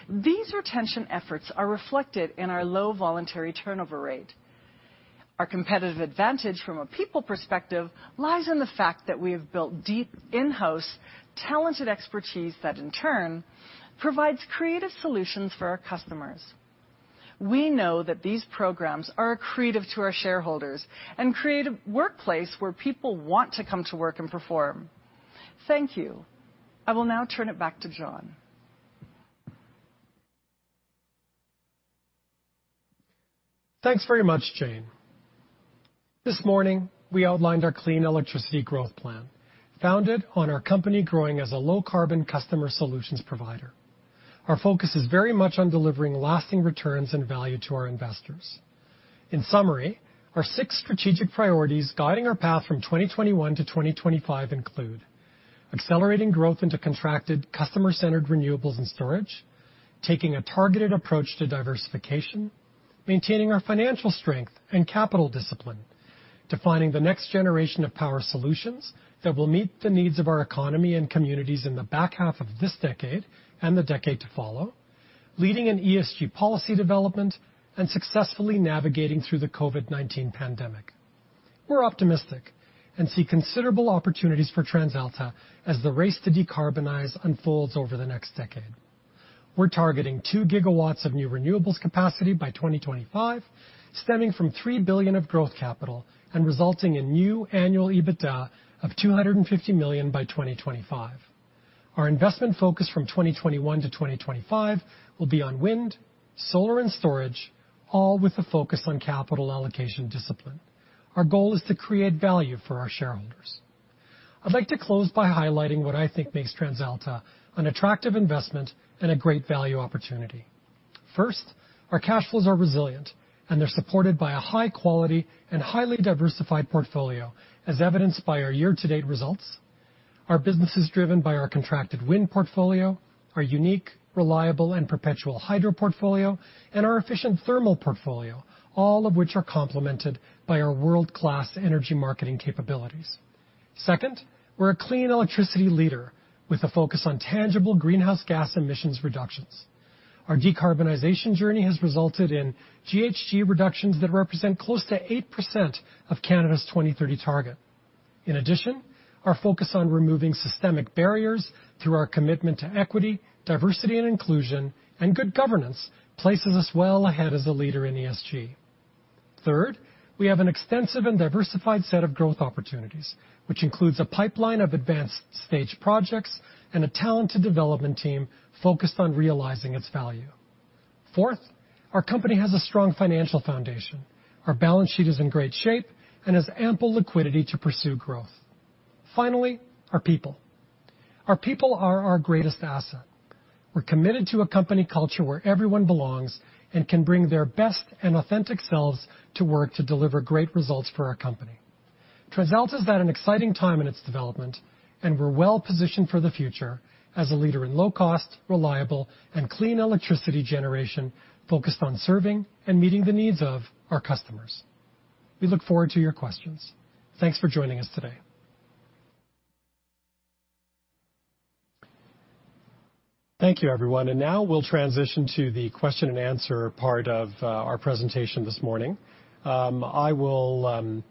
These retention efforts are reflected in our low voluntary turnover rate. Our competitive advantage from a people perspective lies in the fact that we have built deep in-house talented expertise that in turn provides creative solutions for our customers. We know that these programs are accretive to our shareholders and create a workplace where people want to come to work and perform. Thank you. I will now turn it back to John. Thanks very much, Jane. This morning, we outlined our clean electricity growth plan, founded on our company growing as a low-carbon customer solutions provider. Our focus is very much on delivering lasting returns and value to our investors. In summary, our six strategic priorities guiding our path from 2021 to 2025 include accelerating growth into contracted customer-centered renewables and storage, taking a targeted approach to diversification, maintaining our financial strength and capital discipline, defining the next generation of power solutions that will meet the needs of our economy and communities in the back half of this decade and the decade to follow, leading an ESG policy development, and successfully navigating through the COVID-19 pandemic. We're optimistic and see considerable opportunities for TransAlta as the race to decarbonize unfolds over the next decade. We're targeting 2 GW of new renewables capacity by 2025, stemming from 3 billion of growth capital and resulting in new annual EBITDA of 250 million by 2025. Our investment focus from 2021 to 2025 will be on wind, solar, and storage, all with a focus on capital allocation discipline. Our goal is to create value for our shareholders. I'd like to close by highlighting what I think makes TransAlta an attractive investment and a great value opportunity. First, our cash flows are resilient, and they're supported by a high-quality and highly diversified portfolio, as evidenced by our year-to-date results. Our business is driven by our contracted wind portfolio, our unique, reliable, and perpetual hydro portfolio, and our efficient thermal portfolio, all of which are complemented by our world-class Energy Marketing capabilities. Second, we're a clean electricity leader with a focus on tangible greenhouse gas emissions reductions. Our decarbonization journey has resulted in GHG reductions that represent close to 8% of Canada's 2030 target. In addition, our focus on removing systemic barriers through our commitment to equity, diversity, and inclusion, and good governance places us well ahead as a leader in ESG. Third, we have an extensive and diversified set of growth opportunities, which includes a pipeline of advanced stage projects and a talented development team focused on realizing its value. Fourth, our company has a strong financial foundation. Our balance sheet is in great shape and has ample liquidity to pursue growth. Finally, our people. Our people are our greatest asset. We're committed to a company culture where everyone belongs and can bring their best and authentic selves to work to deliver great results for our company. TransAlta's at an exciting time in its development, and we're well-positioned for the future as a leader in low-cost, reliable, and clean electricity generation focused on serving and meeting the needs of our customers. We look forward to your questions. Thanks for joining us today. Thank you, everyone. Now we'll transition to the question-and-answer part of our presentation this morning. I will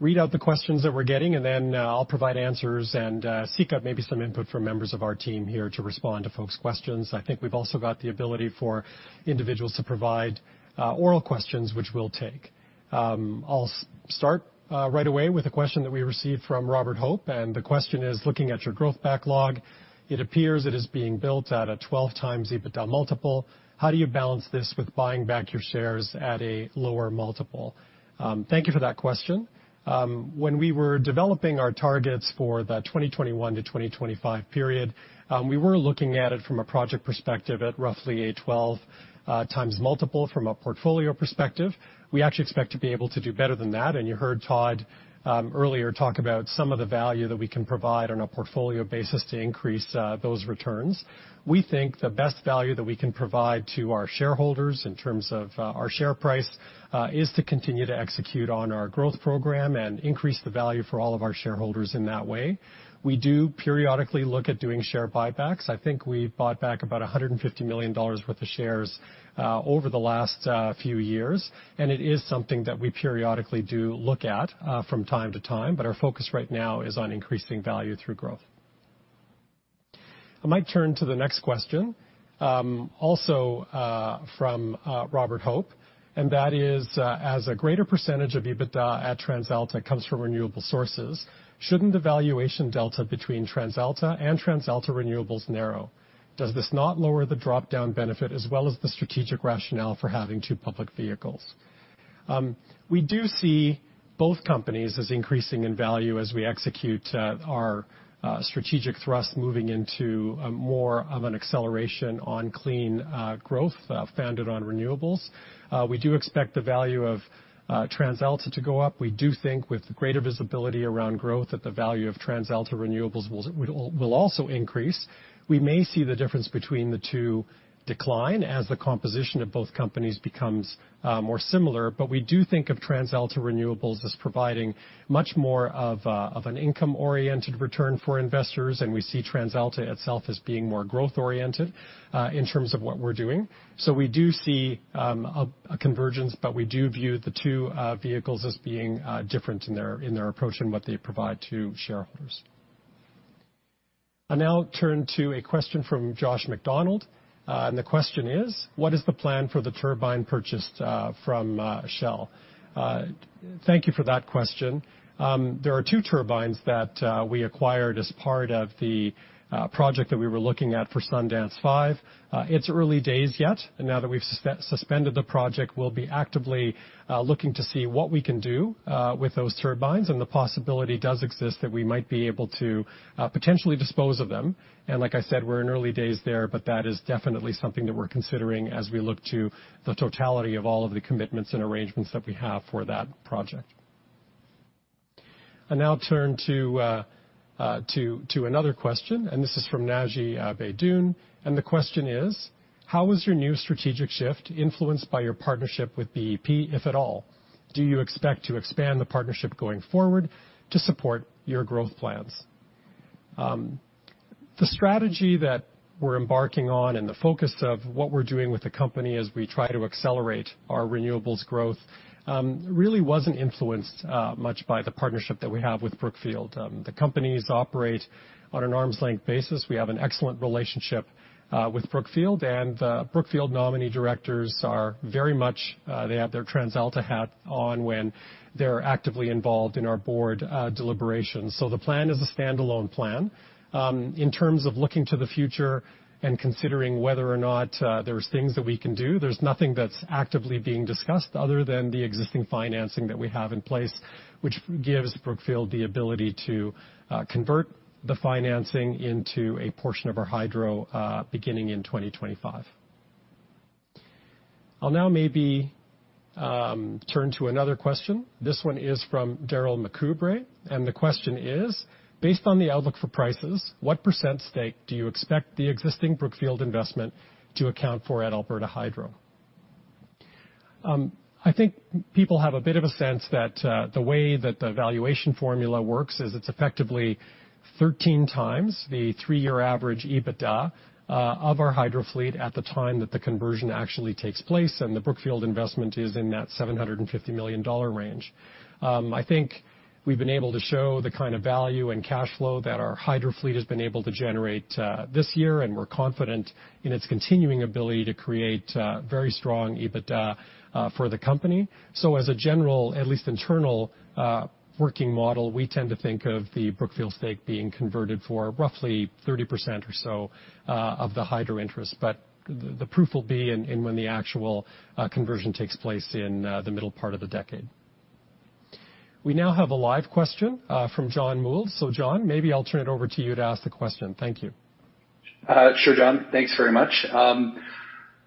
read out the questions that we're getting, and then I'll provide answers and seek out maybe some input from members of our team here to respond to folks' questions. I think we've also got the ability for individuals to provide oral questions, which we'll take. I'll start right away with a question that we received from Robert Hope, and the question is, looking at your growth backlog, it appears it is being built at a 12x EBITDA multiple. How do you balance this with buying back your shares at a lower multiple? Thank you for that question. When we were developing our targets for the 2021 to 2025 period, we were looking at it from a project perspective at roughly a 12x multiple from a portfolio perspective. We actually expect to be able to do better than that. You heard Todd earlier talk about some of the value that we can provide on a portfolio basis to increase those returns. We think the best value that we can provide to our shareholders in terms of our share price, is to continue to execute on our growth program and increase the value for all of our shareholders in that way. We do periodically look at doing share buybacks. I think we bought back about 150 million dollars worth of shares over the last few years. It is something that we periodically do look at from time to time. Our focus right now is on increasing value through growth. I might turn to the next question, also from Robert Hope. That is, as a greater percentage of EBITDA at TransAlta comes from renewable sources, shouldn't the valuation delta between TransAlta and TransAlta Renewables narrow? Does this not lower the drop-down benefit as well as the strategic rationale for having two public vehicles? We do see both companies as increasing in value as we execute our strategic thrust moving into more of an acceleration on clean growth founded on renewables. We do expect the value of TransAlta to go up. We do think with greater visibility around growth that the value of TransAlta Renewables will also increase. We may see the difference between the two decline as the composition of both companies becomes more similar. We do think of TransAlta Renewables as providing much more of an income-oriented return for investors. We see TransAlta itself as being more growth-oriented in terms of what we're doing. We do see a convergence, but we do view the two vehicles as being different in their approach and what they provide to shareholders. I now turn to a question from Josh McDonald. The question is, what is the plan for the turbine purchased from Shell? Thank you for that question. There are two turbines that we acquired as part of the project that we were looking at for Sundance 5. It's early days yet. Now that we've suspended the project, we'll be actively looking to see what we can do with those turbines. The possibility does exist that we might be able to potentially dispose of them. Like I said, we're in early days there, but that is definitely something that we're considering as we look to the totality of all of the commitments and arrangements that we have for that project. I now turn to another question, this is from Naji Baydoun. The question is, how was your new strategic shift influenced by your partnership with BEP, if at all? Do you expect to expand the partnership going forward to support your growth plans? The strategy that we're embarking on and the focus of what we're doing with the company as we try to accelerate our renewables growth, really wasn't influenced much by the partnership that we have with Brookfield. The companies operate on an arm's length basis. We have an excellent relationship with Brookfield, and the Brookfield nominee directors, they have their TransAlta hat on when they're actively involved in our board deliberations. The plan is a standalone plan. In terms of looking to the future and considering whether or not there's things that we can do, there's nothing that's actively being discussed other than the existing financing that we have in place, which gives Brookfield the ability to convert the financing into a portion of our hydro, beginning in 2025. I'll now maybe turn to another question. This one is from Darrell McCubbrey, and the question is, based on the outlook for prices, what percent stake do you expect the existing Brookfield investment to account for at Alberta Hydro? I think people have a bit of a sense that the way that the valuation formula works is it's effectively 13x the three-year average EBITDA of our hydro fleet at the time that the conversion actually takes place, and the Brookfield investment is in that 750 million dollar range. I think we've been able to show the kind of value and cash flow that our hydro fleet has been able to generate this year, and we're confident in its continuing ability to create very strong EBITDA for the company. As a general, at least internal working model, we tend to think of the Brookfield stake being converted for roughly 30% or so of the hydro interest. The proof will be in when the actual conversion takes place in the middle part of the decade. We now have a live question from John Mould. John, maybe I'll turn it over to you to ask the question. Thank you. Sure, John. Thanks very much.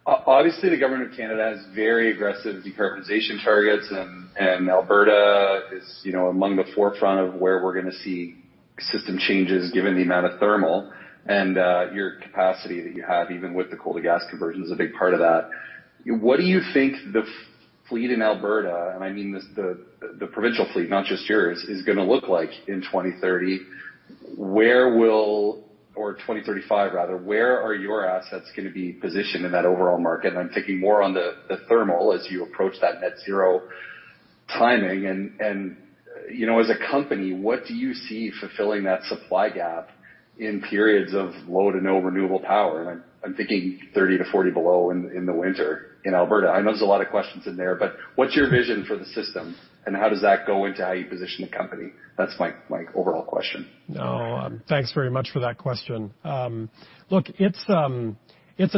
Obviously, the government of Canada has very aggressive decarbonization targets and Alberta is among the forefront of where we're going to see system changes given the amount of thermal, and your capacity that you have, even with the coal to gas conversion is a big part of that. What do you think the fleet in Alberta, and I mean the provincial fleet, not just yours, is going to look like in 2030? Or 2035 rather. Where are your assets going to be positioned in that overall market? I'm thinking more on the thermal as you approach that net zero timing. As a company, what do you see fulfilling that supply gap in periods of low to no renewable power? I'm thinking 30 to 40 below in the winter in Alberta. I know there's a lot of questions in there, but what's your vision for the system, and how does that go into how you position the company? That's my overall question. Thanks very much for that question. Look, it's a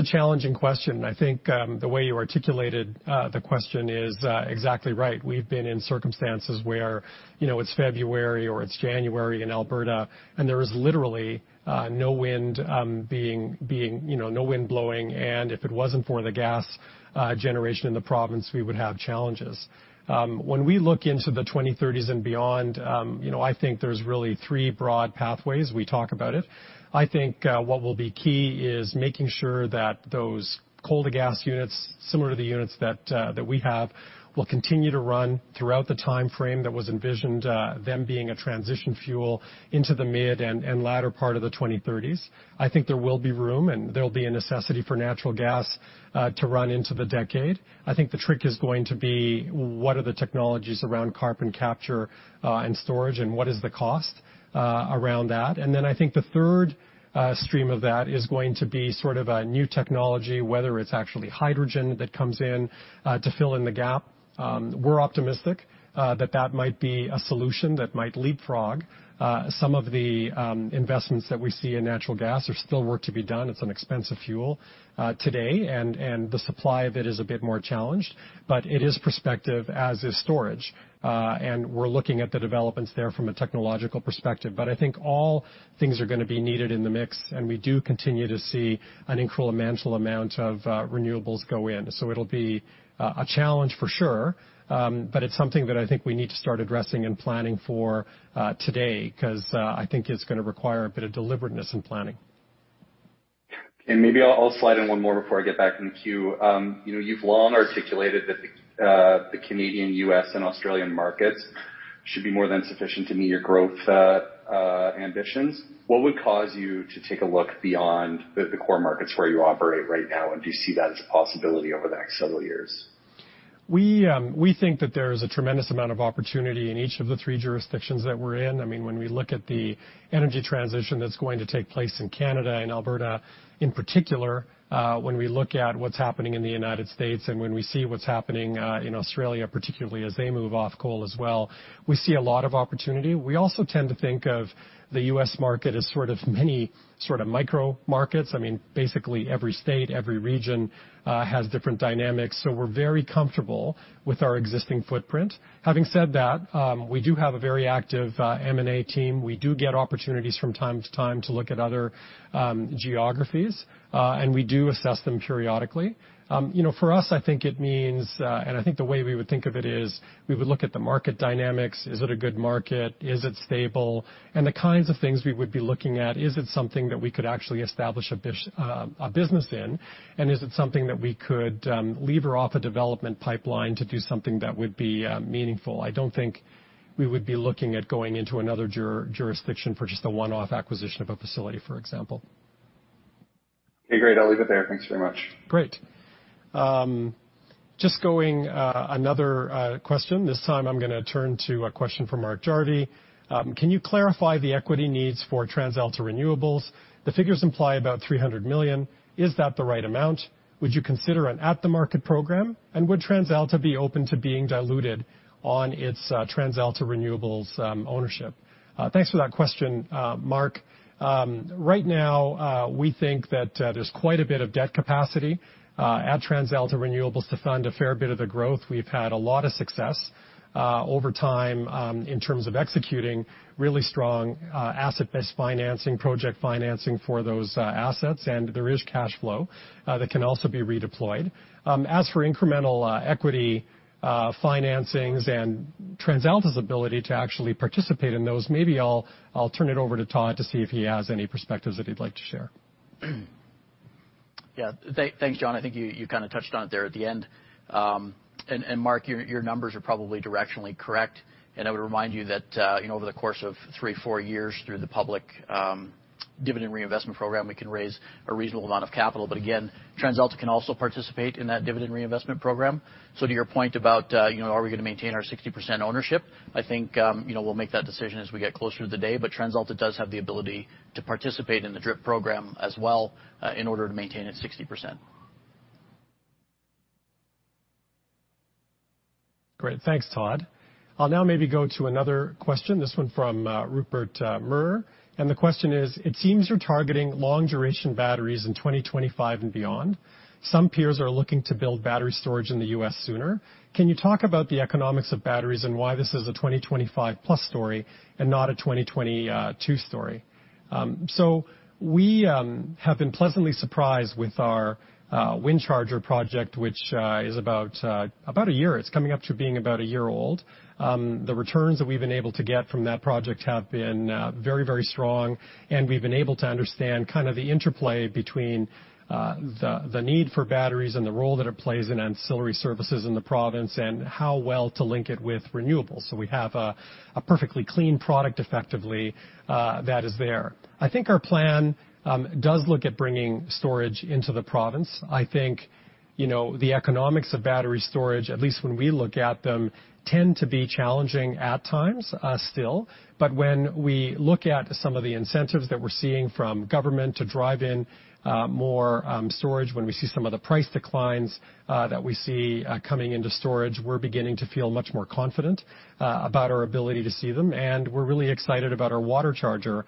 challenging question. I think the way you articulated the question is exactly right. We've been in circumstances where it's February or it's January in Alberta, and there is literally no wind blowing, and if it wasn't for the gas generation in the province, we would have challenges. When we look into the 2030s and beyond, I think there's really three broad pathways. We talk about it. I think what will be key is making sure that those coal to gas units, similar to the units that we have, will continue to run throughout the time frame that was envisioned, them being a transition fuel into the mid- and latter part of the 2030s. I think there will be room and there'll be a necessity for natural gas to run into the decade. I think the trick is going to be what are the technologies around carbon capture and storage, and what is the cost around that? I think the third stream of that is going to be sort of a new technology, whether it's actually hydrogen that comes in to fill in the gap. We're optimistic that that might be a solution that might leapfrog some of the investments that we see in natural gas. There's still work to be done. It's an expensive fuel today, and the supply of it is a bit more challenged, but it is prospective as is storage. We're looking at the developments there from a technological perspective. I think all things are going to be needed in the mix, and we do continue to see an incremental amount of renewables go in. It'll be a challenge for sure. It's something that I think we need to start addressing and planning for today, because I think it's going to require a bit of deliberateness in planning. Maybe I'll slide in one more before I get back in the queue. You've long articulated that the Canadian, U.S., and Australian markets should be more than sufficient to meet your growth ambitions. What would cause you to take a look beyond the core markets where you operate right now? Do you see that as a possibility over the next several years? We think that there's a tremendous amount of opportunity in each of the three jurisdictions that we're in. When we look at the energy transition that's going to take place in Canada and Alberta in particular, when we look at what's happening in the United States and when we see what's happening in Australia, particularly as they move off coal as well, we see a lot of opportunity. We also tend to think of the U.S. market as sort of many sort of micro markets. Basically every state, every region has different dynamics. We're very comfortable with our existing footprint. Having said that, we do have a very active M&A team. We do get opportunities from time to time to look at other geographies. We do assess them periodically. For us, I think it means, and I think the way we would think of it is we would look at the market dynamics. Is it a good market? Is it stable? The kinds of things we would be looking at, is it something that we could actually establish a business in? Is it something that we could lever off a development pipeline to do something that would be meaningful? I don't think we would be looking at going into another jurisdiction for just a one-off acquisition of a facility, for example. Okay, great. I'll leave it there. Thanks very much. Great. Another question. This time I'm going to turn to a question from Mark Jarvi. Can you clarify the equity needs for TransAlta Renewables? The figures imply about 300 million. Is that the right amount? Would you consider an at-the-market program? Would TransAlta be open to being diluted on its TransAlta Renewables ownership? Thanks for that question, Mark. Right now, we think that there's quite a bit of debt capacity at TransAlta Renewables to fund a fair bit of the growth. We've had a lot of success over time in terms of executing really strong asset-based financing, project financing for those assets. There is cash flow that can also be redeployed. As for incremental equity financings and TransAlta's ability to actually participate in those, maybe I'll turn it over to Todd to see if he has any perspectives that he'd like to share. Thanks, John. I think you kind of touched on it there at the end. Mark, your numbers are probably directionally correct. I would remind you that over the course of three or four years, through the public dividend reinvestment program, we can raise a reasonable amount of capital. Again, TransAlta can also participate in that dividend reinvestment program. To your point about are we going to maintain our 60% ownership, I think we'll make that decision as we get closer to the day. TransAlta does have the ability to participate in the DRIP program as well in order to maintain its 60%. Great. Thanks, Todd. I'll now maybe go to another question, this one from Rupert Merer. The question is: It seems you're targeting long-duration batteries in 2025 and beyond. Some peers are looking to build battery storage in the U.S. sooner. Can you talk about the economics of batteries and why this is a 2025 plus story and not a 2022 story? We have been pleasantly surprised with our WindCharger project, which is about one year. It's coming up to being about one year old. The returns that we've been able to get from that project have been very strong, and we've been able to understand kind of the interplay between the need for batteries and the role that it plays in ancillary services in the province, and how well to link it with renewables. We have a perfectly clean product, effectively, that is there. I think our plan does look at bringing storage into the province. I think the economics of battery storage, at least when we look at them, tend to be challenging at times still. When we look at some of the incentives that we're seeing from government to drive in more storage, when we see some of the price declines that we see coming into storage, we're beginning to feel much more confident about our ability to see them. We're really excited about our WaterCharger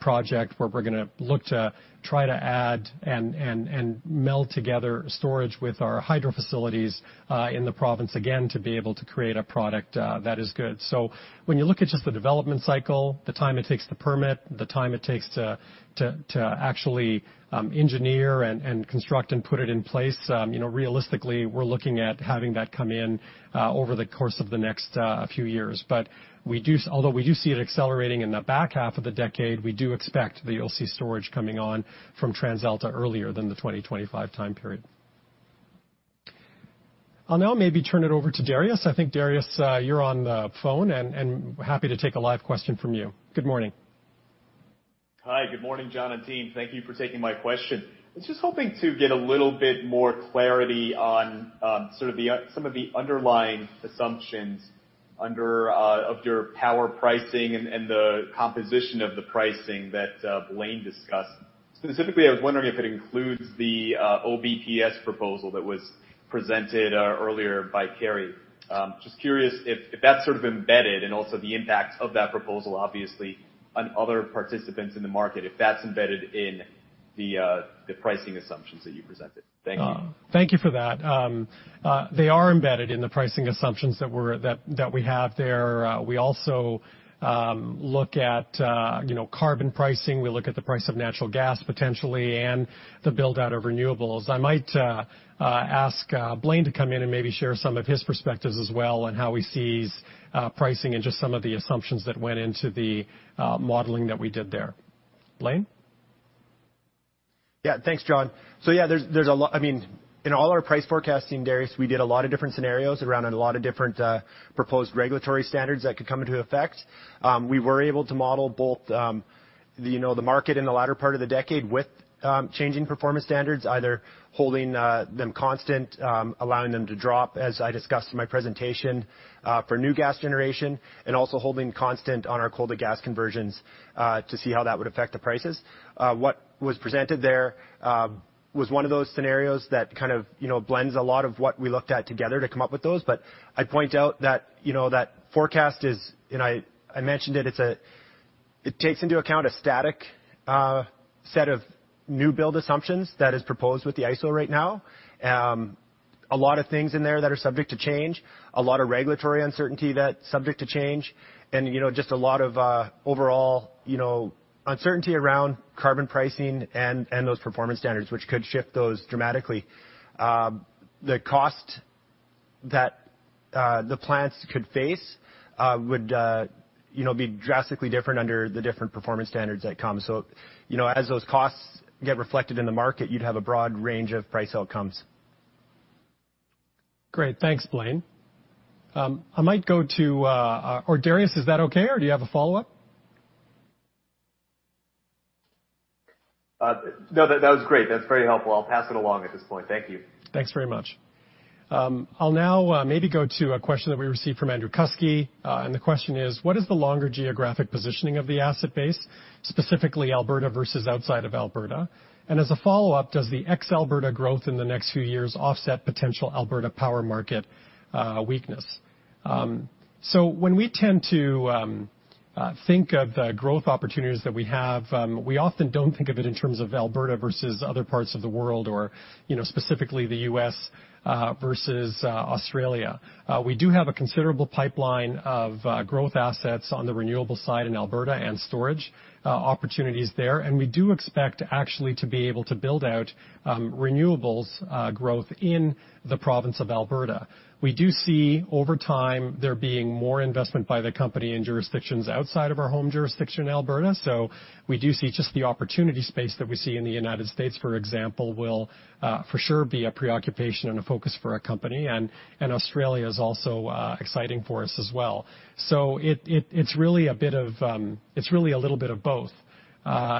project, where we're going to look to try to add and meld together storage with our hydro facilities in the province, again, to be able to create a product that is good. When you look at just the development cycle, the time it takes to permit, the time it takes to actually engineer and construct and put it in place, realistically, we're looking at having that come in over the course of the next few years. We do see it accelerating in the back half of the decade, we do expect that you'll see storage coming on from TransAlta earlier than the 2025 time period. I'll now maybe turn it over to Darius. I think, Darius, you're on the phone, and happy to take a live question from you. Good morning. Hi, good morning, John and team. Thank you for taking my question. I was just hoping to get a little bit more clarity on some of the underlying assumptions of your power pricing and the composition of the pricing that Blain discussed. Specifically, I was wondering if it includes the OBPS proposal that was presented earlier by Kerry. Just curious if that's sort of embedded, and also the impact of that proposal, obviously, on other participants in the market, if that's embedded in the pricing assumptions that you presented. Thank you. Thank you for that. They are embedded in the pricing assumptions that we have there. We also look at carbon pricing. We look at the price of natural gas, potentially, and the build-out of renewables. I might ask Blain to come in and maybe share some of his perspectives as well on how he sees pricing and just some of the assumptions that went into the modeling that we did there. Blain? Thanks, John. In all our price forecasting, Darius, we did a lot of different scenarios around a lot of different proposed regulatory standards that could come into effect. We were able to model both the market in the latter part of the decade with changing performance standards, either holding them constant, allowing them to drop, as I discussed in my presentation, for new gas generation, and also holding constant on our coal-to-gas conversions to see how that would affect the prices. What was presented there was one of those scenarios that kind of blends a lot of what we looked at together to come up with those. I point out that forecast is, and I mentioned it takes into account a static set of new build assumptions that is proposed with the ISO right now. A lot of things in there that are subject to change, a lot of regulatory uncertainty that's subject to change, just a lot of overall uncertainty around carbon pricing and those performance standards, which could shift those dramatically. The cost that the plants could face would be drastically different under the different performance standards that come. As those costs get reflected in the market, you'd have a broad range of price outcomes. Great. Thanks, Blain. I might go to, or Darius, is that okay, or do you have a follow-up? No, that was great. That's very helpful. I'll pass it along at this point. Thank you. Thanks very much. I'll now maybe go to a question that we received from Andrew Kuske. The question is: What is the longer geographic positioning of the asset base, specifically Alberta versus outside of Alberta? As a follow-up, does the ex-Alberta growth in the next few years offset potential Alberta power market weakness? When we tend to think of the growth opportunities that we have, we often don't think of it in terms of Alberta versus other parts of the world or specifically the U.S. versus Australia. We do have a considerable pipeline of growth assets on the renewable side in Alberta and storage opportunities there, and we do expect actually to be able to build out renewables growth in the province of Alberta. We do see over time there being more investment by the company in jurisdictions outside of our home jurisdiction in Alberta. We do see just the opportunity space that we see in the U.S., for example, will for sure be a preoccupation and a focus for our company. Australia is also exciting for us as well. It's really a little bit of both,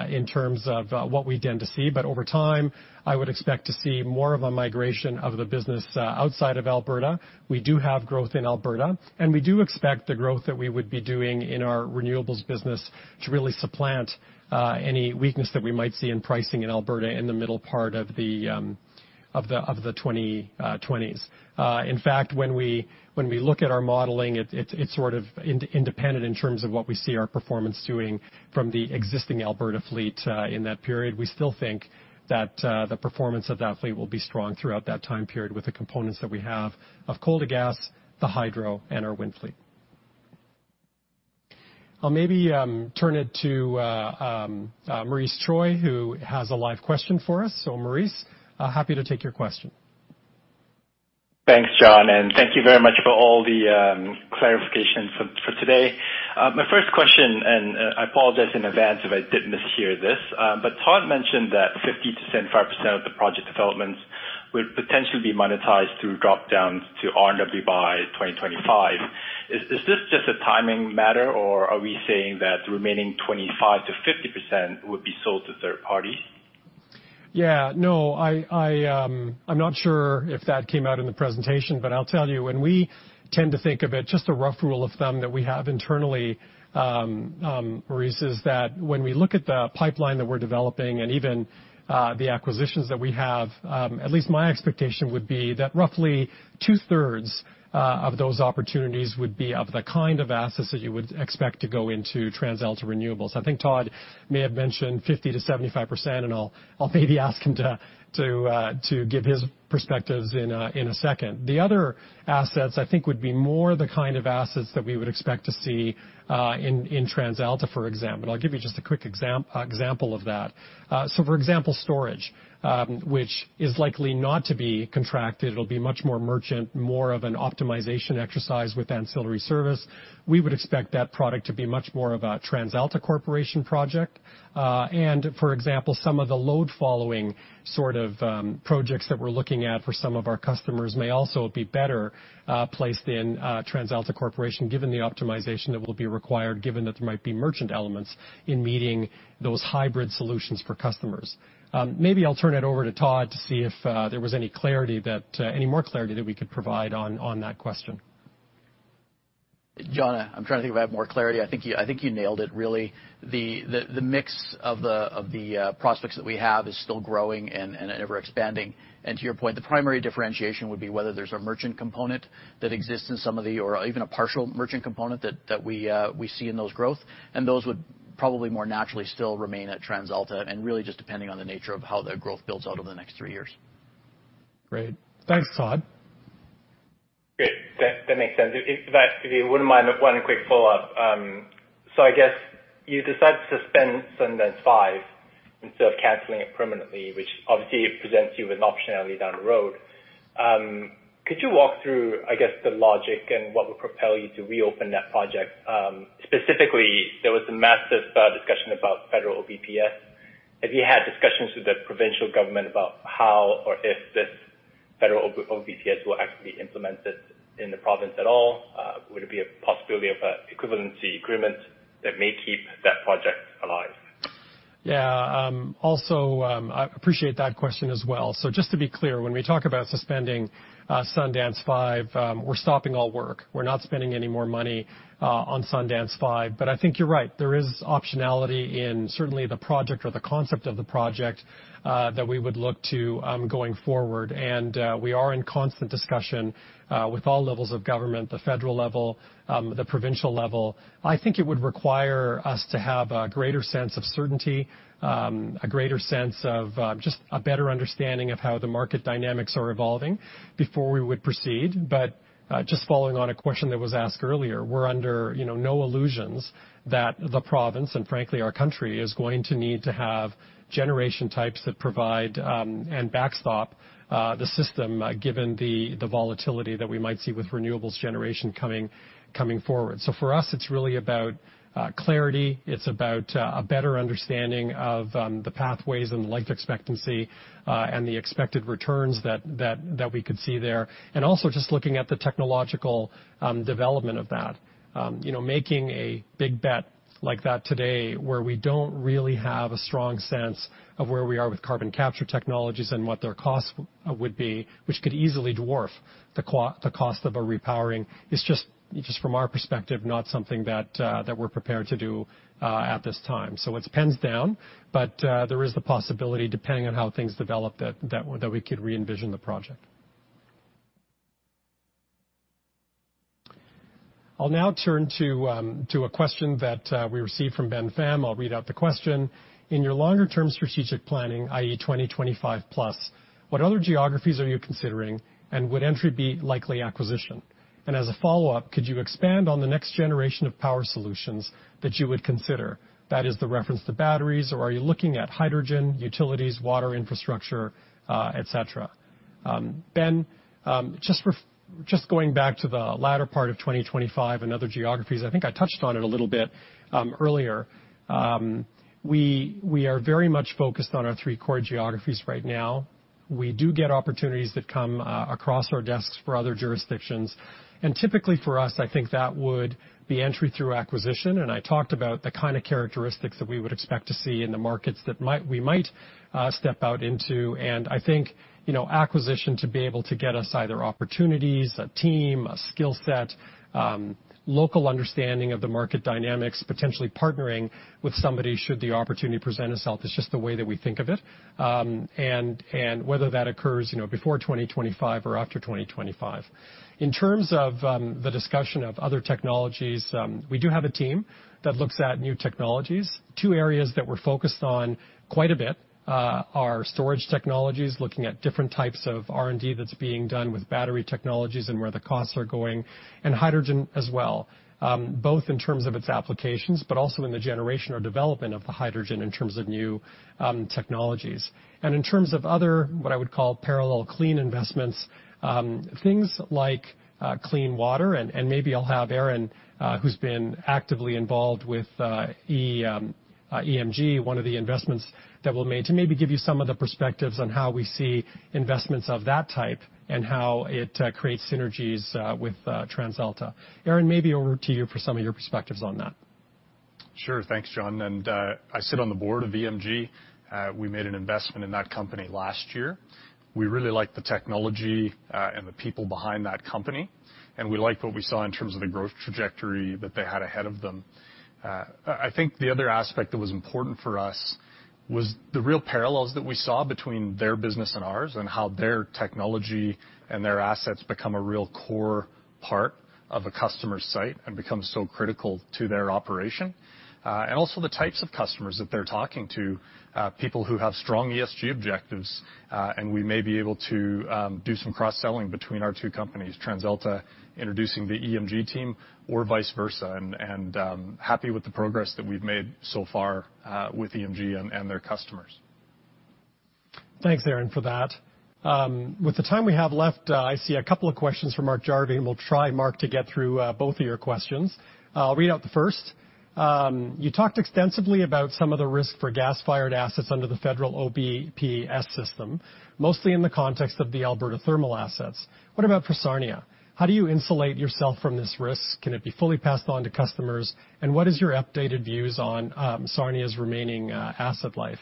in terms of what we tend to see. Over time, I would expect to see more of a migration of the business outside of Alberta. We do have growth in Alberta, and we do expect the growth that we would be doing in our renewables business to really supplant any weakness that we might see in pricing in Alberta in the middle part of the 2020s. In fact, when we look at our modeling, it's sort of independent in terms of what we see our performance doing from the existing Alberta fleet in that period. We still think that the performance of that fleet will be strong throughout that time period with the components that we have of coal to gas, the hydro, and our wind fleet. I'll maybe turn it to Maurice Choy, who has a live question for us. Maurice, happy to take your question. Thanks, John. Thank you very much for all the clarification for today. My first question, I apologize in advance if I did mishear this. Todd mentioned that 50%-75% of the project developments would potentially be monetized through drop-downs to RNW by 2025. Is this just a timing matter, or are we saying that the remaining 25%-50% would be sold to third parties? No, I'm not sure if that came out in the presentation. I'll tell you, when we tend to think of it, just a rough rule of thumb that we have internally, Maurice, is that when we look at the pipeline that we're developing and even the acquisitions that we have, at least my expectation would be that roughly two-thirds of those opportunities would be of the kind of assets that you would expect to go into TransAlta Renewables. I think Todd may have mentioned 50%-75%, I'll maybe ask him to give his perspectives in a second. The other assets, I think, would be more the kind of assets that we would expect to see in TransAlta, for example. I'll give you just a quick example of that. For example, storage, which is likely not to be contracted. It'll be much more merchant, more of an optimization exercise with ancillary service. We would expect that product to be much more of a TransAlta Corporation project. For example, some of the load-following sort of projects that we're looking at for some of our customers may also be better placed in TransAlta Corporation, given the optimization that will be required, given that there might be merchant elements in meeting those hybrid solutions for customers. Maybe I'll turn it over to Todd to see if there was any more clarity that we could provide on that question. John, I'm trying to think if I have more clarity. I think you nailed it, really. The mix of the prospects that we have is still growing and ever-expanding. To your point, the primary differentiation would be whether there's a merchant component that exists in some of the, or even a partial merchant component that we see in those growth. Those would probably more naturally still remain at TransAlta, and really just depending on the nature of how the growth builds out over the next three years. Great. Thanks, Todd. Great. That makes sense. In fact, if you wouldn't mind, one quick follow-up. I guess you decided to suspend Sundance 5 instead of canceling it permanently, which obviously presents you with an optionality down the road. Could you walk through, I guess, the logic and what would propel you to reopen that project? Specifically, there was a massive discussion about federal OBPS. Have you had discussions with the provincial government about how or if this federal OBPS will actually be implemented in the province at all? Would it be a possibility of an equivalency agreement that may keep that project alive? Yeah. Also, I appreciate that question as well. Just to be clear, when we talk about suspending Sundance 5, we're stopping all work. We're not spending any more money on Sundance 5. I think you're right, there is optionality in certainly the project or the concept of the project that we would look to going forward. We are in constant discussion with all levels of government, the federal level, the provincial level. I think it would require us to have a greater sense of certainty, a greater sense of just a better understanding of how the market dynamics are evolving before we would proceed. Just following on a question that was asked earlier, we're under no illusions that the province, and frankly, our country, is going to need to have generation types that provide and backstop the system, given the volatility that we might see with renewables generation coming forward. For us, it's really about clarity. It's about a better understanding of the pathways and the life expectancy, and the expected returns that we could see there. Also just looking at the technological development of that. Making a big bet like that today, where we don't really have a strong sense of where we are with carbon capture technologies and what their costs would be, which could easily dwarf the cost of a repowering. It's just from our perspective, not something that we're prepared to do at this time. It's pens down, but there is the possibility, depending on how things develop, that we could re-envision the project. I'll now turn to a question that we received from Ben Pham. I'll read out the question. In your longer-term strategic planning, i.e., 2025+, what other geographies are you considering, and would entry be likely acquisition? As a follow-up, could you expand on the next generation of power solutions that you would consider? That is the reference to batteries, or are you looking at hydrogen, utilities, water infrastructure, et cetera? Ben, just going back to the latter part of 2025 and other geographies. I think I touched on it a little bit earlier. We are very much focused on our three core geographies right now. We do get opportunities that come across our desks for other jurisdictions. Typically, for us, I think that would be entry through acquisition, and I talked about the kind of characteristics that we would expect to see in the markets that we might step out into. I think, acquisition to be able to get us either opportunities, a team, a skill set, local understanding of the market dynamics, potentially partnering with somebody should the opportunity present itself, is just the way that we think of it. Whether that occurs before 2025 or after 2025. In terms of the discussion of other technologies, we do have a team that looks at new technologies. Two areas that we're focused on quite a bit are storage technologies, looking at different types of R&D that's being done with battery technologies and where the costs are going, and hydrogen as well, both in terms of its applications, but also in the generation or development of the hydrogen in terms of new technologies. In terms of other, what I would call parallel clean investments, things like clean water, and maybe I'll have Aron, who's been actively involved with EMG, one of the investments that we'll make, to maybe give you some of the perspectives on how we see investments of that type and how it creates synergies with TransAlta. Aron, maybe over to you for some of your perspectives on that. Sure. Thanks, John. I sit on the board of EMG. We made an investment in that company last year. We really liked the technology and the people behind that company, and we liked what we saw in terms of the growth trajectory that they had ahead of them. I think the other aspect that was important for us was the real parallels that we saw between their business and ours and how their technology and their assets become a real core part of a customer's site and become so critical to their operation. Also the types of customers that they're talking to, people who have strong ESG objectives. We may be able to do some cross-selling between our two companies, TransAlta introducing the EMG team or vice versa, and happy with the progress that we've made so far with EMG and their customers. Thanks, Aron, for that. With the time we have left, I see a couple of questions from Mark Jarvi. We'll try, Mark, to get through both of your questions. I'll read out the first. You talked extensively about some of the risk for gas-fired assets under the federal OBPS system, mostly in the context of the Alberta thermal assets. What about for Sarnia? How do you insulate yourself from this risk? Can it be fully passed on to customers? What is your updated views on Sarnia's remaining asset life?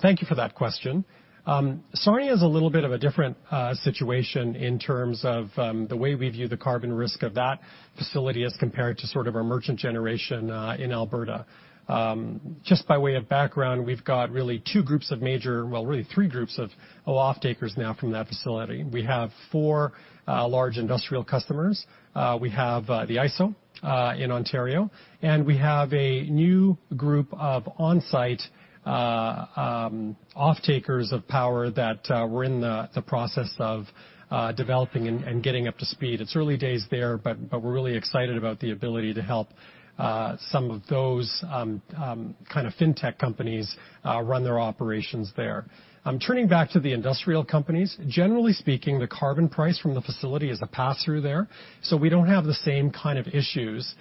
Thank you for that question. Sarnia is a little bit of a different situation in terms of the way we view the carbon risk of that facility as compared to sort of our merchant generation in Alberta. Just by way of background, we've got really two groups of major, well, really three groups of off-takers now from that facility. We have four large industrial customers. We have the ISO in Ontario, and we have a new group of on-site off-takers of power that we're in the process of developing and getting up to speed. It's early days there, but we're really excited about the ability to help some of those kind of fintech companies run their operations there. Turning back to the industrial companies, generally speaking, the carbon price from the facility is a pass-through there. We don't have the same kind of issues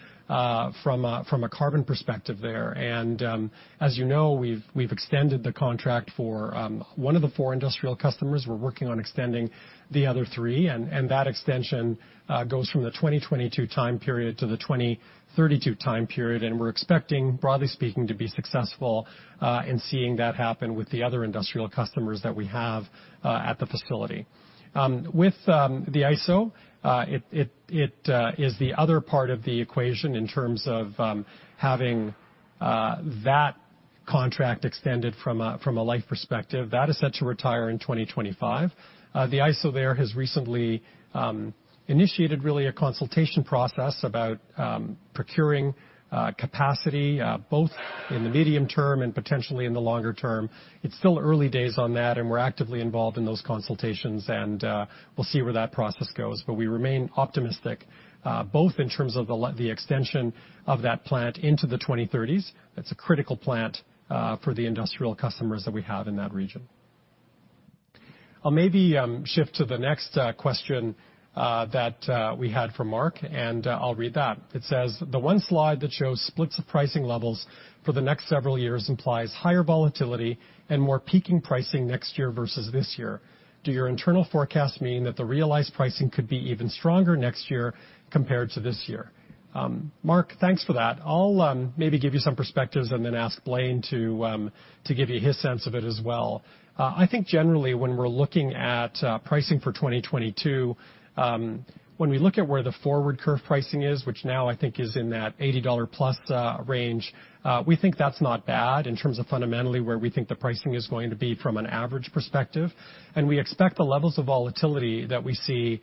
from a carbon perspective there. As you know, we've extended the contract for one of the four industrial customers. We're working on extending the other three, and that extension goes from the 2022 time period to the 2032 time period. We're expecting, broadly speaking, to be successful in seeing that happen with the other industrial customers that we have at the facility. With the ISO, it is the other part of the equation in terms of having that contract extended from a life perspective. That is set to retire in 2025. The ISO there has recently initiated really a consultation process about procuring capacity, both in the medium term and potentially in the longer term. It's still early days on that, and we're actively involved in those consultations, and we'll see where that process goes. We remain optimistic both in terms of the extension of that plant into the 2030s. That's a critical plant for the industrial customers that we have in that region. I'll maybe shift to the next question that we had from Mark, and I'll read that. It says, "The one slide that shows splits of pricing levels for the next several years implies higher volatility and more peaking pricing next year versus this year. Do your internal forecasts mean that the realized pricing could be even stronger next year compared to this year? Mark, thanks for that. I'll maybe give you some perspectives and then ask Blain to give you his sense of it as well. I think generally when we're looking at pricing for 2022, when we look at where the forward curve pricing is, which now I think is in that 80+ dollar range, we think that's not bad in terms of fundamentally where we think the pricing is going to be from an average perspective. We expect the levels of volatility that we see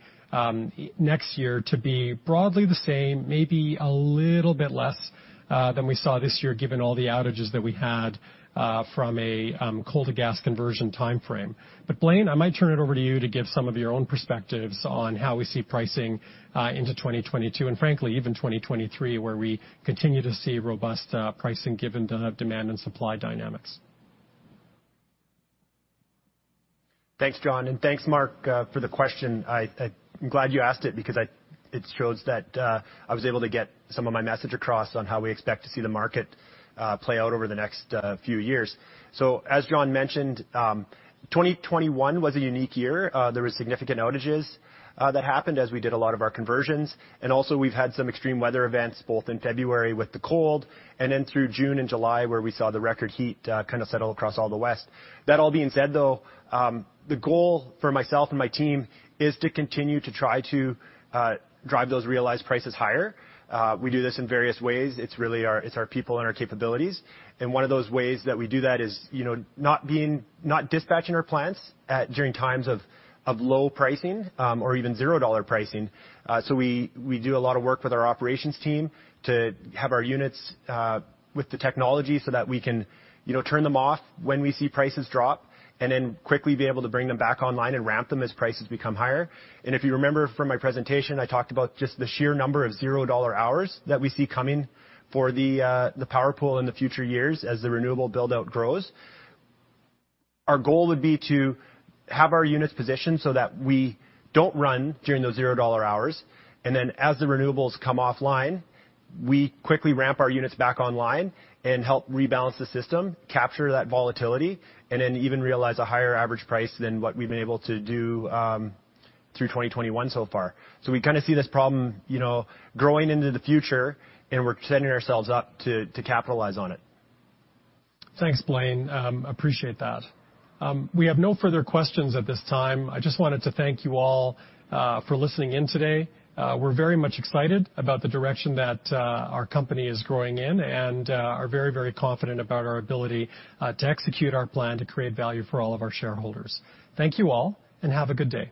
next year to be broadly the same, maybe a little bit less than we saw this year, given all the outages that we had from a coal to gas conversion timeframe. Blain, I might turn it over to you to give some of your own perspectives on how we see pricing into 2022, and frankly, even 2023, where we continue to see robust pricing given the demand and supply dynamics. Thanks, John, and thanks Mark for the question. I'm glad you asked it because it shows that I was able to get some of my message across on how we expect to see the market play out over the next few years. As John mentioned, 2021 was a unique year. There was significant outages that happened as we did a lot of our conversions. Also, we've had some extreme weather events, both in February with the cold, and then through June and July, where we saw the record heat kind of settle across all the West. That all being said, though, the goal for myself and my team is to continue to try to drive those realized prices higher. We do this in various ways. It's our people and our capabilities. One of those ways that we do that is not dispatching our plants during times of low pricing or even 0 dollar pricing. We do a lot of work with our operations team to have our units with the technology so that we can turn them off when we see prices drop, and then quickly be able to bring them back online and ramp them as prices become higher. If you remember from my presentation, I talked about just the sheer number of 0 dollar hours that we see coming for the power pool in the future years as the renewable build-out grows. Our goal would be to have our units positioned so that we don't run during those 0 dollar hours, and then as the renewables come offline, we quickly ramp our units back online and help rebalance the system, capture that volatility, and then even realize a higher average price than what we've been able to do through 2021 so far. We kind of see this problem growing into the future, and we're setting ourselves up to capitalize on it. Thanks, Blain. Appreciate that. We have no further questions at this time. I just wanted to thank you all for listening in today. We're very much excited about the direction that our company is growing in and are very confident about our ability to execute our plan to create value for all of our shareholders. Thank you all, and have a good day.